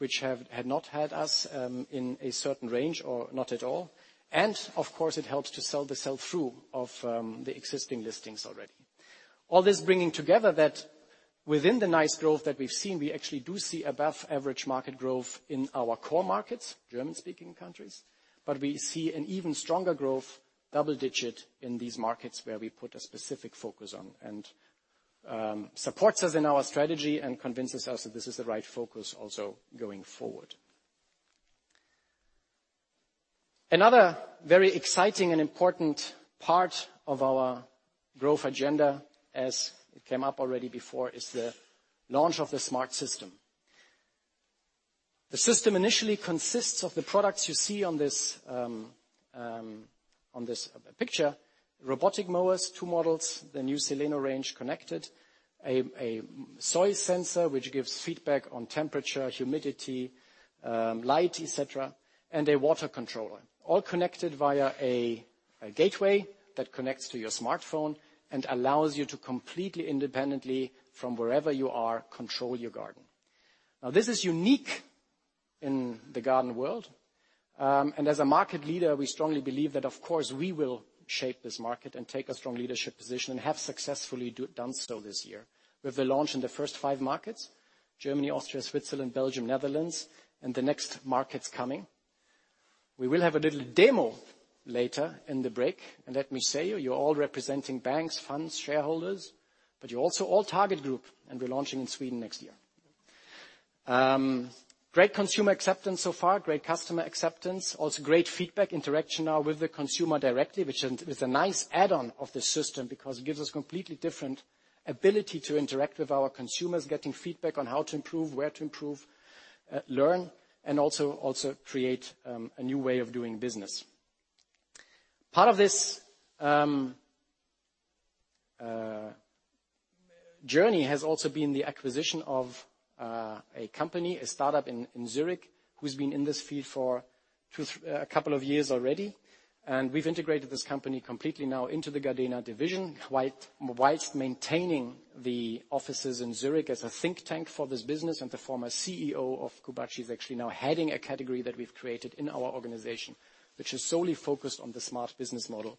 which had not had us in a certain range or not at all. Of course, it helps to sell the sell-through of the existing listings already. All this bringing together that within the nice growth that we've seen, we actually do see above average market growth in our core markets, German-speaking countries. We see an even stronger growth, double-digit, in these markets where we put a specific focus on and supports us in our strategy and convinces us that this is the right focus also going forward. Another very exciting and important part of our growth agenda, as it came up already before, is the launch of the Smart System. The system initially consists of the products you see on this picture. Robotic mowers, two models, the new SILENO range connected, a soil sensor, which gives feedback on temperature, humidity, light, et cetera, and a water controller. All connected via a gateway that connects to your smartphone and allows you to completely independently from wherever you are, control your garden. This is unique in the garden world. As a market leader, we strongly believe that, of course, we will shape this market and take a strong leadership position and have successfully done so this year with the launch in the first five markets, Germany, Austria, Switzerland, Belgium, Netherlands, and the next markets coming. We will have a little demo later in the break. Let me say, you're all representing banks, funds, shareholders, but you're also all target group, and we're launching in Sweden next year. Great consumer acceptance so far. Great customer acceptance. Also great feedback interaction now with the consumer directly, which is a nice add-on of the system because it gives us completely different ability to interact with our consumers, getting feedback on how to improve, where to improve, learn, and also create a new way of doing business. Part of this journey has also been the acquisition of a company, a startup in Zurich, who's been in this field for a couple of years already. We've integrated this company completely now into the Gardena Division whilst maintaining the offices in Zurich as a think tank for this business. The former CEO of Koubachi is actually now heading a category that we've created in our organization, which is solely focused on the smart business model.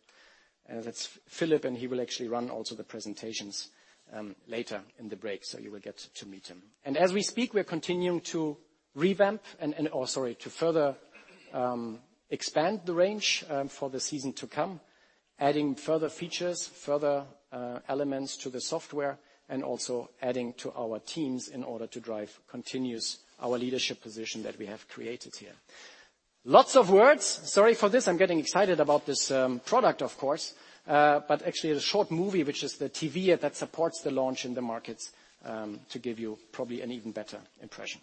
That's Philip, and he will actually run also the presentations later in the break, so you will get to meet him. As we speak, we're continuing to further expand the range for the season to come, adding further features, further elements to the software, and also adding to our teams in order to drive continuous our leadership position that we have created here. Lots of words, sorry for this. I'm getting excited about this product, of course, actually a short movie, which is the TV ad that supports the launch in the markets, to give you probably an even better impression.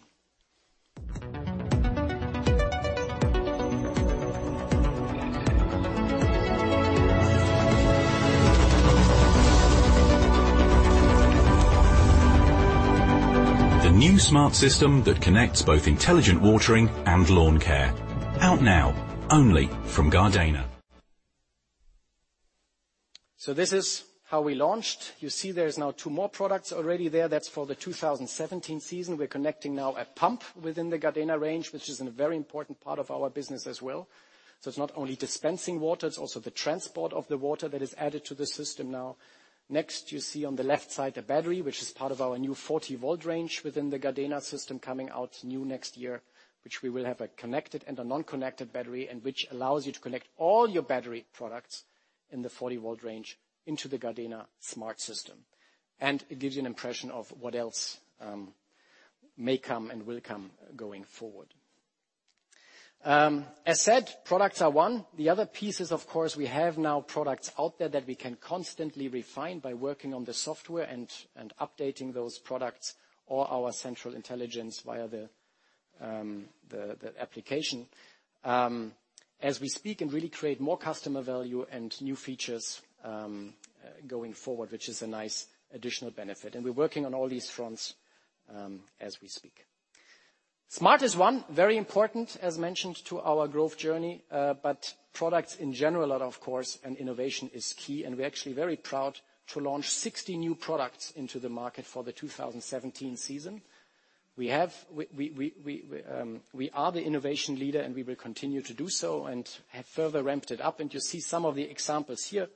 The new GARDENA Smart System that connects both intelligent watering and lawn care. Out now only from Gardena. This is how we launched. You see there's now two more products already there. That's for the 2017 season. We're connecting now a pump within the Gardena range, which is a very important part of our business as well. It's not only dispensing water, it's also the transport of the water that is added to the system now. Next, you see on the left side the battery, which is part of our new 40-volt range within the Gardena system coming out new next year. We will have a connected and a non-connected battery, and which allows you to connect all your battery products in the 40-volt range into the GARDENA Smart System. It gives you an impression of what else may come and will come going forward. As said, products are one. The other piece is, of course, we have now products out there that we can constantly refine by working on the software and updating those products or our central intelligence via the application. As we speak and really create more customer value and new features going forward, which is a nice additional benefit. We're working on all these fronts as we speak. Smart is one very important, as mentioned to our growth journey. Products in general are of course, and innovation is key, and we're actually very proud to launch 60 new products into the market for the 2017 season. We are the innovation leader and we will continue to do so and have further ramped it up. You see some of the examples here.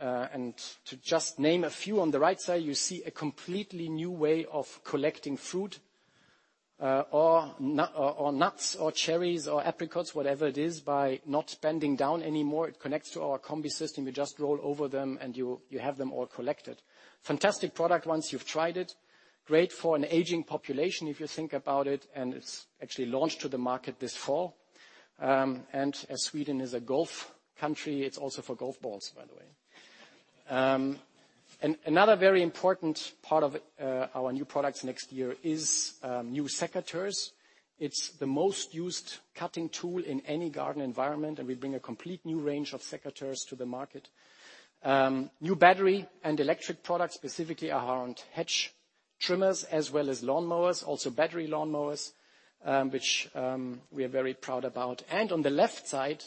To just name a few, on the right side, you see a completely new way of collecting fruit or nuts or cherries or apricots, whatever it is, by not bending down anymore. It connects to our Combi system. You just roll over them and you have them all collected. Fantastic product once you've tried it. Great for an aging population, if you think about it, and it's actually launched to the market this fall. As Sweden is a golf country, it's also for golf balls, by the way. Another very important part of our new products next year is new secateurs. It's the most used cutting tool in any garden environment, and we bring a complete new range of secateurs to the market. New battery and electric products, specifically around hedge trimmers as well as lawnmowers, also battery lawnmowers, which we are very proud about. On the left side,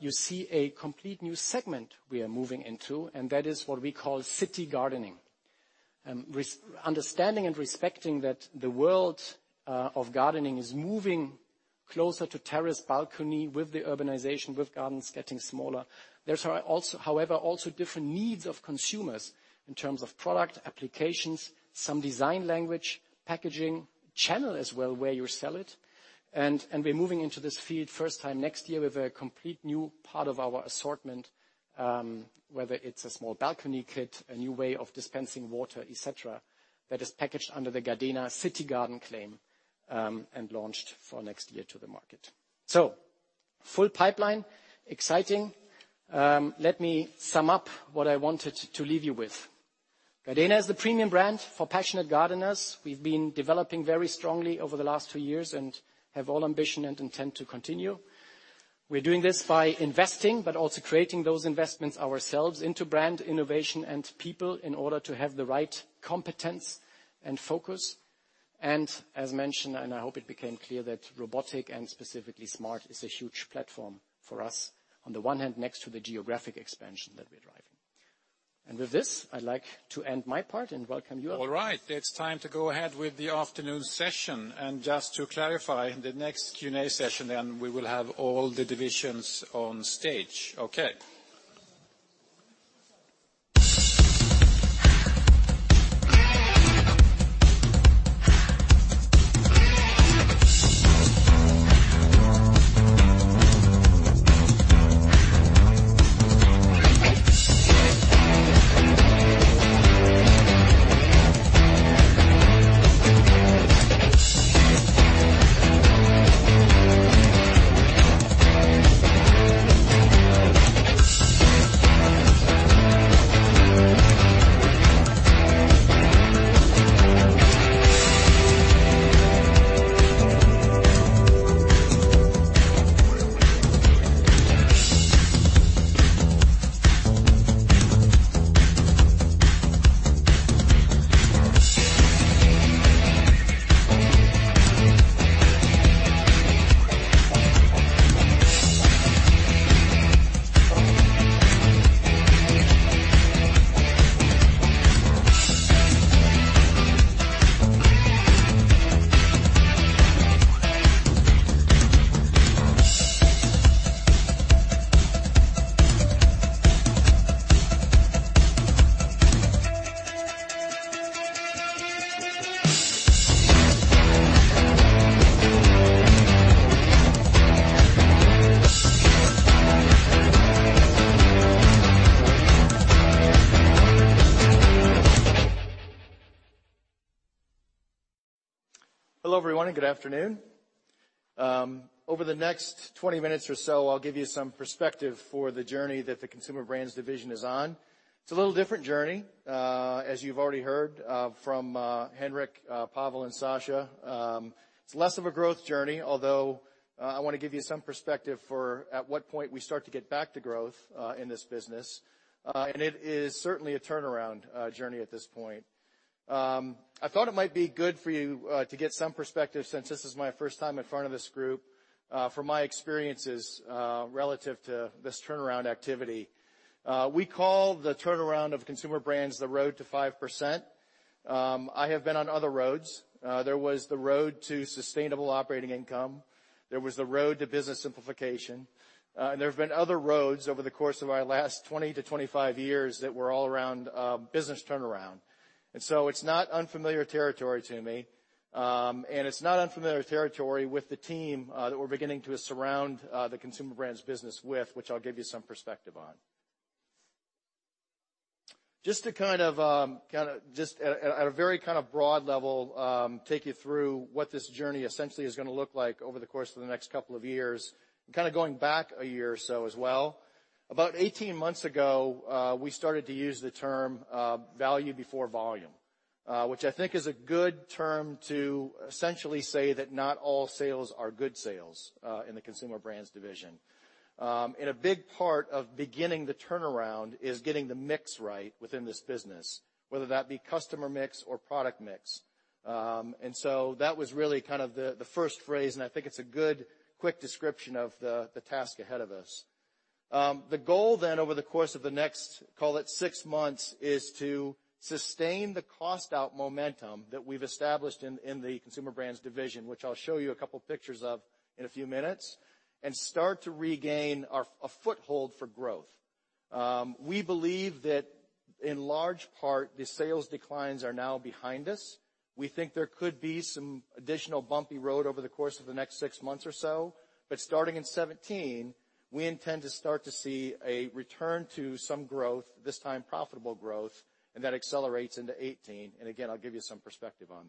you see a complete new segment we are moving into, and that is what we call city gardening. Understanding and respecting that the world of gardening is moving closer to terrace balcony with the urbanization, with gardens getting smaller. There are, however, also different needs of consumers in terms of product applications, some design language, packaging, channel as well, where you sell it. We're moving into this field first time next year with a complete new part of our assortment, whether it's a small balcony kit, a new way of dispensing water, et cetera, that is packaged under the GARDENA city gardening claim, and launched for next year to the market. Full pipeline, exciting. Let me sum up what I wanted to leave you with. Gardena is the premium brand for passionate gardeners. We've been developing very strongly over the last two years and have all ambition and intent to continue. We're doing this by investing but also creating those investments ourselves into brand innovation and people in order to have the right competence and focus. As mentioned, and I hope it became clear that robotic and specifically smart is a huge platform for us, on the one hand, next to the geographic expansion that we're driving. With this, I'd like to end my part and welcome you up. All right. It's time to go ahead with the afternoon session. Just to clarify, the next Q&A session, then we will have all the divisions on stage. Okay. Hello, everyone, and good afternoon. Over the next 20 minutes or so, I'll give you some perspective for the journey that the Consumer Brands division is on. It's a little different journey, as you've already heard from Henric, Pavel, and Sascha. It's less of a growth journey, although I want to give you some perspective for at what point we start to get back to growth in this business. It is certainly a turnaround journey at this point. I thought it might be good for you to get some perspective, since this is my first time in front of this group, from my experiences relative to this turnaround activity. We call the turnaround of Consumer Brands the road to 5%. I have been on other roads. There was the road to sustainable operating income. There was the road to business simplification. There have been other roads over the course of our last 20 to 25 years that were all around business turnaround. It's not unfamiliar territory to me. It's not unfamiliar territory with the team that we're beginning to surround the Consumer Brands business with, which I'll give you some perspective on. Just to, at a very broad level, take you through what this journey essentially is going to look like over the course of the next couple of years, and going back a year or so as well. About 18 months ago, we started to use the term value before volume, which I think is a good term to essentially say that not all sales are good sales in the Consumer Brands division. A big part of beginning the turnaround is getting the mix right within this business, whether that be customer mix or product mix. That was really the first phrase, and I think it's a good, quick description of the task ahead of us. The goal then over the course of the next, call it six months, is to sustain the cost-out momentum that we've established in the Consumer Brands division, which I'll show you a couple pictures of in a few minutes, and start to regain a foothold for growth. We believe that in large part, the sales declines are now behind us. We think there could be some additional bumpy road over the course of the next six months or so. Starting in 2017, we intend to start to see a return to some growth, this time profitable growth, and that accelerates into 2018. Again, I'll give you some perspective on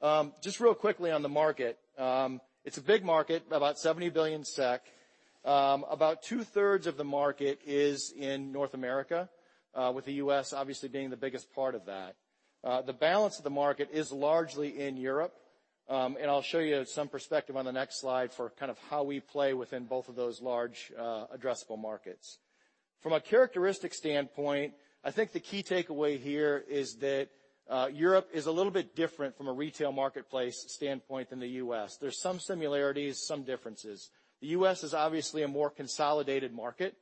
that. Just real quickly on the market. It's a big market, about 70 billion SEK. About two-thirds of the market is in North America, with the U.S. obviously being the biggest part of that. The balance of the market is largely in Europe. I'll show you some perspective on the next slide for how we play within both of those large addressable markets. From a characteristic standpoint, I think the key takeaway here is that Europe is a little bit different from a retail marketplace standpoint than the U.S. There's some similarities, some differences. The U.S. is obviously a more consolidated market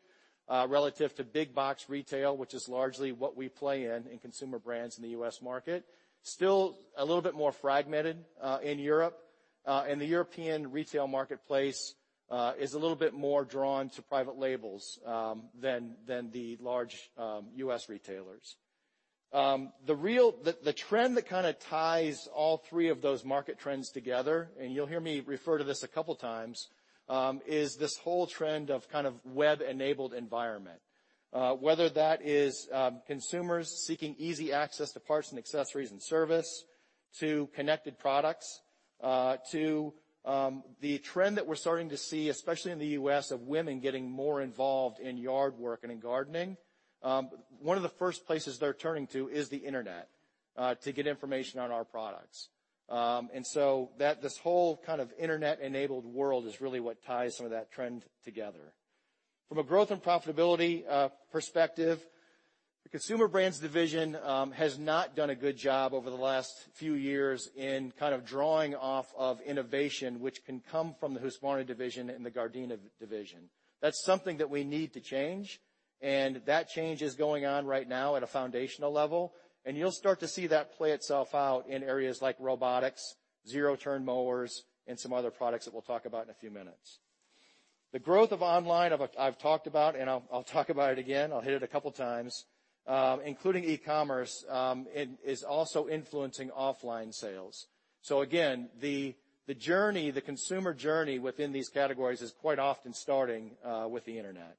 relative to big box retail, which is largely what we play in in Consumer Brands in the U.S. market. Still a little bit more fragmented in Europe. The European retail marketplace is a little bit more drawn to private labels than the large U.S. retailers. The trend that ties all three of those market trends together, and you'll hear me refer to this a couple times, is this whole trend of web-enabled environment. Whether that is consumers seeking easy access to parts and accessories and service, to connected products, to the trend that we're starting to see, especially in the U.S., of women getting more involved in yard work and in gardening. One of the first places they're turning to is the internet to get information on our products. This whole kind of internet-enabled world is really what ties some of that trend together. From a growth and profitability perspective, the Consumer Brands Division has not done a good job over the last few years in drawing off of innovation, which can come from the Husqvarna Division and the Gardena Division. That's something that we need to change, and that change is going on right now at a foundational level. You'll start to see that play itself out in areas like robotics, zero-turn mowers, and some other products that we'll talk about in a few minutes. The growth of online, I've talked about, and I'll talk about it again, I'll hit it a couple times, including e-commerce, is also influencing offline sales. Again, the consumer journey within these categories is quite often starting with the internet.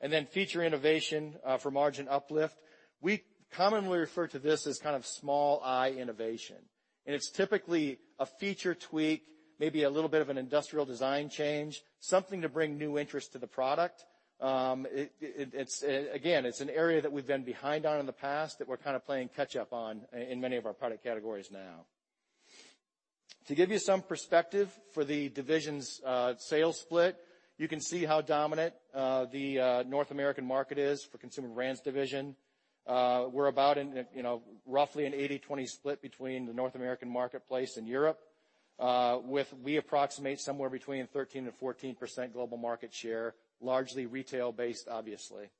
Then feature innovation for margin uplift. We commonly refer to this as small i innovation. It's typically a feature tweak, maybe a little bit of an industrial design change, something to bring new interest to the product. Again, it's an area that we've been behind on in the past that we're kind of playing catch up on in many of our product categories now. To give you some perspective for the division's sales split, you can see how dominant the North American market is for Consumer Brands Division. We're about in roughly an 80/20 split between the North American marketplace and Europe, with we approximate somewhere between 13%-14% global market share, largely retail-based, obviously.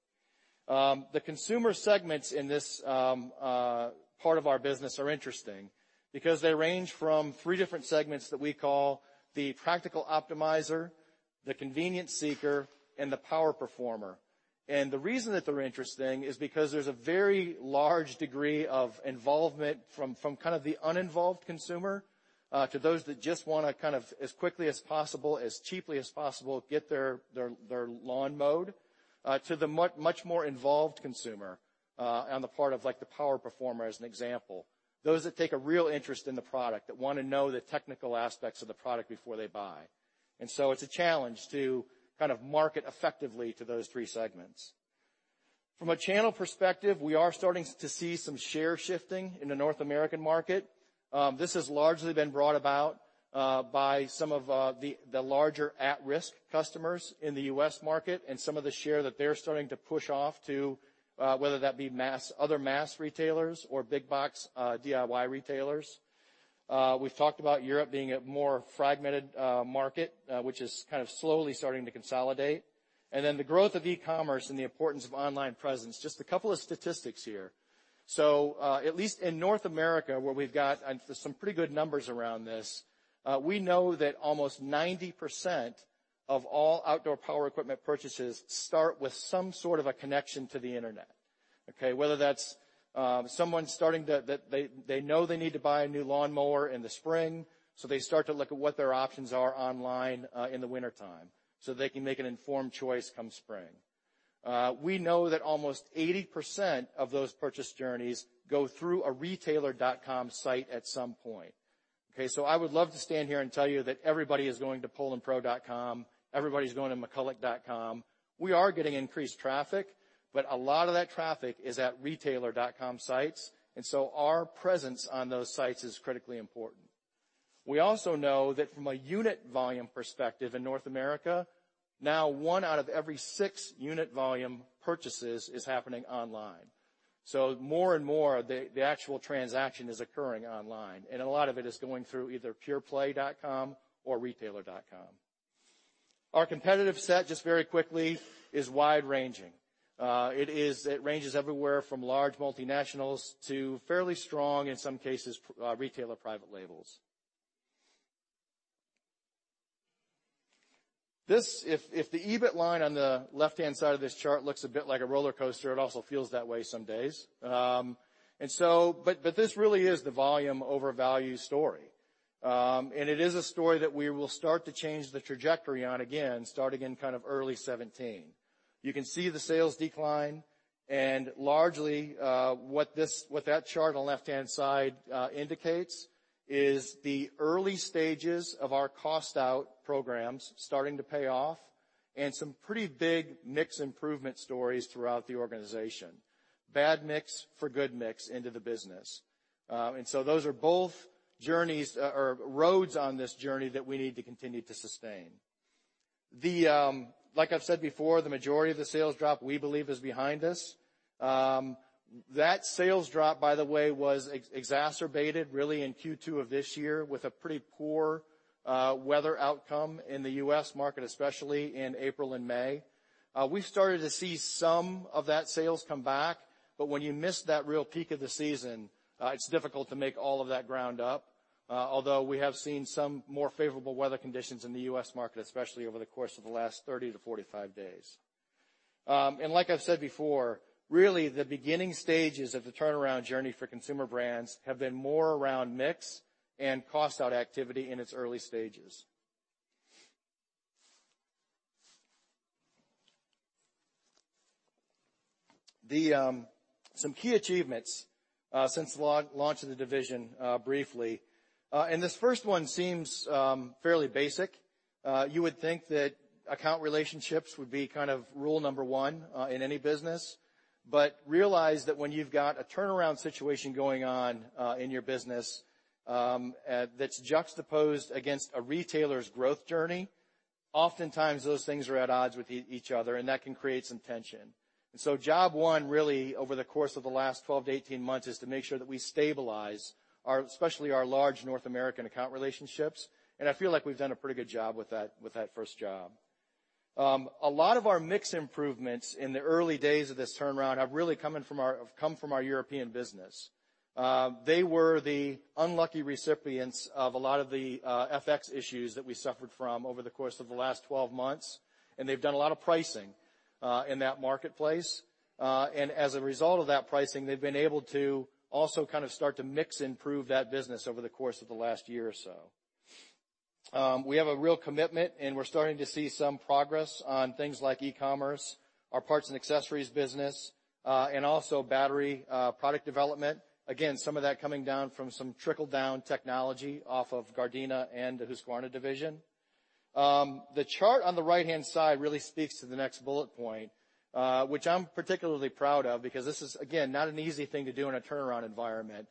The consumer segments in this part of our business are interesting, because they range from three different segments that we call the practical optimizer, the convenience seeker, and the power performer. The reason that they're interesting is because there's a very large degree of involvement from kind of the uninvolved consumer, to those that just want to kind of, as quickly as possible, as cheaply as possible, get their lawn mowed, to the much more involved consumer on the part of the power performer, as an example. Those that take a real interest in the product, that want to know the technical aspects of the product before they buy. It's a challenge to kind of market effectively to those three segments. From a channel perspective, we are starting to see some share shifting in the North American market. This has largely been brought about by some of the larger at-risk customers in the U.S. market, and some of the share that they're starting to push off to, whether that be other mass retailers or big box DIY retailers. We've talked about Europe being a more fragmented market, which is kind of slowly starting to consolidate. The growth of e-commerce and the importance of online presence, just a couple of statistics here. At least in North America, where we've got some pretty good numbers around this, we know that almost 90% of all outdoor power equipment purchases start with some sort of a connection to the Internet. Okay? Whether that's someone starting to, they know they need to buy a new lawnmower in the spring, so they start to look at what their options are online in the wintertime, so they can make an informed choice come spring. We know that almost 80% of those purchase journeys go through a retailer.com site at some point. Okay? I would love to stand here and tell you that everybody is going to poulanpro.com, everybody's going to mcculloch.com. We are getting increased traffic, a lot of that traffic is at retailer.com sites, our presence on those sites is critically important. We also know that from a unit volume perspective in North America, now one out of every six unit volume purchases is happening online. More and more, the actual transaction is occurring online, and a lot of it is going through either pureplay.com or retailer.com. Our competitive set, just very quickly, is wide-ranging. It ranges everywhere from large multinationals to fairly strong, in some cases, retailer private labels. If the EBIT line on the left-hand side of this chart looks a bit like a rollercoaster, it also feels that way some days. This really is the volume over value story. It is a story that we will start to change the trajectory on again, starting in kind of early 2017. You can see the sales decline, largely, what that chart on the left-hand side indicates, is the early stages of our cost out programs starting to pay off, and some pretty big mix improvement stories throughout the organization. Bad mix for good mix into the business. Those are both roads on this journey that we need to continue to sustain. Like I've said before, the majority of the sales drop, we believe, is behind us. That sales drop, by the way, was exacerbated really in Q2 of this year, with a pretty poor weather outcome in the U.S. market, especially in April and May. We've started to see some of that sales come back, when you miss that real peak of the season, it's difficult to make all of that ground up. Although we have seen some more favorable weather conditions in the U.S. market, especially over the course of the last 30 to 45 days. Like I've said before, really the beginning stages of the turnaround journey for Consumer Brands have been more around mix and cost out activity in its early stages. Some key achievements since the launch of the division, briefly. This first one seems fairly basic. You would think that account relationships would be kind of rule number one in any business. Realize that when you've got a turnaround situation going on in your business, that's juxtaposed against a retailer's growth journey, oftentimes those things are at odds with each other, and that can create some tension. Job one really over the course of the last 12 to 18 months, is to make sure that we stabilize especially our large North American account relationships. I feel like we've done a pretty good job with that first job. A lot of our mix improvements in the early days of this turnaround have really come from our European business. They were the unlucky recipients of a lot of the FX issues that we suffered from over the course of the last 12 months, and they've done a lot of pricing in that marketplace. As a result of that pricing, they've been able to also kind of start to mix improve that business over the course of the last year or so. We have a real commitment, and we're starting to see some progress on things like e-commerce, our parts and accessories business, and also battery product development. Again, some of that coming down from some trickle-down technology off of Gardena and the Husqvarna Division. The chart on the right-hand side really speaks to the next bullet point, which I'm particularly proud of, because this is, again, not an easy thing to do in a turnaround environment.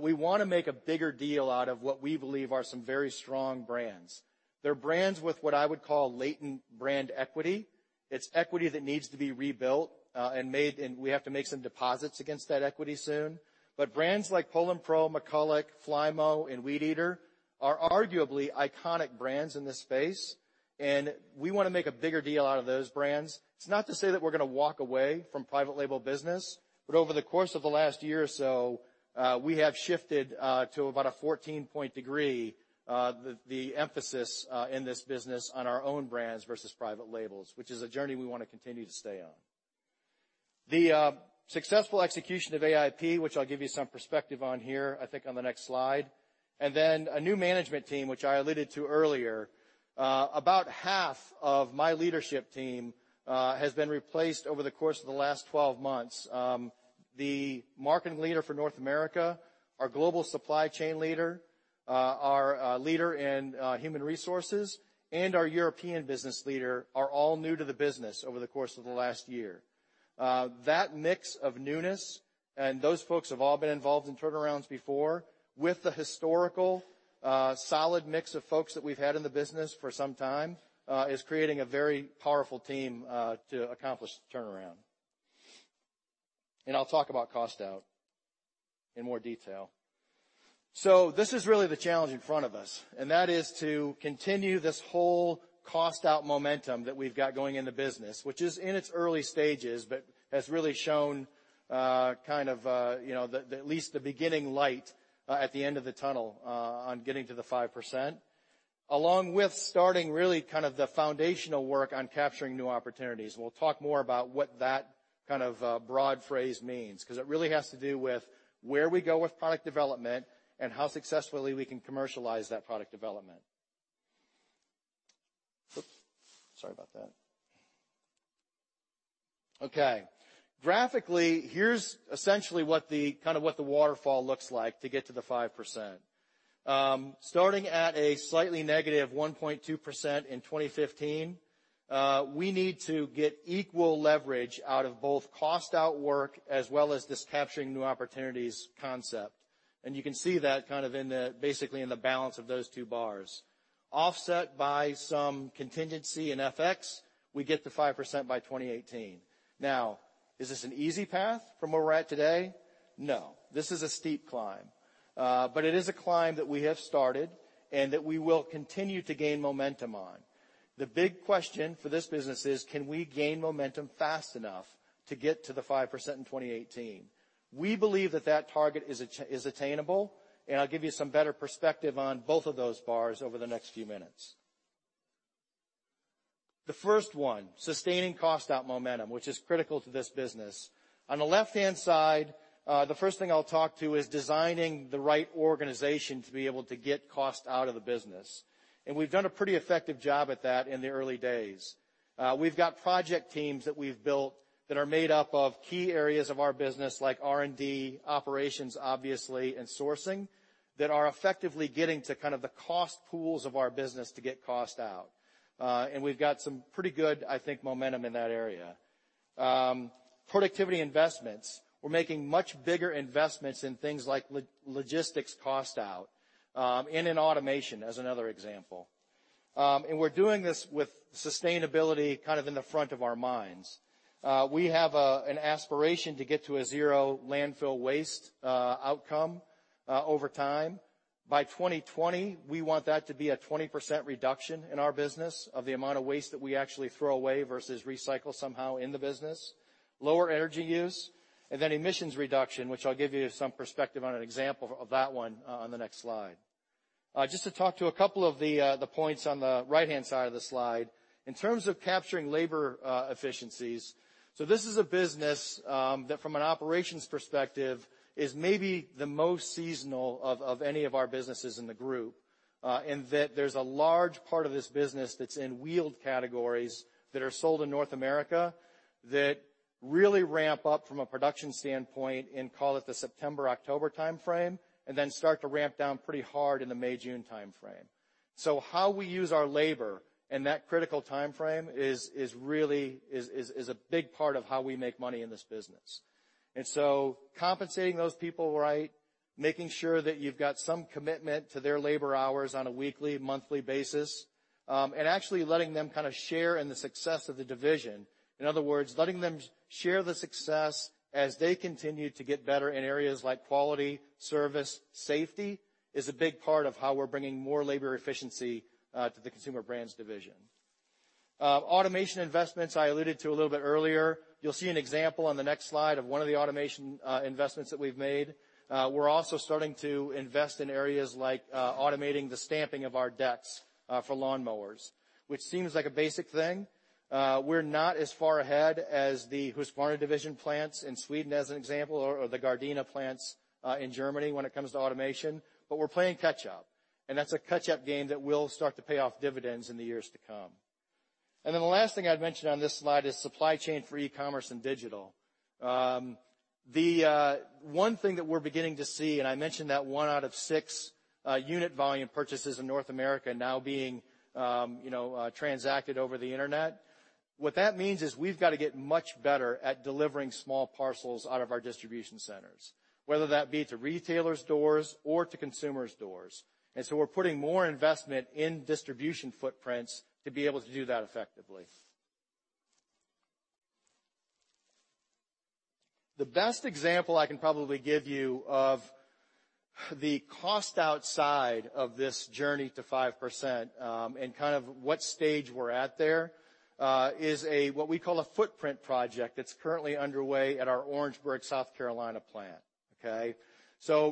We want to make a bigger deal out of what we believe are some very strong brands. They're brands with what I would call latent brand equity. It's equity that needs to be rebuilt, and we have to make some deposits against that equity soon. Brands like Poulan Pro, McCulloch, Flymo, and Weed Eater are arguably iconic brands in this space. We want to make a bigger deal out of those brands. It's not to say that we're going to walk away from private label business, but over the course of the last year or so, we have shifted to about a 14-point degree, the emphasis in this business on our own brands versus private labels, which is a journey we want to continue to stay on. The successful execution of AIP, which I'll give you some perspective on here, I think on the next slide, then a new management team, which I alluded to earlier. About half of my leadership team has been replaced over the course of the last 12 months. The marketing leader for North America, our global supply chain leader, our leader in human resources, and our European business leader are all new to the business over the course of the last year. That mix of newness, and those folks have all been involved in turnarounds before, with the historical solid mix of folks that we've had in the business for some time is creating a very powerful team to accomplish the turnaround. I'll talk about cost-out in more detail. This is really the challenge in front of us, and that is to continue this whole cost-out momentum that we've got going in the business, which is in its early stages, but has really shown at least the beginning light at the end of the tunnel on getting to the 5%, along with starting really the foundational work on capturing new opportunities. We'll talk more about what that broad phrase means, because it really has to do with where we go with product development and how successfully we can commercialize that product development. Oops, sorry about that. Okay. Graphically, here's essentially what the waterfall looks like to get to the 5%. Starting at a slightly negative 1.2% in 2015, we need to get equal leverage out of both cost-out work as well as this capturing new opportunities concept. You can see that basically in the balance of those two bars. Offset by some contingency in FX, we get to 5% by 2018. Is this an easy path from where we're at today? No. This is a steep climb. It is a climb that we have started and that we will continue to gain momentum on. The big question for this business is, can we gain momentum fast enough to get to the 5% in 2018? We believe that that target is attainable, and I'll give you some better perspective on both of those bars over the next few minutes. The first one, sustaining cost-out momentum, which is critical to this business. On the left-hand side, the first thing I'll talk to is designing the right organization to be able to get cost out of the business. We've done a pretty effective job at that in the early days. We've got project teams that we've built that are made up of key areas of our business, like R&D, operations, obviously, and sourcing, that are effectively getting to the cost pools of our business to get cost out. We've got some pretty good, I think, momentum in that area. Productivity investments. We're making much bigger investments in things like logistics cost out and in automation, as another example. We're doing this with sustainability in the front of our minds. We have an aspiration to get to a zero landfill waste outcome over time. By 2020, we want that to be a 20% reduction in our business of the amount of waste that we actually throw away versus recycle somehow in the business. Lower energy use, and then emissions reduction, which I'll give you some perspective on an example of that one on the next slide. To talk to a couple of the points on the right-hand side of the slide. This is a business that from an operations perspective is maybe the most seasonal of any of our businesses in the group, in that there's a large part of this business that's in wheeled categories that are sold in North America that really ramp up from a production standpoint in, call it, the September-October timeframe, and then start to ramp down pretty hard in the May-June timeframe. How we use our labor in that critical timeframe is a big part of how we make money in this business. Compensating those people right, making sure that you've got some commitment to their labor hours on a weekly, monthly basis, and actually letting them share in the success of the division. In other words, letting them share the success as they continue to get better in areas like quality, service, safety, is a big part of how we're bringing more labor efficiency to the Consumer Brands Division. Automation investments I alluded to a little bit earlier. You'll see an example on the next slide of one of the automation investments that we've made. We're also starting to invest in areas like automating the stamping of our decks for lawnmowers, which seems like a basic thing. We're not as far ahead as the Husqvarna Division plants in Sweden, as an example, or the Gardena plants in Germany when it comes to automation, but we're playing catch-up, and that's a catch-up game that will start to pay off dividends in the years to come. The last thing I'd mention on this slide is supply chain for e-commerce and digital. The one thing that we're beginning to see, and I mentioned that one out of six unit volume purchases in North America now being transacted over the internet. What that means is we've got to get much better at delivering small parcels out of our distribution centers, whether that be to retailers' doors or to consumers' doors. We're putting more investment in distribution footprints to be able to do that effectively. The best example I can probably give you of the cost outside of this journey to 5% and what stage we're at there, is what we call a footprint project that's currently underway at our Orangeburg, South Carolina plant.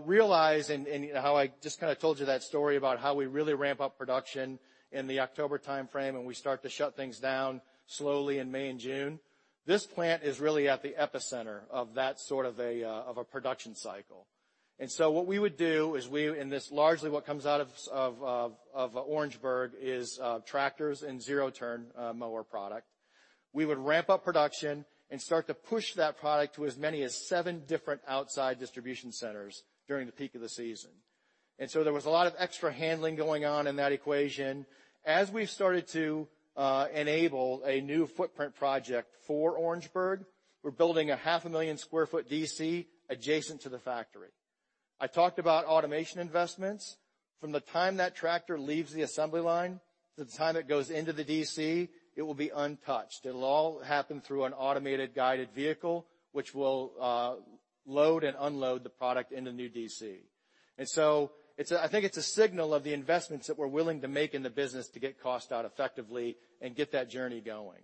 Realize, and how I just kind of told you that story about how we really ramp up production in the October timeframe, and we start to shut things down slowly in May and June. This plant is really at the epicenter of that sort of a production cycle. What we would do is we, in this largely what comes out of Orangeburg is tractors and zero-turn mower product. We would ramp up production and start to push that product to as many as seven different outside distribution centers during the peak of the season. There was a lot of extra handling going on in that equation. As we've started to enable a new footprint project for Orangeburg, we're building a half a million sq ft DC adjacent to the factory. I talked about automation investments. From the time that tractor leaves the assembly line to the time it goes into the DC, it will be untouched. It'll all happen through an automated guided vehicle, which will load and unload the product in the new DC. I think it's a signal of the investments that we're willing to make in the business to get cost out effectively and get that journey going.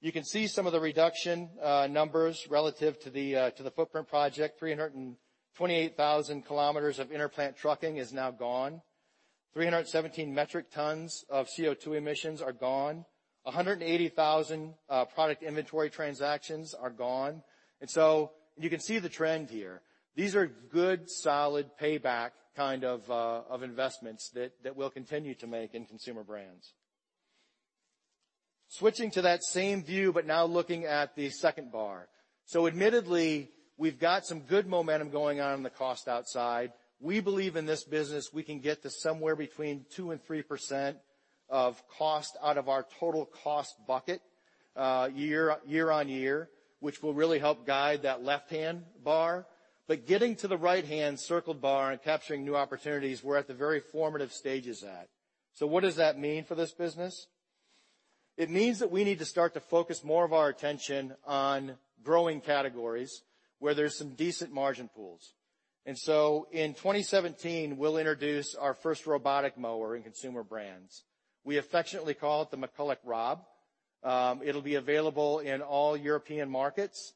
You can see some of the reduction numbers relative to the footprint project, 328,000 km of inter-plant trucking is now gone. 317 metric tons of CO2 emissions are gone. 180,000 product inventory transactions are gone. You can see the trend here. These are good, solid payback kind of investments that we'll continue to make in Consumer Brands. Switching to that same view, now looking at the second bar. Admittedly, we've got some good momentum going on in the cost outside. We believe in this business, we can get to somewhere between 2% and 3% of cost out of our total cost bucket year-on-year, which will really help guide that left-hand bar. Getting to the right-hand circled bar and capturing new opportunities, we're at the very formative stages at. What does that mean for this business? It means that we need to start to focus more of our attention on growing categories where there's some decent margin pools. In 2017, we'll introduce our first robotic mower in Consumer Brands. We affectionately call it the McCulloch ROB. It'll be available in all European markets.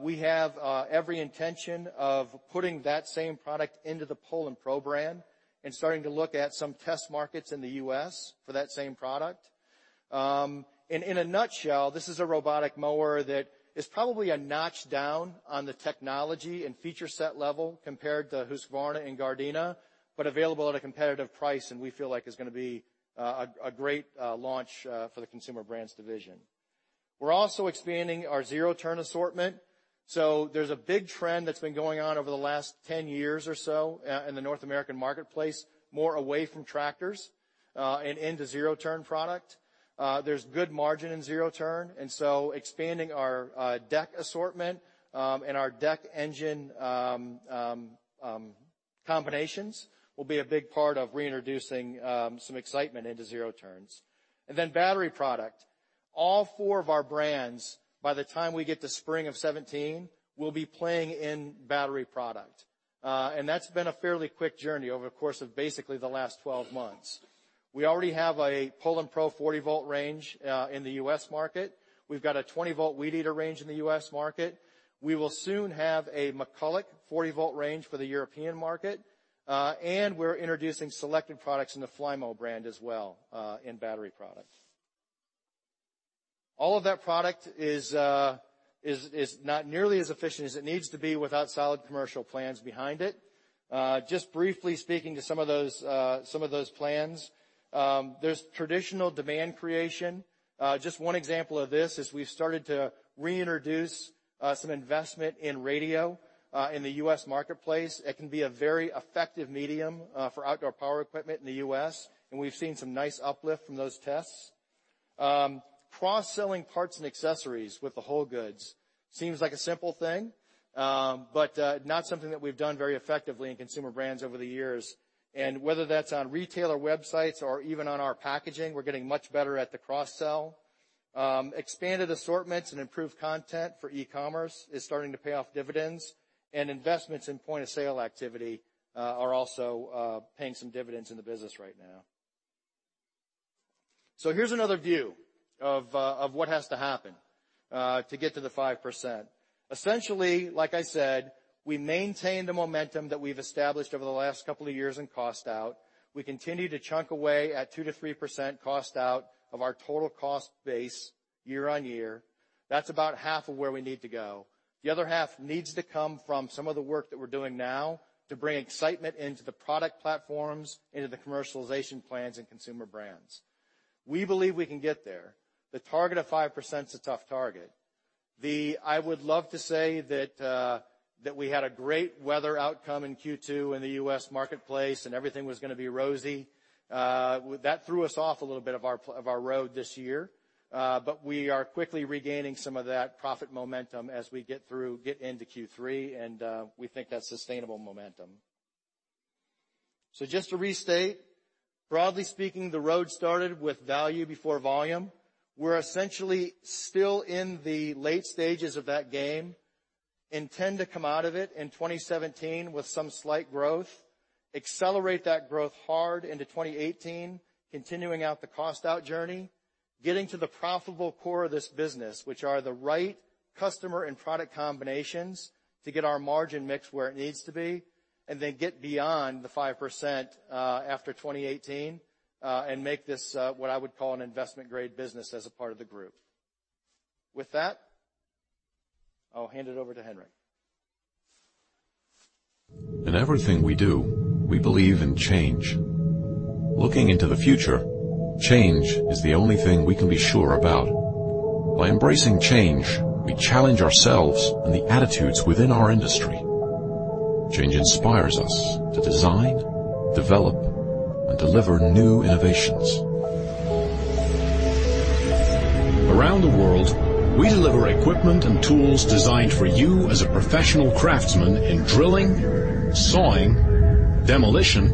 We have every intention of putting that same product into the Poulan Pro brand and starting to look at some test markets in the U.S. for that same product. In a nutshell, this is a robotic mower that is probably a notch down on the technology and feature set level compared to Husqvarna and Gardena, available at a competitive price, and we feel like is going to be a great launch for the Consumer Brands division. We're also expanding our zero-turn assortment. There's a big trend that's been going on over the last 10 years or so in the North American marketplace, more away from tractors, and into zero-turn product. There's good margin in zero-turn, expanding our deck assortment, and our deck engine combinations will be a big part of reintroducing some excitement into zero-turns. Battery product. All four of our brands, by the time we get to spring of 2017, will be playing in battery product. That's been a fairly quick journey over the course of basically the last 12 months. We already have a Poulan Pro 40-volt range in the U.S. market. We've got a 20-volt Weed Eater range in the U.S. market. We will soon have a McCulloch 40-volt range for the European market, and we're introducing selected products in the Flymo brand as well, in battery product. All of that product is not nearly as efficient as it needs to be without solid commercial plans behind it. Just briefly speaking to some of those plans, there's traditional demand creation. Just one example of this is we've started to reintroduce some investment in radio in the U.S. marketplace. It can be a very effective medium for outdoor power equipment in the U.S., and we've seen some nice uplift from those tests. Cross-selling parts and accessories with the whole goods seems like a simple thing, not something that we've done very effectively in Consumer Brands over the years. Whether that's on retailer websites or even on our packaging, we're getting much better at the cross-sell. Expanded assortments and improved content for e-commerce is starting to pay off dividends, and investments in point-of-sale activity are also paying some dividends in the business right now. Here's another view of what has to happen to get to the 5%. Essentially, like I said, we maintain the momentum that we've established over the last couple of years in cost out. We continue to chunk away at 2% to 3% cost out of our total cost base year-on-year. That's about half of where we need to go. The other half needs to come from some of the work that we're doing now to bring excitement into the product platforms, into the commercialization plans, and Consumer Brands. We believe we can get there. The target of 5% is a tough target. I would love to say that we had a great weather outcome in Q2 in the U.S. marketplace, and everything was going to be rosy. That threw us off a little of our road this year. We are quickly regaining some of that profit momentum as we get through, get into Q3, and we think that's sustainable momentum. Just to restate, broadly speaking, the road started with value before volume. We're essentially still in the late stages of that game, intend to come out of it in 2017 with some slight growth, accelerate that growth hard into 2018, continuing out the cost out journey, getting to the profitable core of this business, which are the right customer and product combinations to get our margin mix where it needs to be, and then get beyond the 5% after 2018, and make this what I would call an investment-grade business as a part of the group. With that, I'll hand it over to Henric. In everything we do, we believe in change. Looking into the future, change is the only thing we can be sure about. By embracing change, we challenge ourselves and the attitudes within our industry. Change inspires us to design, develop, and deliver new innovations. Around the world, we deliver equipment and tools designed for you as a professional craftsman in drilling, sawing, demolition,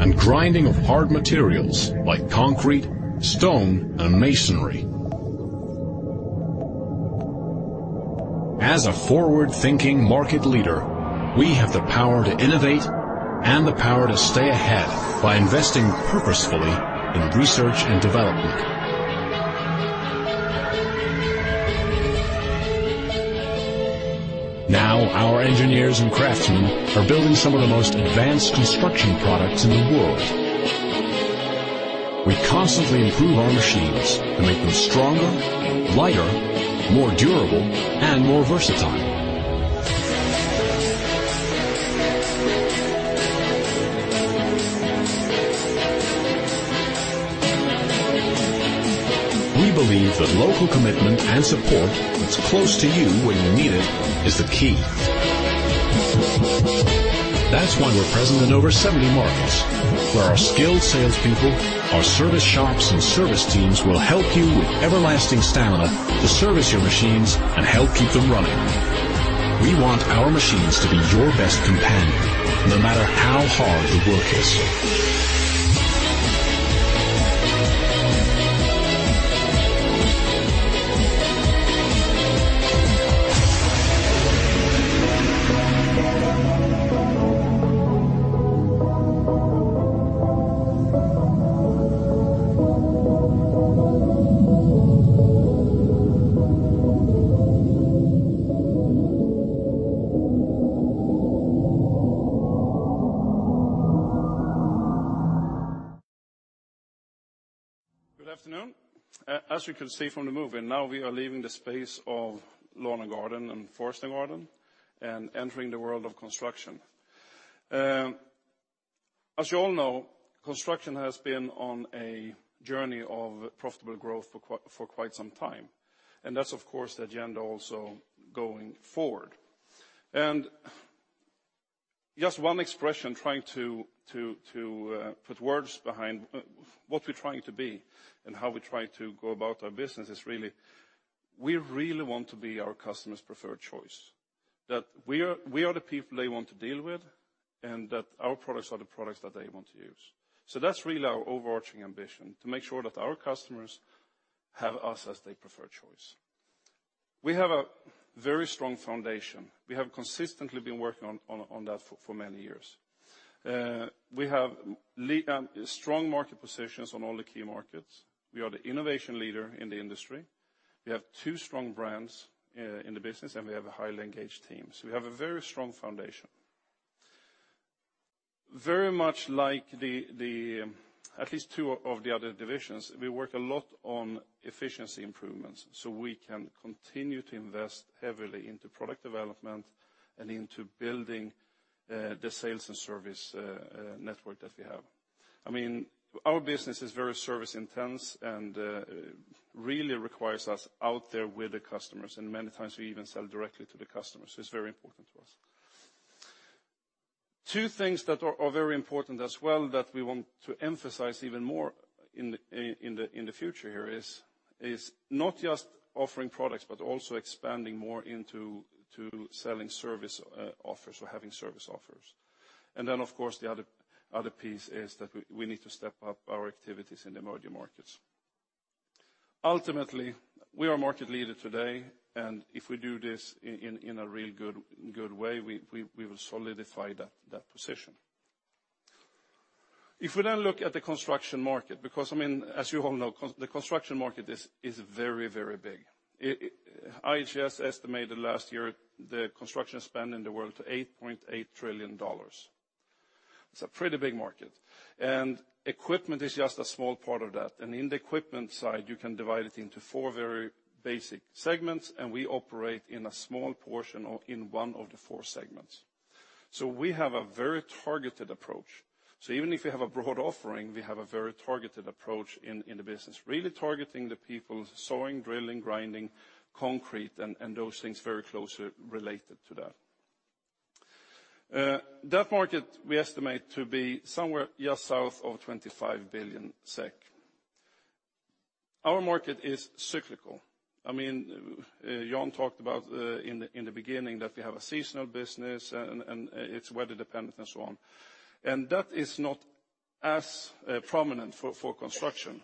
and grinding of hard materials like concrete, stone, and masonry. As a forward-thinking market leader, we have the power to innovate and the power to stay ahead by investing purposefully in research and development. Our engineers and craftsmen are building some of the most advanced construction products in the world. We constantly improve our machines to make them stronger, lighter, more durable, and more versatile. We believe that local commitment and support that's close to you when you need it is the key. That's why we're present in over 70 markets, where our skilled salespeople, our service shops, and service teams will help you with everlasting stamina to service your machines and help keep them running. We want our machines to be your best companion, no matter how hard the work is. Good afternoon. As you can see from the movie, now we are leaving the space of Lawn & Garden and Forest & Garden, entering the world of Construction. As you all know, Construction has been on a journey of profitable growth for quite some time, that's, of course, the agenda also going forward. Just one expression, trying to put words behind what we're trying to be and how we try to go about our business is really, we really want to be our customer's preferred choice. We are the people they want to deal with, that our products are the products that they want to use. That's really our overarching ambition, to make sure that our customers have us as their preferred choice. We have a very strong foundation. We have consistently been working on that for many years. We have strong market positions on all the key markets. We are the innovation leader in the industry. We have two strong brands in the business, we have a highly engaged team. We have a very strong foundation. Very much like at least two of the other divisions, we work a lot on efficiency improvements, we can continue to invest heavily into product development and into building the sales and service network that we have. Our business is very service intense, really requires us out there with the customers, many times we even sell directly to the customers. It's very important to us. Two things that are very important as well that we want to emphasize even more in the future here is not just offering products, but also expanding more into selling service offers or having service offers. Then, of course, the other piece is that we need to step up our activities in emerging markets. Ultimately, we are a market leader today, if we do this in a real good way, we will solidify that position. If we then look at the construction market, as you all know, the construction market is very, very big. IHS estimated last year the construction spend in the world to $8.8 trillion. It's a pretty big market, equipment is just a small part of that. In the equipment side, you can divide it into four very basic segments, we operate in a small portion or in one of the four segments. We have a very targeted approach. Even if we have a broad offering, we have a very targeted approach in the business, really targeting the people, sawing, drilling, grinding, concrete, and those things very closely related to that. That market we estimate to be somewhere just south of 25 billion SEK. Our market is cyclical. Jan talked about in the beginning that we have a seasonal business, and it's weather dependent and so on. That is not as prominent for construction.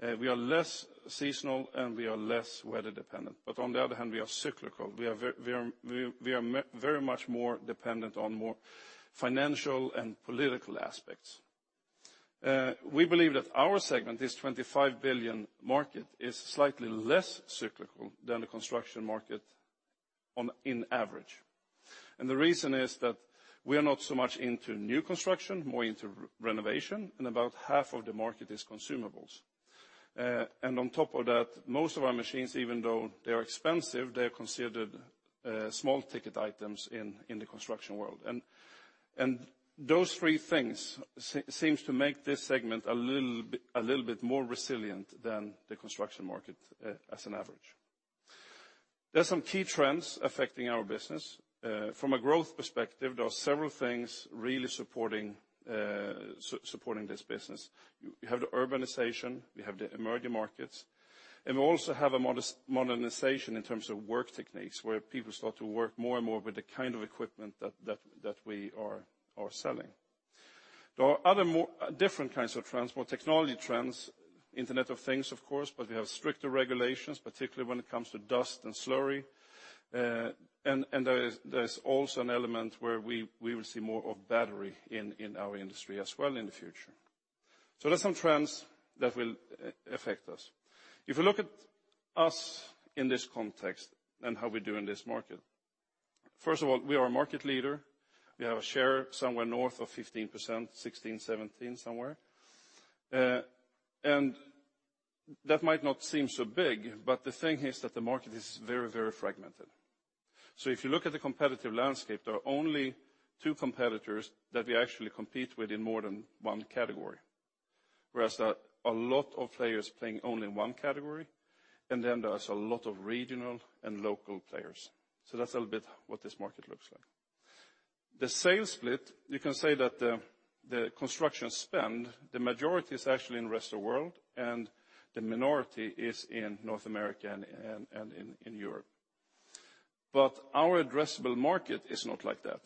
We are less seasonal, we are less weather dependent. On the other hand, we are cyclical. We are very much more dependent on more financial and political aspects. We believe that our segment, this 25 billion market, is slightly less cyclical than the construction market in average. The reason is that we are not so much into new construction, more into renovation, about half of the market is consumables. On top of that, most of our machines, even though they are expensive, they are considered small-ticket items in the construction world. Those three things seem to make this segment a little bit more resilient than the construction market as an average. There's some key trends affecting our business. From a growth perspective, there are several things really supporting this business. We have the urbanization, we have the emerging markets, and we also have a modernization in terms of work techniques where people start to work more and more with the kind of equipment that we are selling. There are other different kinds of trends, more technology trends, Internet of Things, of course, but we have stricter regulations, particularly when it comes to dust and slurry. There's also an element where we will see more of battery in our industry as well in the future. There's some trends that will affect us. If you look at us in this context and how we do in this market, first of all, we are a market leader. We have a share somewhere north of 15%, 16, 17%, somewhere. That might not seem so big, but the thing is that the market is very fragmented. If you look at the competitive landscape, there are only two competitors that we actually compete with in more than one category. Whereas there are a lot of players playing only in one category, and then there's a lot of regional and local players. That's a little bit what this market looks like. The sales split, you can say that the construction spend, the majority is actually in the rest of the world, and the minority is in North America and in Europe. Our addressable market is not like that.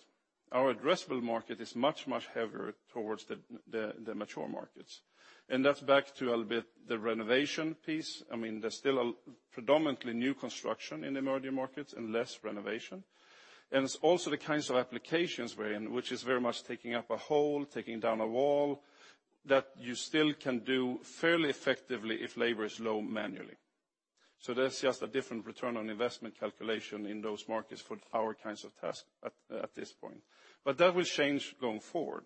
Our addressable market is much, much heavier towards the mature markets. That's back to a little bit the renovation piece. There's still predominantly new construction in emerging markets and less renovation. It's also the kinds of applications we're in, which is very much taking up a hole, taking down a wall, that you still can do fairly effectively if labor is low manually. There's just a different return on investment calculation in those markets for our kinds of tasks at this point. That will change going forward.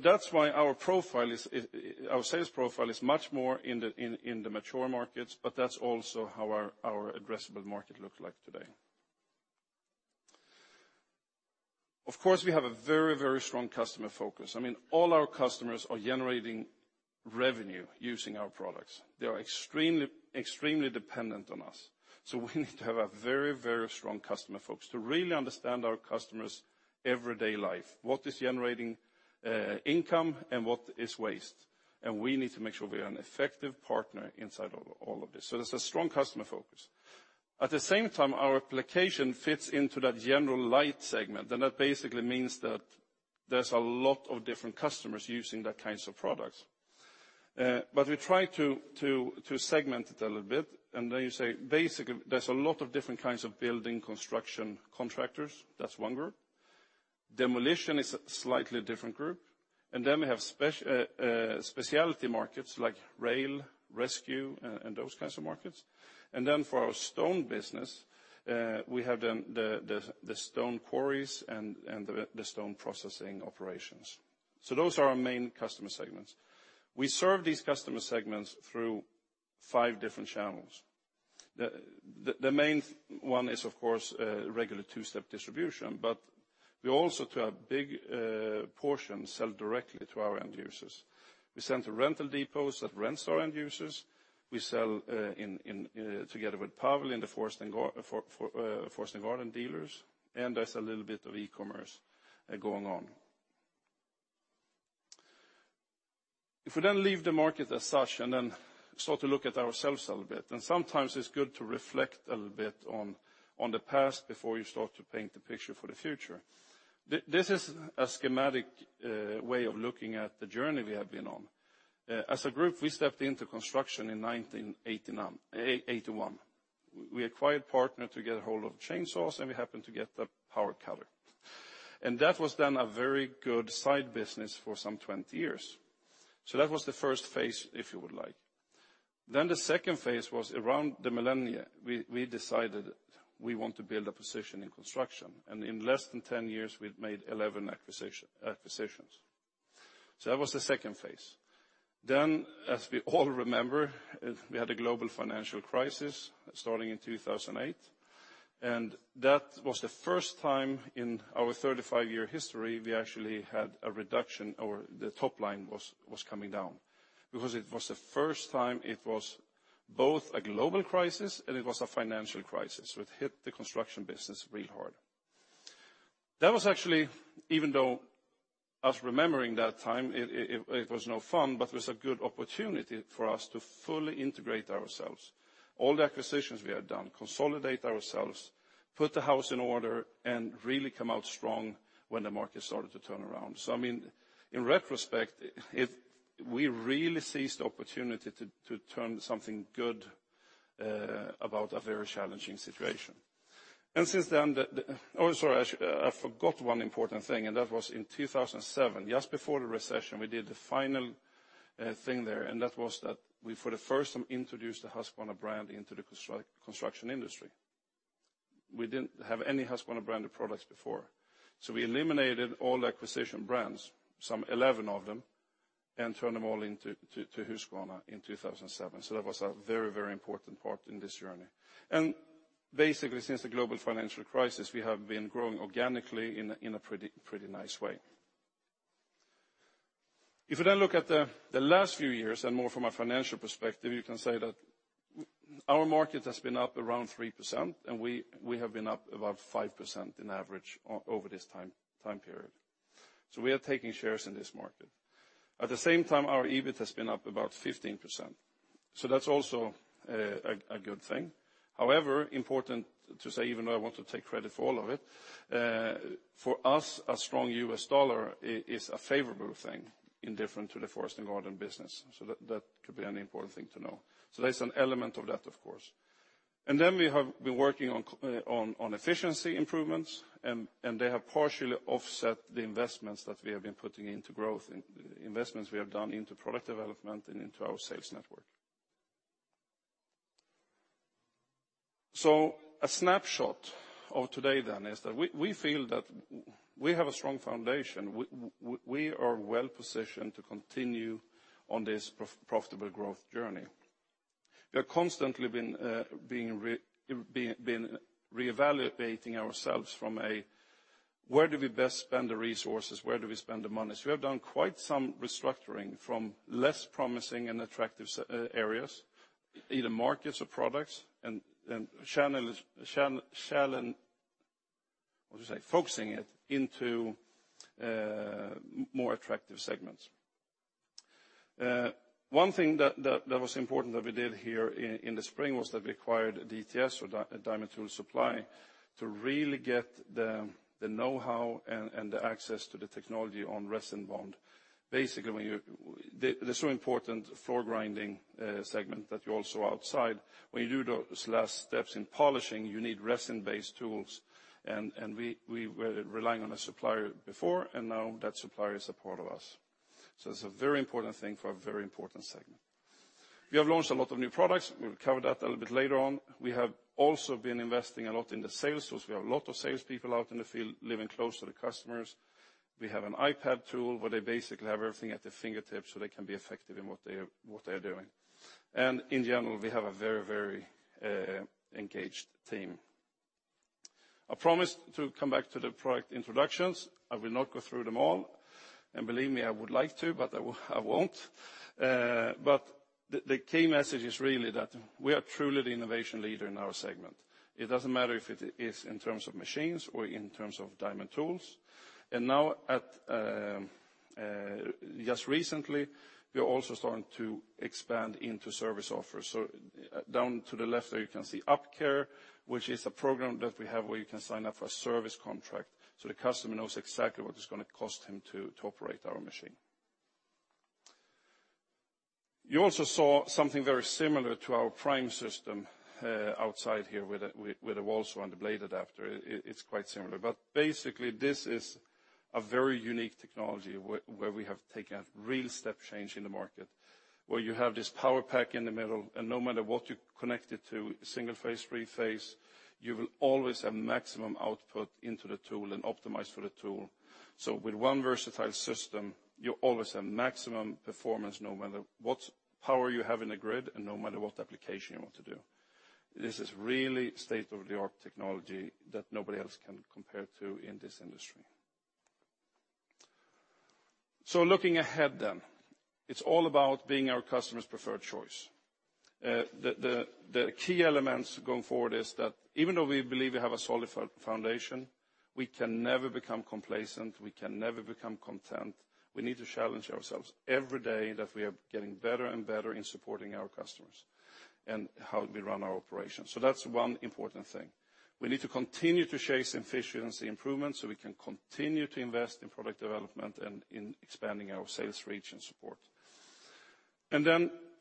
That's why our sales profile is much more in the mature markets, but that's also how our addressable market looks like today. Of course, we have a very strong customer focus. All our customers are generating revenue using our products. They are extremely dependent on us. We need to have a very strong customer focus to really understand our customers' everyday life. What is generating income and what is waste? We need to make sure we are an effective partner inside of all of this. There's a strong customer focus. At the same time, our application fits into that general light segment, and that basically means that there's a lot of different customers using that kinds of products. We try to segment it a little bit, and then you say basically, there's a lot of different kinds of building construction contractors. That's one group. Demolition is a slightly different group. Then we have specialty markets like rail, rescue, and those kinds of markets. Then for our stone business, we have the stone quarries and the stone processing operations. Those are our main customer segments. We serve these customer segments through five different channels. The main one is, of course, regular two-step distribution, but we also do a big portion sell directly to our end users. We sell to rental depots that rents to our end users. We sell together with Pavel in the forest and garden dealers, and there's a little bit of e-commerce going on. If we leave the market as such and start to look at ourselves a little bit, and sometimes it's good to reflect a little bit on the past before you start to paint the picture for the future. This is a schematic way of looking at the journey we have been on. As a group, we stepped into Construction in 1981. We acquired Partner to get a hold of chainsaws, and we happened to get the power cutter. That was then a very good side business for some 20 years. That was the first phase, if you would like. The second phase was around the millennium, we decided we want to build a position in Construction, and in less than 10 years, we've made 11 acquisitions. That was the second phase. As we all remember, we had a global financial crisis starting in 2008, and that was the first time in our 35-year history, we actually had a reduction, or the top line was coming down. Because it was the first time it was both a global crisis and it was a financial crisis, so it hit the Construction business really hard. That was actually, even though us remembering that time, it was no fun, but it was a good opportunity for us to fully integrate ourselves, all the acquisitions we had done, consolidate ourselves, put the house in order, and really come out strong when the market started to turn around. In retrospect, we really seized the opportunity to turn something good about a very challenging situation. Oh, sorry, I forgot one important thing. That was in 2007, just before the recession, we did the final thing there. We for the first time introduced the Husqvarna brand into the Construction industry. We didn't have any Husqvarna branded products before, so we eliminated all the acquisition brands, some 11 of them, and turned them all into Husqvarna in 2007. That was a very important part in this journey. Basically, since the global financial crisis, we have been growing organically in a pretty nice way. If we look at the last few years and more from a financial perspective, you can say that our market has been up around 3%, and we have been up about 5% in average over this time period. We are taking shares in this market. At the same time, our EBIT has been up about 15%, so that's also a good thing. However, important to say, even though I want to take credit for all of it, for us, a strong U.S. dollar is a favorable thing in different to the Husqvarna Division business. That could be an important thing to know. There's an element of that, of course. We have been working on efficiency improvements, and they have partially offset the investments that we have been putting into growth, investments we have done into product development and into our sales network. A snapshot of today then is that we feel that we have a strong foundation. We are well-positioned to continue on this profitable growth journey. We are constantly been reevaluating ourselves from a where do we best spend the resources? Where do we spend the money? We have done quite some restructuring from less promising and attractive areas, either markets or products, and channel, what do you say, focusing it into more attractive segments. One thing that was important that we did here in the spring was that we acquired DTS or Diamond Tool Supply to really get the knowhow and the access to the technology on resin bond. Basically, this so important floor grinding segment that you also outside, when you do those last steps in polishing, you need resin-based tools, and we were relying on a supplier before, and now that supplier is a part of us. It's a very important thing for a very important segment. We have launched a lot of new products. We'll cover that a little bit later on. We have also been investing a lot in the sales force. We have a lot of sales people out in the field living close to the customers. We have an iPad tool where they basically have everything at their fingertips, so they can be effective in what they are doing. In general, we have a very engaged team. I promised to come back to the product introductions. I will not go through them all. Believe me, I would like to, but I won't. The key message is really that we are truly the innovation leader in our segment. It doesn't matter if it is in terms of machines or in terms of diamond tools. Now just recently, we are also starting to expand into service offers. Down to the left there, you can see UpCare, which is a program that we have where you can sign up for a service contract, so the customer knows exactly what it's going to cost him to operate our machine. You also saw something very similar to our PRIME system, outside here with a wall saw and the blade adapter. It's quite similar. Basically, this is a very unique technology where we have taken a real step change in the market, where you have this power pack in the middle, and no matter what you connect it to, single phase, three phase, you will always have maximum output into the tool and optimized for the tool. With one versatile system, you always have maximum performance no matter what power you have in the grid and no matter what application you want to do. This is really state-of-the-art technology that nobody else can compare to in this industry. Looking ahead then, it's all about being our customer's preferred choice. The key elements going forward is that even though we believe we have a solid foundation, we can never become complacent. We can never become content. We need to challenge ourselves every day that we are getting better and better in supporting our customers and how we run our operations. That's one important thing. We need to continue to chase efficiency improvements, so we can continue to invest in product development and in expanding our sales reach and support.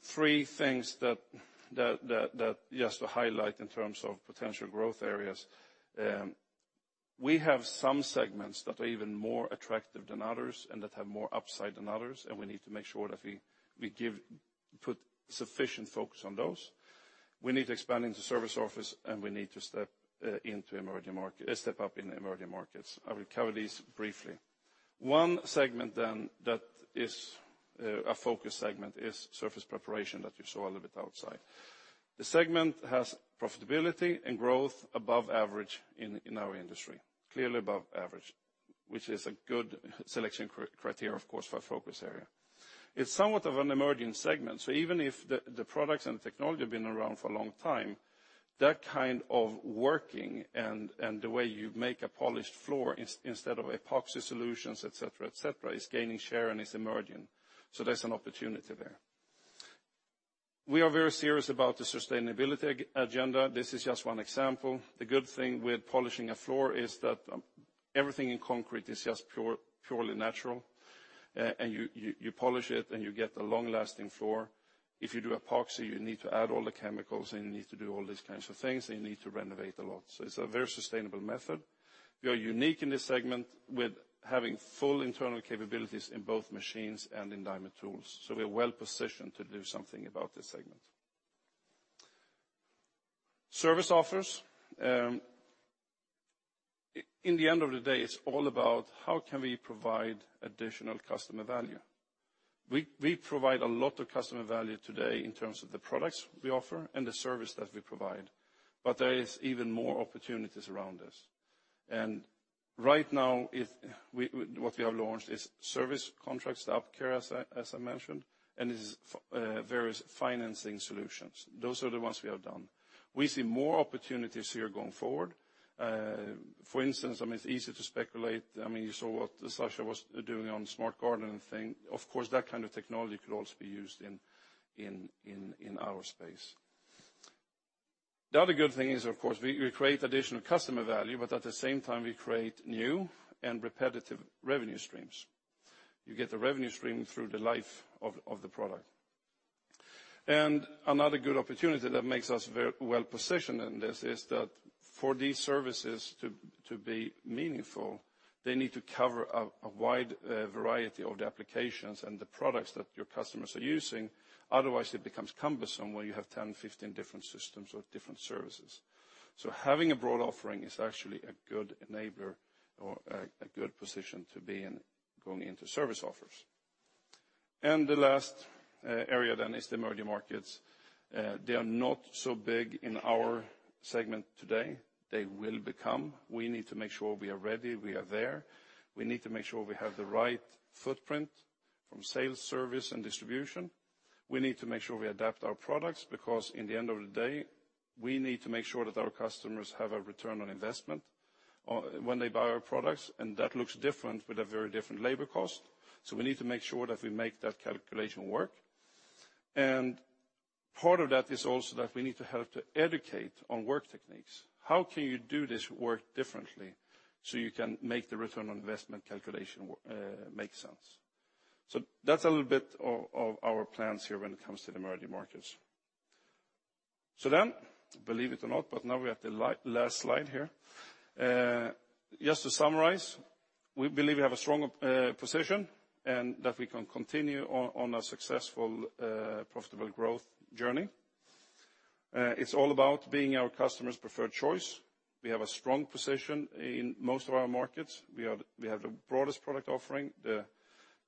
Three things that just to highlight in terms of potential growth areas, we have some segments that are even more attractive than others and that have more upside than others, and we need to make sure that we put sufficient focus on those. We need to expand into service offers, and we need to step up in emerging markets. I will cover these briefly. One segment that is a focus segment is surface preparation that you saw a little bit outside. The segment has profitability and growth above average in our industry, clearly above average. Which is a good selection criteria, of course, for our focus area. It's somewhat of an emerging segment, so even if the products and technology have been around for a long time, that kind of working and the way you make a polished floor instead of epoxy solutions, et cetera, is gaining share and is emerging. There's an opportunity there. We are very serious about the sustainability agenda. This is just one example. The good thing with polishing a floor is that everything in concrete is just purely natural, and you polish it, and you get a long-lasting floor. If you do epoxy, you need to add all the chemicals, and you need to do all these kinds of things, and you need to renovate a lot. It's a very sustainable method. We are unique in this segment with having full internal capabilities in both machines and in diamond tools. We are well-positioned to do something about this segment. Service offers. In the end of the day, it's all about how can we provide additional customer value. We provide a lot of customer value today in terms of the products we offer and the service that we provide, but there is even more opportunities around us. Right now, what we have launched is service contracts, the UpCare, as I mentioned, and various financing solutions. Those are the ones we have done. We see more opportunities here going forward. For instance, it's easy to speculate. You saw what Sascha was doing on the Smart Garden thing. Of course, that kind of technology could also be used in our space. The other good thing is, of course, we create additional customer value, but at the same time, we create new and repetitive revenue streams. You get the revenue stream through the life of the product. Another good opportunity that makes us well-positioned in this is that for these services to be meaningful, they need to cover a wide variety of the applications and the products that your customers are using. Otherwise, it becomes cumbersome where you have 10, 15 different systems or different services. Having a broad offering is actually a good enabler or a good position to be in going into service offers. The last area is the emerging markets. They are not so big in our segment today. They will become. We need to make sure we are ready, we are there. We need to make sure we have the right footprint from sales, service, and distribution. We need to make sure we adapt our products, because in the end of the day, we need to make sure that our customers have a return on investment when they buy our products, and that looks different with a very different labor cost. We need to make sure that we make that calculation work. Part of that is also that we need to help to educate on work techniques. How can you do this work differently so you can make the return on investment calculation make sense? That's a little bit of our plans here when it comes to the emerging markets. Believe it or not, now we're at the last slide here. Just to summarize, we believe we have a strong position, that we can continue on a successful, profitable growth journey. It's all about being our customer's preferred choice. We have a strong position in most of our markets. We have the broadest product offering.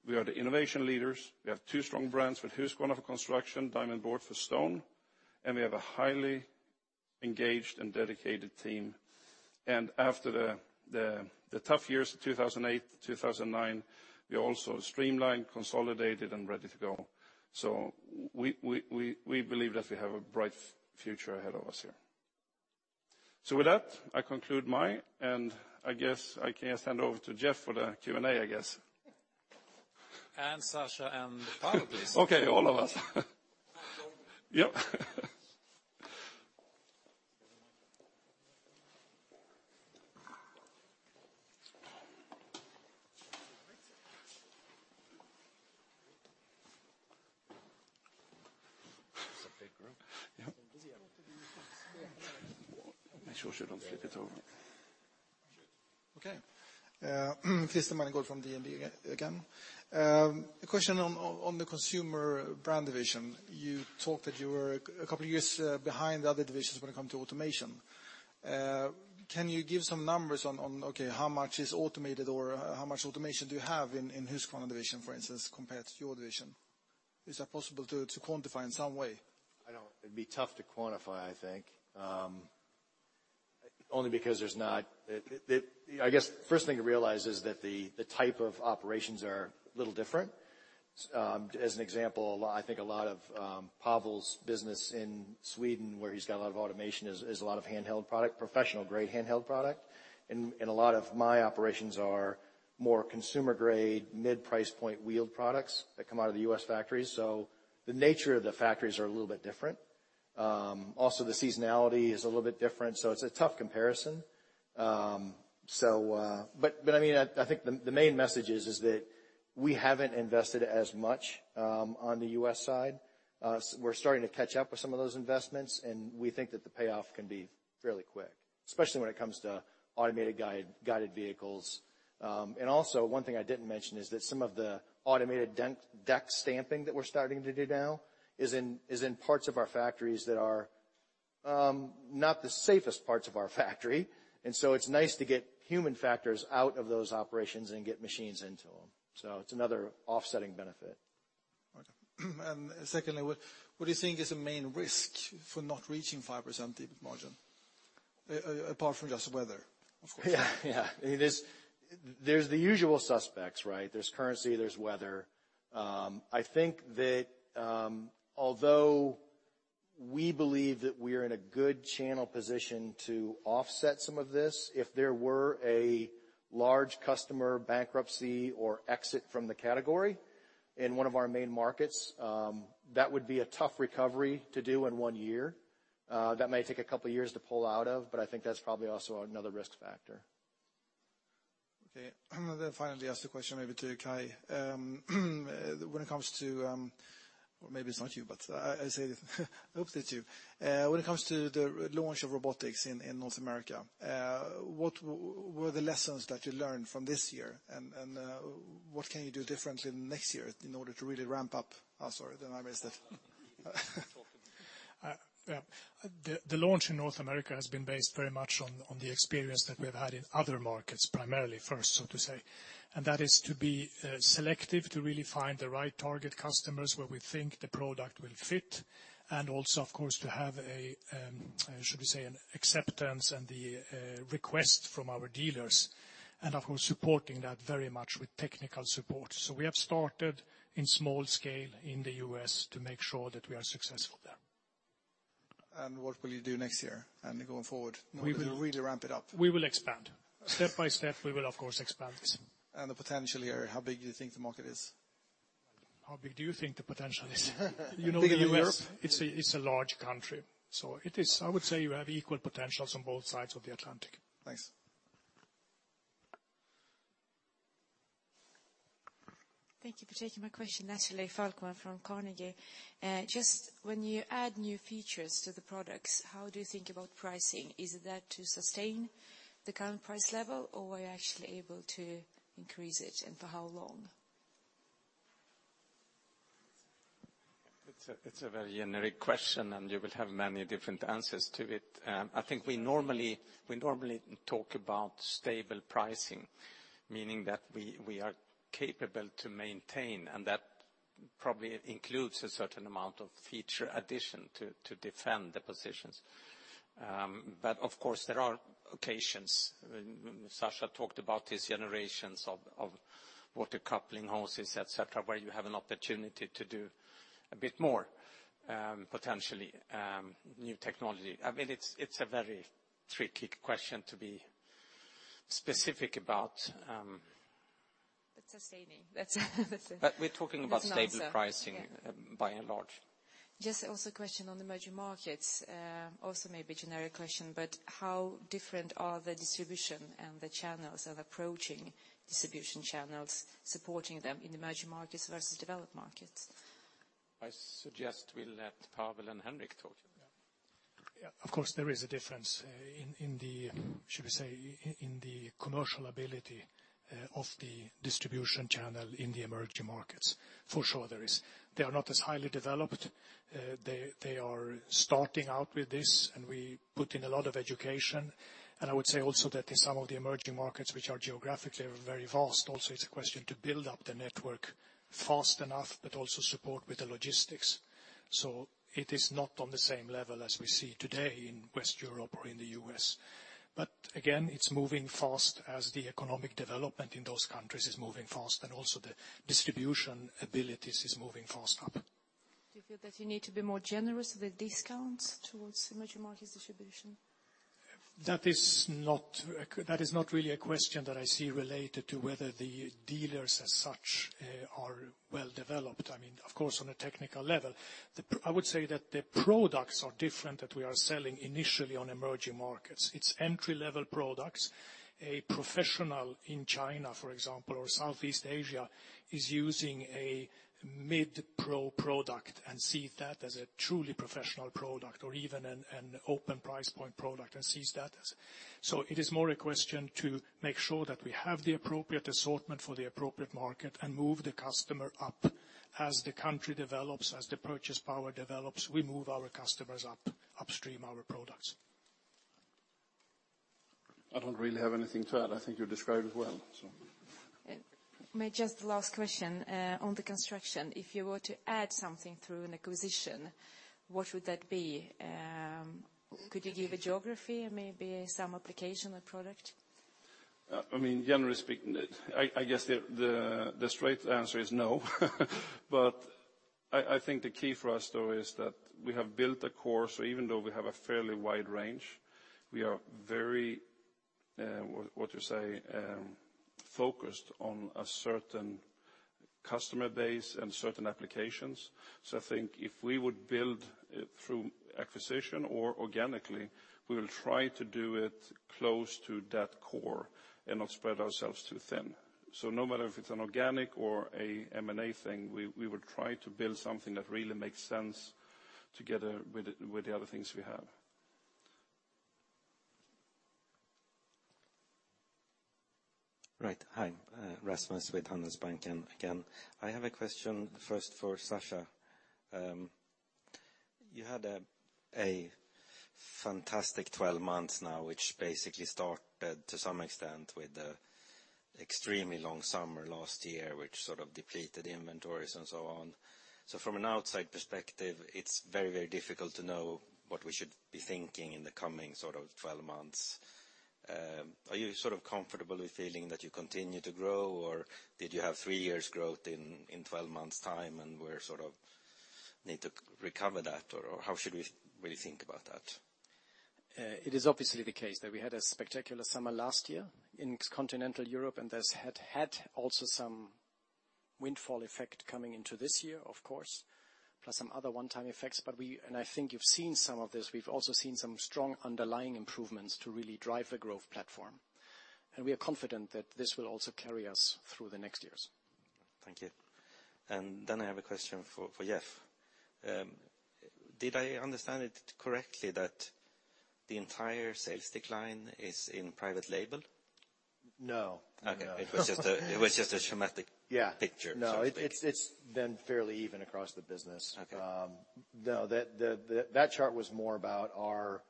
We are the innovation leaders. We have two strong brands with Husqvarna for Construction, Diamant Boart for Stone, we have a highly engaged and dedicated team. After the tough years of 2008-2009, we also streamlined, consolidated, and ready to go. We believe that we have a bright future ahead of us here. With that, I conclude my, I guess I can hand over to Jeff for the Q&A, I guess. Sascha and Pavel. Okay, all of us. Tommy. Yep. It's a big group. Yep. Busy. Make sure she don't flip it over. Okay. Christer Magnergård from DNB again. A question on the Consumer Brands Division. You talked that you were a couple of years behind the other divisions when it come to automation. Can you give some numbers on, okay, how much is automated or how much automation do you have in Husqvarna Division, for instance, compared to your division? Is that possible to quantify in some way? It'd be tough to quantify, I think. Only because I guess first thing to realize is that the type of operations are a little different. As an example, I think a lot of Pavel's business in Sweden, where he's got a lot of automation, is a lot of handheld product, professional-grade handheld product. A lot of my operations are more consumer grade, mid-price point wheeled products that come out of the U.S. factories. The nature of the factories are a little bit different. Also, the seasonality is a little bit different, so it's a tough comparison. I think the main message is that we haven't invested as much on the U.S. side. We're starting to catch up with some of those investments, and we think that the payoff can be fairly quick, especially when it comes to automated guided vehicles. Also, one thing I didn't mention is that some of the automated deck stamping that we're starting to do now is in parts of our factories that are not the safest parts of our factory, and so it's nice to get human factors out of those operations and get machines into them. It's another offsetting benefit. Secondly, what do you think is the main risk for not reaching 5% EBIT margin, apart from just weather, of course? Yeah. There's the usual suspects, right? There's currency, there's weather. I think that although we believe that we are in a good channel position to offset some of this, if there were a large customer bankruptcy or exit from the category in one of our main markets, that would be a tough recovery to do in one year. That may take a couple of years to pull out of, but I think that's probably also another risk factor. Okay. I'm going to finally ask the question maybe to Kai. Or maybe it's not you, but I hope it's you. When it comes to the launch of robotics in North America, what were the lessons that you learned from this year, and what can you do differently next year in order to really ramp up? Oh, sorry, I missed it. Yeah. The launch in North America has been based very much on the experience that we have had in other markets, primarily first, so to say, and that is to be selective, to really find the right target customers where we think the product will fit, and also, of course, to have, should we say, an acceptance and the request from our dealers. Of course, supporting that very much with technical support. We have started in small scale in the U.S. to make sure that we are successful there. What will you do next year and going forward to really ramp it up? We will expand. Step by step, we will, of course, expand this. The potential here, how big do you think the market is? How big do you think the potential is? You know the U.S. Bigger than Europe? It's a large country. I would say you have equal potentials on both sides of the Atlantic. Thanks. Thank you for taking my question. Natalie Falkman from Carnegie. Just when you add new features to the products, how do you think about pricing? Is it there to sustain the current price level, or are you actually able to increase it, and for how long? It's a very generic question. You will have many different answers to it. I think we normally talk about stable pricing, meaning that we are capable to maintain, and that probably includes a certain amount of feature addition to defend the positions. Of course, there are occasions, Sascha talked about his generations of water coupling hoses, et cetera, where you have an opportunity to do a bit more, potentially, new technology. It's a very tricky question to be specific about. It's the same. We're talking about stable pricing. Yeah By and large. Just also a question on the emerging markets. Also maybe a generic question, but how different are the distribution and the channels of approaching distribution channels, supporting them in emerging markets versus developed markets? I suggest we let Pavel and Henric talk. Yeah. Of course, there is a difference in the, should we say, commercial ability of the distribution channel in the emerging markets. For sure, there is. They are not as highly developed. They are starting out with this, and we put in a lot of education. I would say also that in some of the emerging markets, which are geographically very vast, also, it's a question to build up the network fast enough, but also support with the logistics. It is not on the same level as we see today in West Europe or in the U.S. Again, it's moving fast as the economic development in those countries is moving fast, and also the distribution abilities is moving fast up. Do you feel that you need to be more generous with discounts towards emerging markets distribution? That is not really a question that I see related to whether the dealers as such are well developed. Of course, on a technical level. I would say that the products are different that we are selling initially on emerging markets. It's entry-level products. A professional in China, for example, or Southeast Asia, is using a mid-pro product and see that as a truly professional product or even an open price point product. It is more a question to make sure that we have the appropriate assortment for the appropriate market and move the customer up as the country develops, as the purchase power develops, we move our customers upstream our products. I don't really have anything to add. I think you described it well. Last question on the Construction. If you were to add something through an acquisition, what would that be? Could you give a geography, maybe some application or product? Generally speaking, I guess the straight answer is no. I think the key for us, though, is that we have built a core. Even though we have a fairly wide range, we are very, what you say, focused on a certain customer base and certain applications. I think if we would build through acquisition or organically, we will try to do it close to that core and not spread ourselves too thin. No matter if it's an organic or a M&A thing, we would try to build something that really makes sense together with the other things we have. Right. Hi, Rasmus with Handelsbanken again. I have a question first for Sascha. You had a fantastic 12 months now, which basically started, to some extent, with the extremely long summer last year, which depleted inventories and so on. From an outside perspective, it's very difficult to know what we should be thinking in the coming 12 months. Are you comfortable with feeling that you continue to grow, or did you have three years growth in 12 months time, and we're sort of need to recover that? How should we really think about that? It is obviously the case that we had a spectacular summer last year in continental Europe, this had also some windfall effect coming into this year, of course, plus some other one-time effects. We, and I think you've seen some of this, we've also seen some strong underlying improvements to really drive the growth platform. We are confident that this will also carry us through the next years. Thank you. Then I have a question for Jeff. Did I understand it correctly that the entire sales decline is in private label? No. Okay. It was just a Yeah picture. No. It's been fairly even across the business. Okay. No. That chart was more about our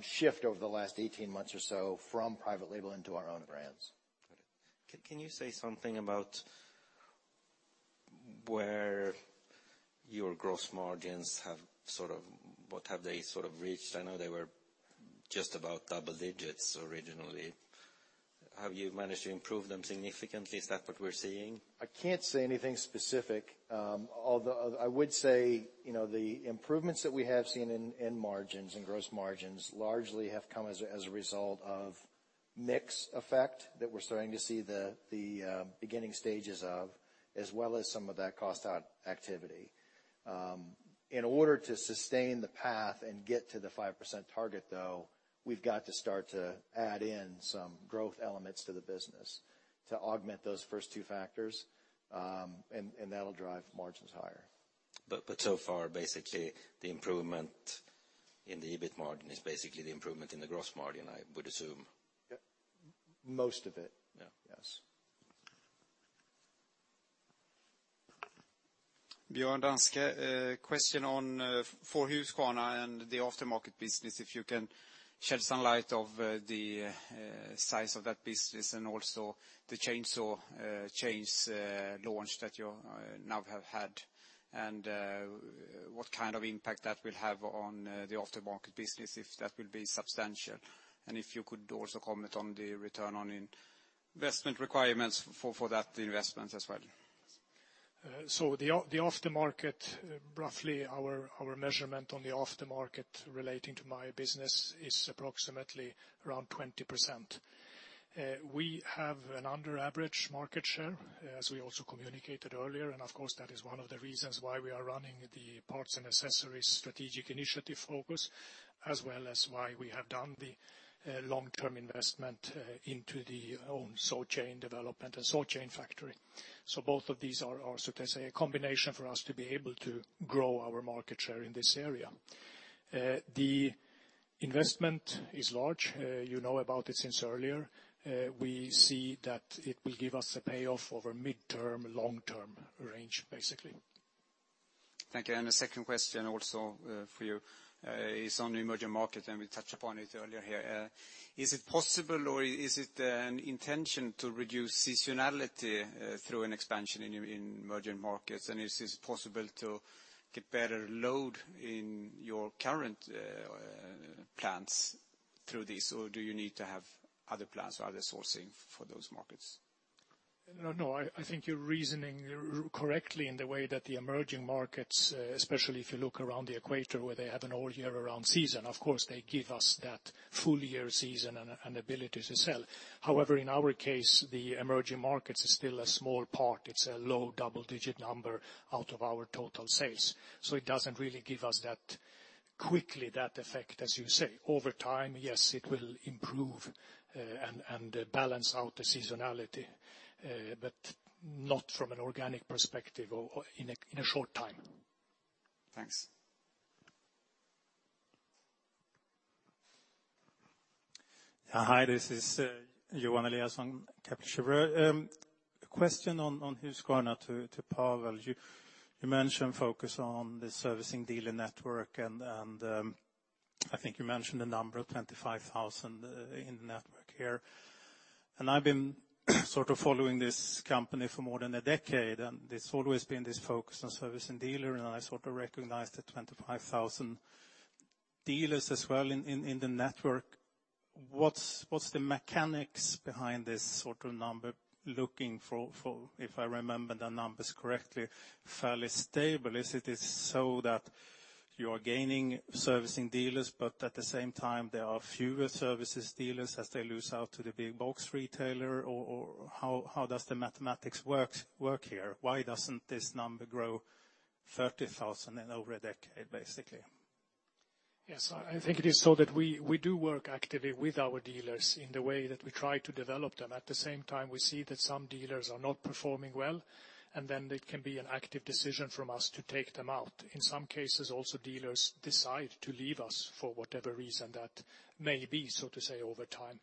shift over the last 18 months or so from private label into our own brands. Got it. Can you say something about where your gross margins? What have they reached? I know they were just about double digits originally. Have you managed to improve them significantly? Is that what we're seeing? I can't say anything specific. Although I would say, the improvements that we have seen in margins and gross margins largely have come as a result of mix effect that we're starting to see the beginning stages of, as well as some of that cost out activity. In order to sustain the path and get to the 5% target, though, we've got to start to add in some growth elements to the business to augment those first two factors, and that'll drive margins higher. So far, basically, the improvement in the EBIT margin is basically the improvement in the gross margin, I would assume. Yep. Most of it. Yeah. Yes. Björn Danske. Question on, for Husqvarna and the aftermarket business, if you can shed some light of the size of that business and also the chainsaw chains launch that you now have had, what kind of impact that will have on the aftermarket business, if that will be substantial. If you could also comment on the return on investment requirements for that investment as well. The aftermarket, roughly our measurement on the aftermarket relating to my business is approximately around 20%. We have an under average market share, as we also communicated earlier, of course, that is one of the reasons why we are running the parts and accessories strategic initiative focus, as well as why we have done the long-term investment into the own saw chain development and saw chain factory. Both of these are a combination for us to be able to grow our market share in this area. The investment is large. You know about it since earlier. We see that it will give us a payoff over mid-term, long-term range, basically. Thank you. The second question also for you is on emerging market, we touched upon it earlier here. Is it possible, or is it an intention to reduce seasonality through an expansion in emerging markets? Is this possible to get better load in your current plants through this, or do you need to have other plans or other sourcing for those markets? I think you're reasoning correctly in the way that the emerging markets, especially if you look around the equator where they have an all year round season, of course, they give us that full year season and ability to sell. However, in our case, the emerging markets is still a small part. It's a low double digit number out of our total sales. It doesn't really give us that quickly, that effect, as you say. Over time, yes, it will improve and balance out the seasonality, but not from an organic perspective or in a short time. Thanks. Hi, this is Johan Eliason. Question on Husqvarna to Pavel. You mentioned focus on the servicing dealer network, and I think you mentioned the number of 25,000 in the network here. I've been following this company for more than a decade, and there's always been this focus on servicing dealer, and I recognize the 25,000 dealers as well in the network. What's the mechanics behind this sort of number looking for, if I remember the numbers correctly, fairly stable? Is it is so that you are gaining servicing dealers, but at the same time, there are fewer services dealers as they lose out to the big box retailer? Or how does the mathematics work here? Why doesn't this number grow 30,000 in over a decade, basically? I think it is so that we do work actively with our dealers in the way that we try to develop them. At the same time, we see that some dealers are not performing well, and then it can be an active decision from us to take them out. In some cases, also, dealers decide to leave us for whatever reason that may be, so to say, over time.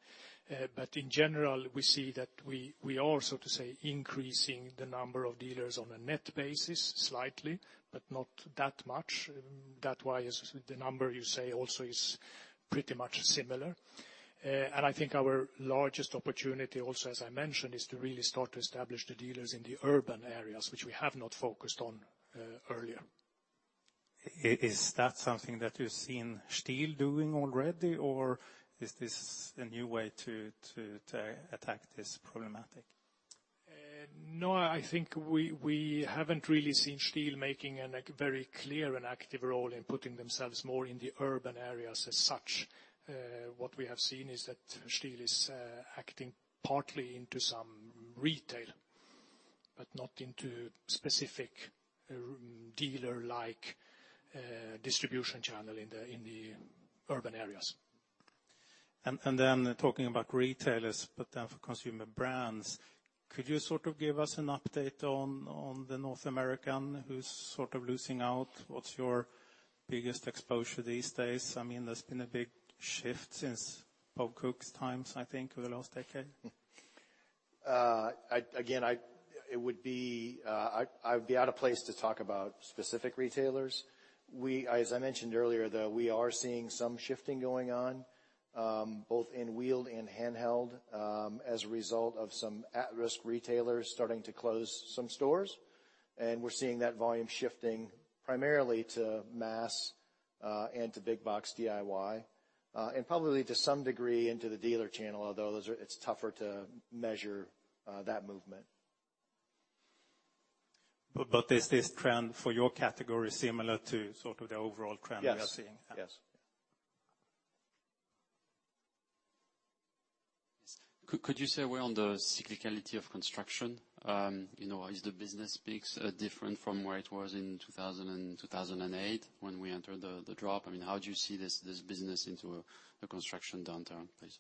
In general, we see that we are, so to say, increasing the number of dealers on a net basis slightly, but not that much. That why is the number you say also is pretty much similar. I think our largest opportunity also, as I mentioned, is to really start to establish the dealers in the urban areas, which we have not focused on earlier. Is that something that you've seen Stihl doing already, or is this a new way to attack this problematic? I think we haven't really seen Stihl making a very clear and active role in putting themselves more in the urban areas as such. What we have seen is that Stihl is acting partly into some retail, but not into specific dealer-like distribution channel in the urban areas. Talking about retailers, for Consumer Brands, could you give us an update on the North American who's sort of losing out? What's your biggest exposure these days? There's been a big shift since Bob Cooke's times, I think, over the last decade. Again, I'd be out of place to talk about specific retailers. As I mentioned earlier, though, we are seeing some shifting going on, both in wheeled and handheld, as a result of some at-risk retailers starting to close some stores. We're seeing that volume shifting primarily to mass and to big box DIY, and probably to some degree into the dealer channel, although it's tougher to measure that movement. Is this trend for your category similar to sort of the overall trend we are seeing? Yes. Could you say where on the cyclicality of construction? Is the business peaks different from where it was in 2008 when we entered the drop? How do you see this business into a construction downturn, please?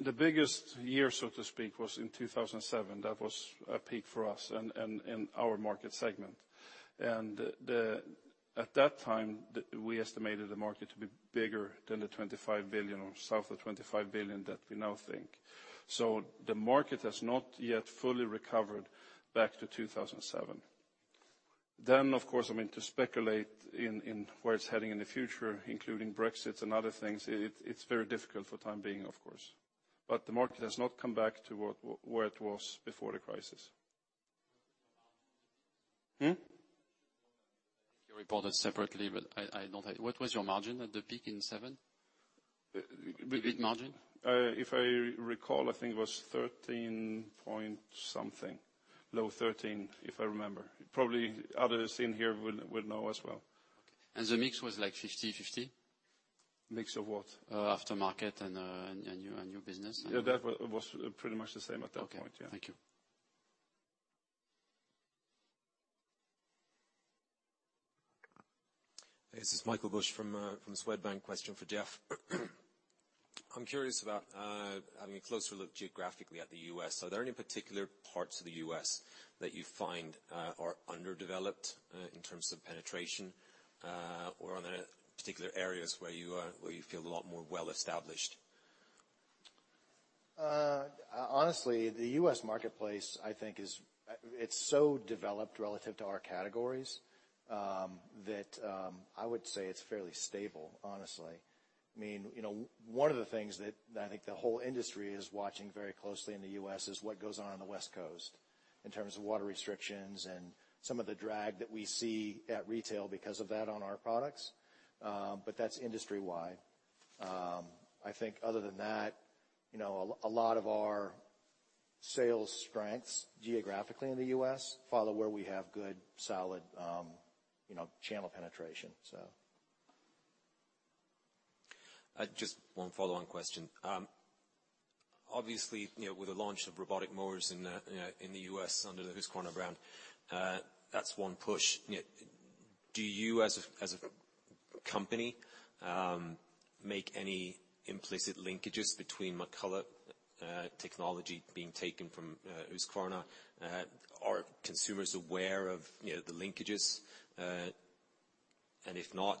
The biggest year, so to speak, was in 2007. That was a peak for us in our market segment. At that time, we estimated the market to be bigger than the 25 billion or south of 25 billion that we now think. The market has not yet fully recovered back to 2007. Of course, to speculate in where it's heading in the future, including Brexit and other things, it's very difficult for time being, of course. The market has not come back to where it was before the crisis. You reported separately. What was your margin at the peak in 2007? Margin? If I recall, I think it was 13 point something, low 13, if I remember. Probably others in here would know as well. The mix was like 50/50? Mix of what? Aftermarket and new business. Yeah, that was pretty much the same at that point, yeah. Okay. Thank you. This is Michael Bush from Swedbank. Question for Jeff. I'm curious about having a closer look geographically at the U.S. Are there any particular parts of the U.S. that you find are underdeveloped in terms of penetration, or are there particular areas where you feel a lot more well established? Honestly, the U.S. marketplace, I think it's so developed relative to our categories, that I would say it's fairly stable, honestly. One of the things that I think the whole industry is watching very closely in the U.S. is what goes on in the West Coast in terms of water restrictions and some of the drag that we see at retail because of that on our products, but that's industry-wide. I think other than that, a lot of our sales strengths geographically in the U.S. follow where we have good, solid channel penetration. Just one follow-on question. Obviously, with the launch of robotic mowers in the U.S. under the Husqvarna brand, that's one push. Do you as a company, make any implicit linkages between McCulloch technology being taken from Husqvarna? Are consumers aware of the linkages? If not,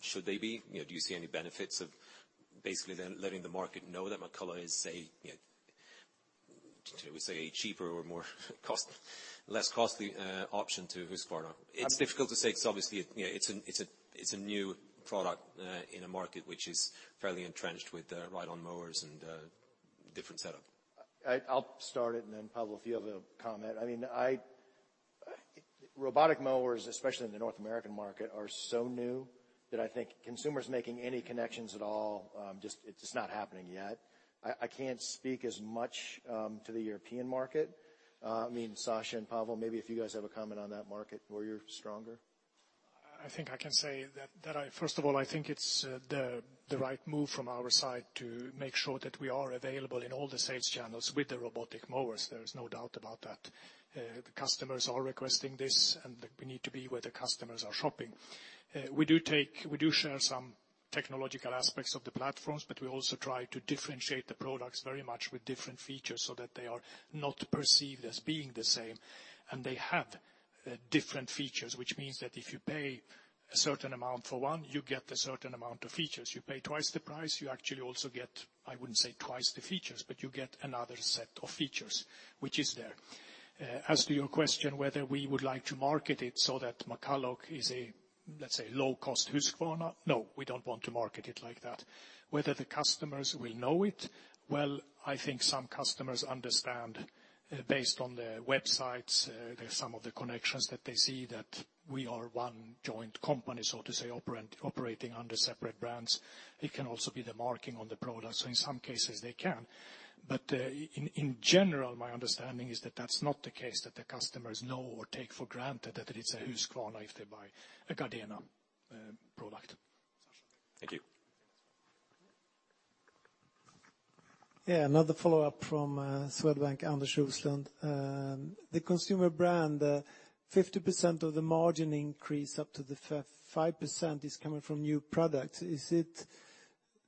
should they be? Do you see any benefits of basically then letting the market know that McCulloch is, say, cheaper or more less costly option to Husqvarna? It's difficult to say because obviously it's a new product in a market which is fairly entrenched with ride-on mowers and a different setup. I'll start it and then Pavel, if you have a comment. Robotic mowers, especially in the North American market, are so new that I think consumers making any connections at all, it's just not happening yet. I can't speak as much to the European market. Sascha and Pavel, maybe if you guys have a comment on that market where you're stronger. I think I can say that, first of all, I think it's the right move from our side to make sure that we are available in all the sales channels with the robotic mowers. There is no doubt about that. The customers are requesting this, and we need to be where the customers are shopping. We do share some technological aspects of the platforms, but we also try to differentiate the products very much with different features so that they are not perceived as being the same. They have different features, which means that if you pay a certain amount for one, you get a certain amount of features. You pay twice the price, you actually also get, I wouldn't say twice the features, but you get another set of features, which is there. As to your question, whether we would like to market it so that McCulloch is a, let's say, low-cost Husqvarna, no, we don't want to market it like that. Whether the customers will know it, well, I think some customers understand based on the websites, there's some of the connections that they see that we are one joint company, so to say, operating under separate brands. It can also be the marking on the product. In some cases they can. In general, my understanding is that that's not the case, that the customers know or take for granted that it's a Husqvarna if they buy a Gardena product. Thank you. Yeah, another follow-up from Swedbank, Anders Roslund. The Consumer Brands, 50% of the margin increase up to the 5% is coming from new products. Is it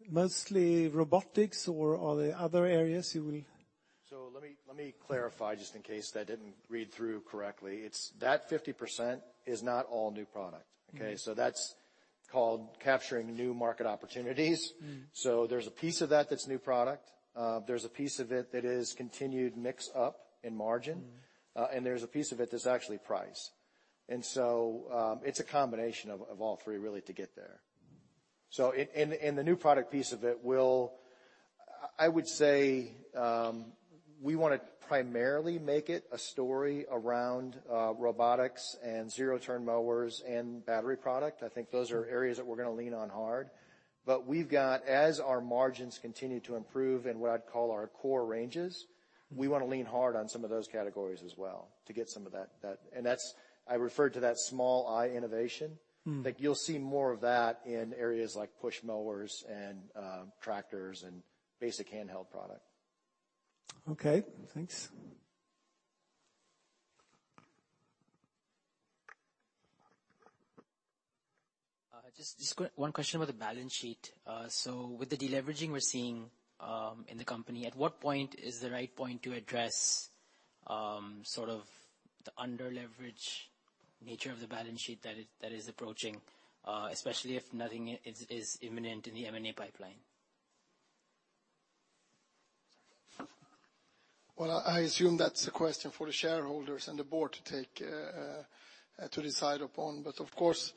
mostly robotics or are there other areas you will? Let me clarify, just in case that didn't read through correctly. It's that 50% is not all new product, okay? That's called capturing new market opportunities. There's a piece of that that's new product. There's a piece of it that is continued mix up in margin. There's a piece of it that's actually price. It's a combination of all three really to get there. The new product piece of it, I would say, we want to primarily make it a story around robotics and zero-turn mowers and battery product. I think those are areas that we're going to lean on hard. We've got, as our margins continue to improve in what I'd call our core ranges, we want to lean hard on some of those categories as well to get some of that. I referred to that small I innovation. You'll see more of that in areas like push mowers and tractors and basic handheld product. Okay. Thanks. Just one question about the balance sheet. With the de-leveraging we're seeing in the company, at what point is the right point to address the under-leveraged nature of the balance sheet that is approaching, especially if nothing is imminent in the M&A pipeline? Well, I assume that's a question for the shareholders and the board to decide upon. Of course,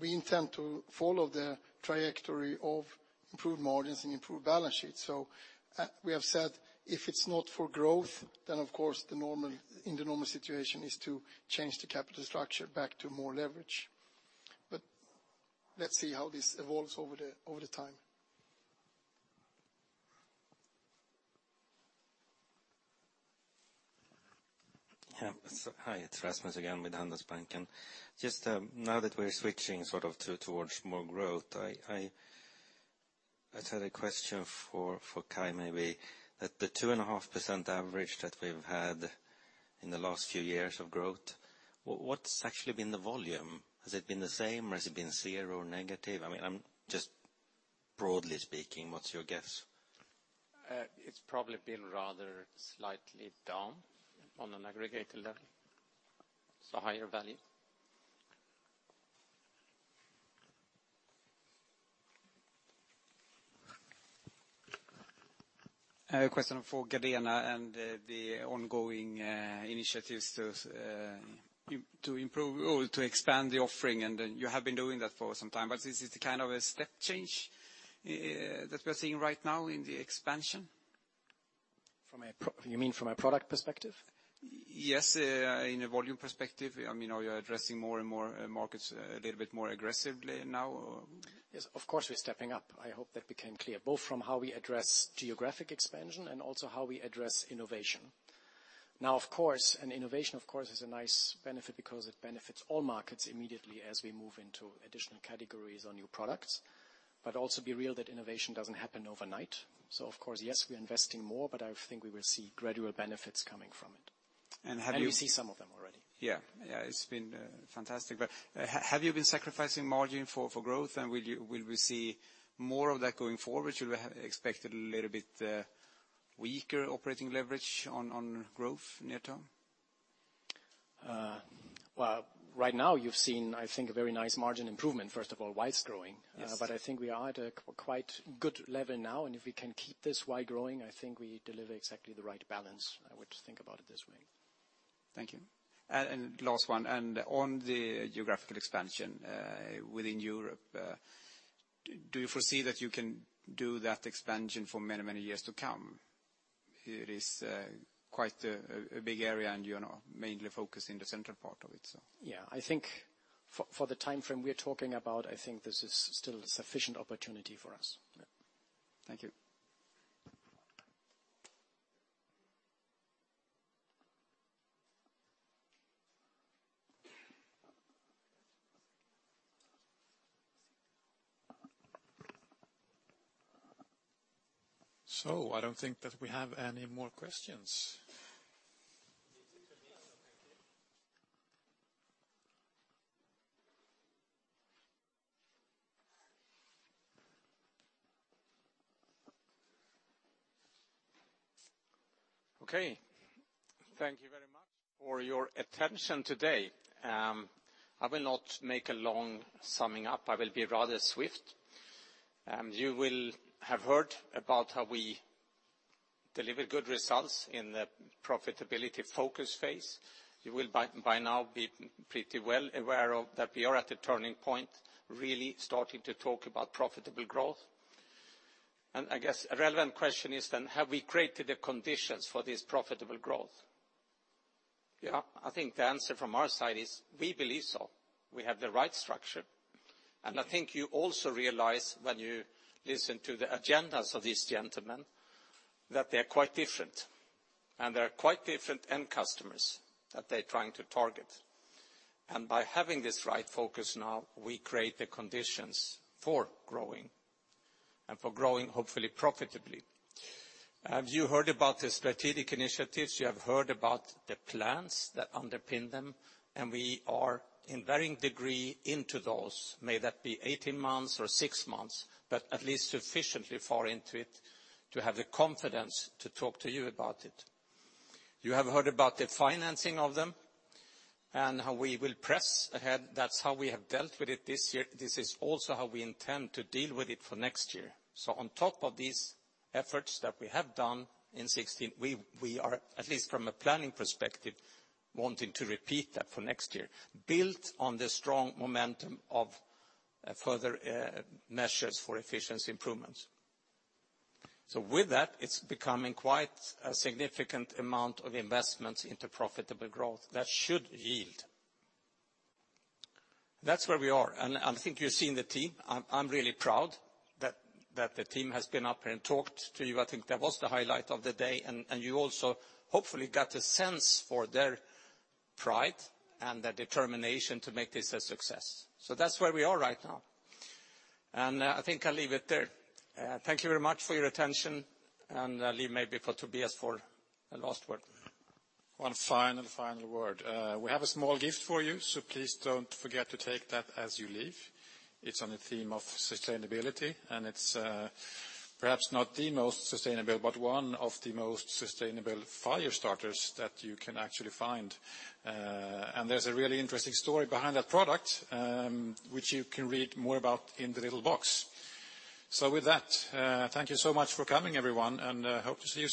we intend to follow the trajectory of improved margins and improved balance sheets. We have said if it's not for growth, then of course in the normal situation is to change the capital structure back to more leverage. Let's see how this evolves over the time. Yeah. Hi, it's Rasmus again with Handelsbanken. Just now that we're switching towards more growth, I had a question for Kai, maybe, that the 2.5% average that we've had in the last few years of growth, what's actually been the volume? Has it been the same or has it been zero or negative? Just broadly speaking, what's your guess? It's probably been rather slightly down on an aggregated level. Higher value. I have a question for Gardena and the ongoing initiatives to expand the offering. You have been doing that for some time, is it a step change that we are seeing right now in the expansion? You mean from a product perspective? Yes. In a volume perspective, you're addressing more and more markets a little bit more aggressively now or Yes, of course, we're stepping up. I hope that became clear, both from how we address geographic expansion and also how we address innovation. Now, of course, an innovation, of course, is a nice benefit because it benefits all markets immediately as we move into additional categories or new products. Also be real that innovation doesn't happen overnight. Of course, yes, we are investing more, but I think we will see gradual benefits coming from it. And have you- We see some of them already. Yeah. It's been fantastic. Have you been sacrificing margin for growth and will we see more of that going forward? Should we expect a little bit weaker operating leverage on growth near term? Well, right now you've seen, I think, a very nice margin improvement, first of all, while it's growing. Yes. I think we are at a quite good level now, and if we can keep this while growing, I think we deliver exactly the right balance. I would think about it this way. Thank you. Last one, and on the geographical expansion within Europe, do you foresee that you can do that expansion for many, many years to come? It is quite a big area, and you are now mainly focused in the central part of it. Yeah. I think for the timeframe we are talking about, I think this is still a sufficient opportunity for us. Thank you. I don't think that we have any more questions. Okay. Thank you very much for your attention today. I will not make a long summing up. I will be rather swift. You will have heard about how we delivered good results in the profitability focus phase. You will by now be pretty well aware of that we are at a turning point, really starting to talk about profitable growth. I guess a relevant question is then, have we created the conditions for this profitable growth? I think the answer from our side is, we believe so. We have the right structure. I think you also realize when you listen to the agendas of these gentlemen that they're quite different. There are quite different end customers that they're trying to target. By having this right focus now, we create the conditions for growing, and for growing, hopefully, profitably. Have you heard about the strategic initiatives? You have heard about the plans that underpin them, and we are in varying degree into those. May that be 18 months or six months, but at least sufficiently far into it to have the confidence to talk to you about it. You have heard about the financing of them and how we will press ahead. That's how we have dealt with it this year. This is also how we intend to deal with it for next year. On top of these efforts that we have done in 2016, we are, at least from a planning perspective, wanting to repeat that for next year, build on the strong momentum of further measures for efficiency improvements. With that, it's becoming quite a significant amount of investments into profitable growth that should yield. That's where we are. I think you've seen the team. I'm really proud that the team has been up here and talked to you. I think that was the highlight of the day, and you also hopefully got a sense for their pride and their determination to make this a success. That's where we are right now. I think I'll leave it there. Thank you very much for your attention, and leave maybe for Tobias for a last word. One final word. We have a small gift for you, so please don't forget to take that as you leave. It's on a theme of sustainability, and it's perhaps not the most sustainable, but one of the most sustainable fire starters that you can actually find. There's a really interesting story behind that product, which you can read more about in the little box. With that, thank you so much for coming, everyone, and hope to see you soon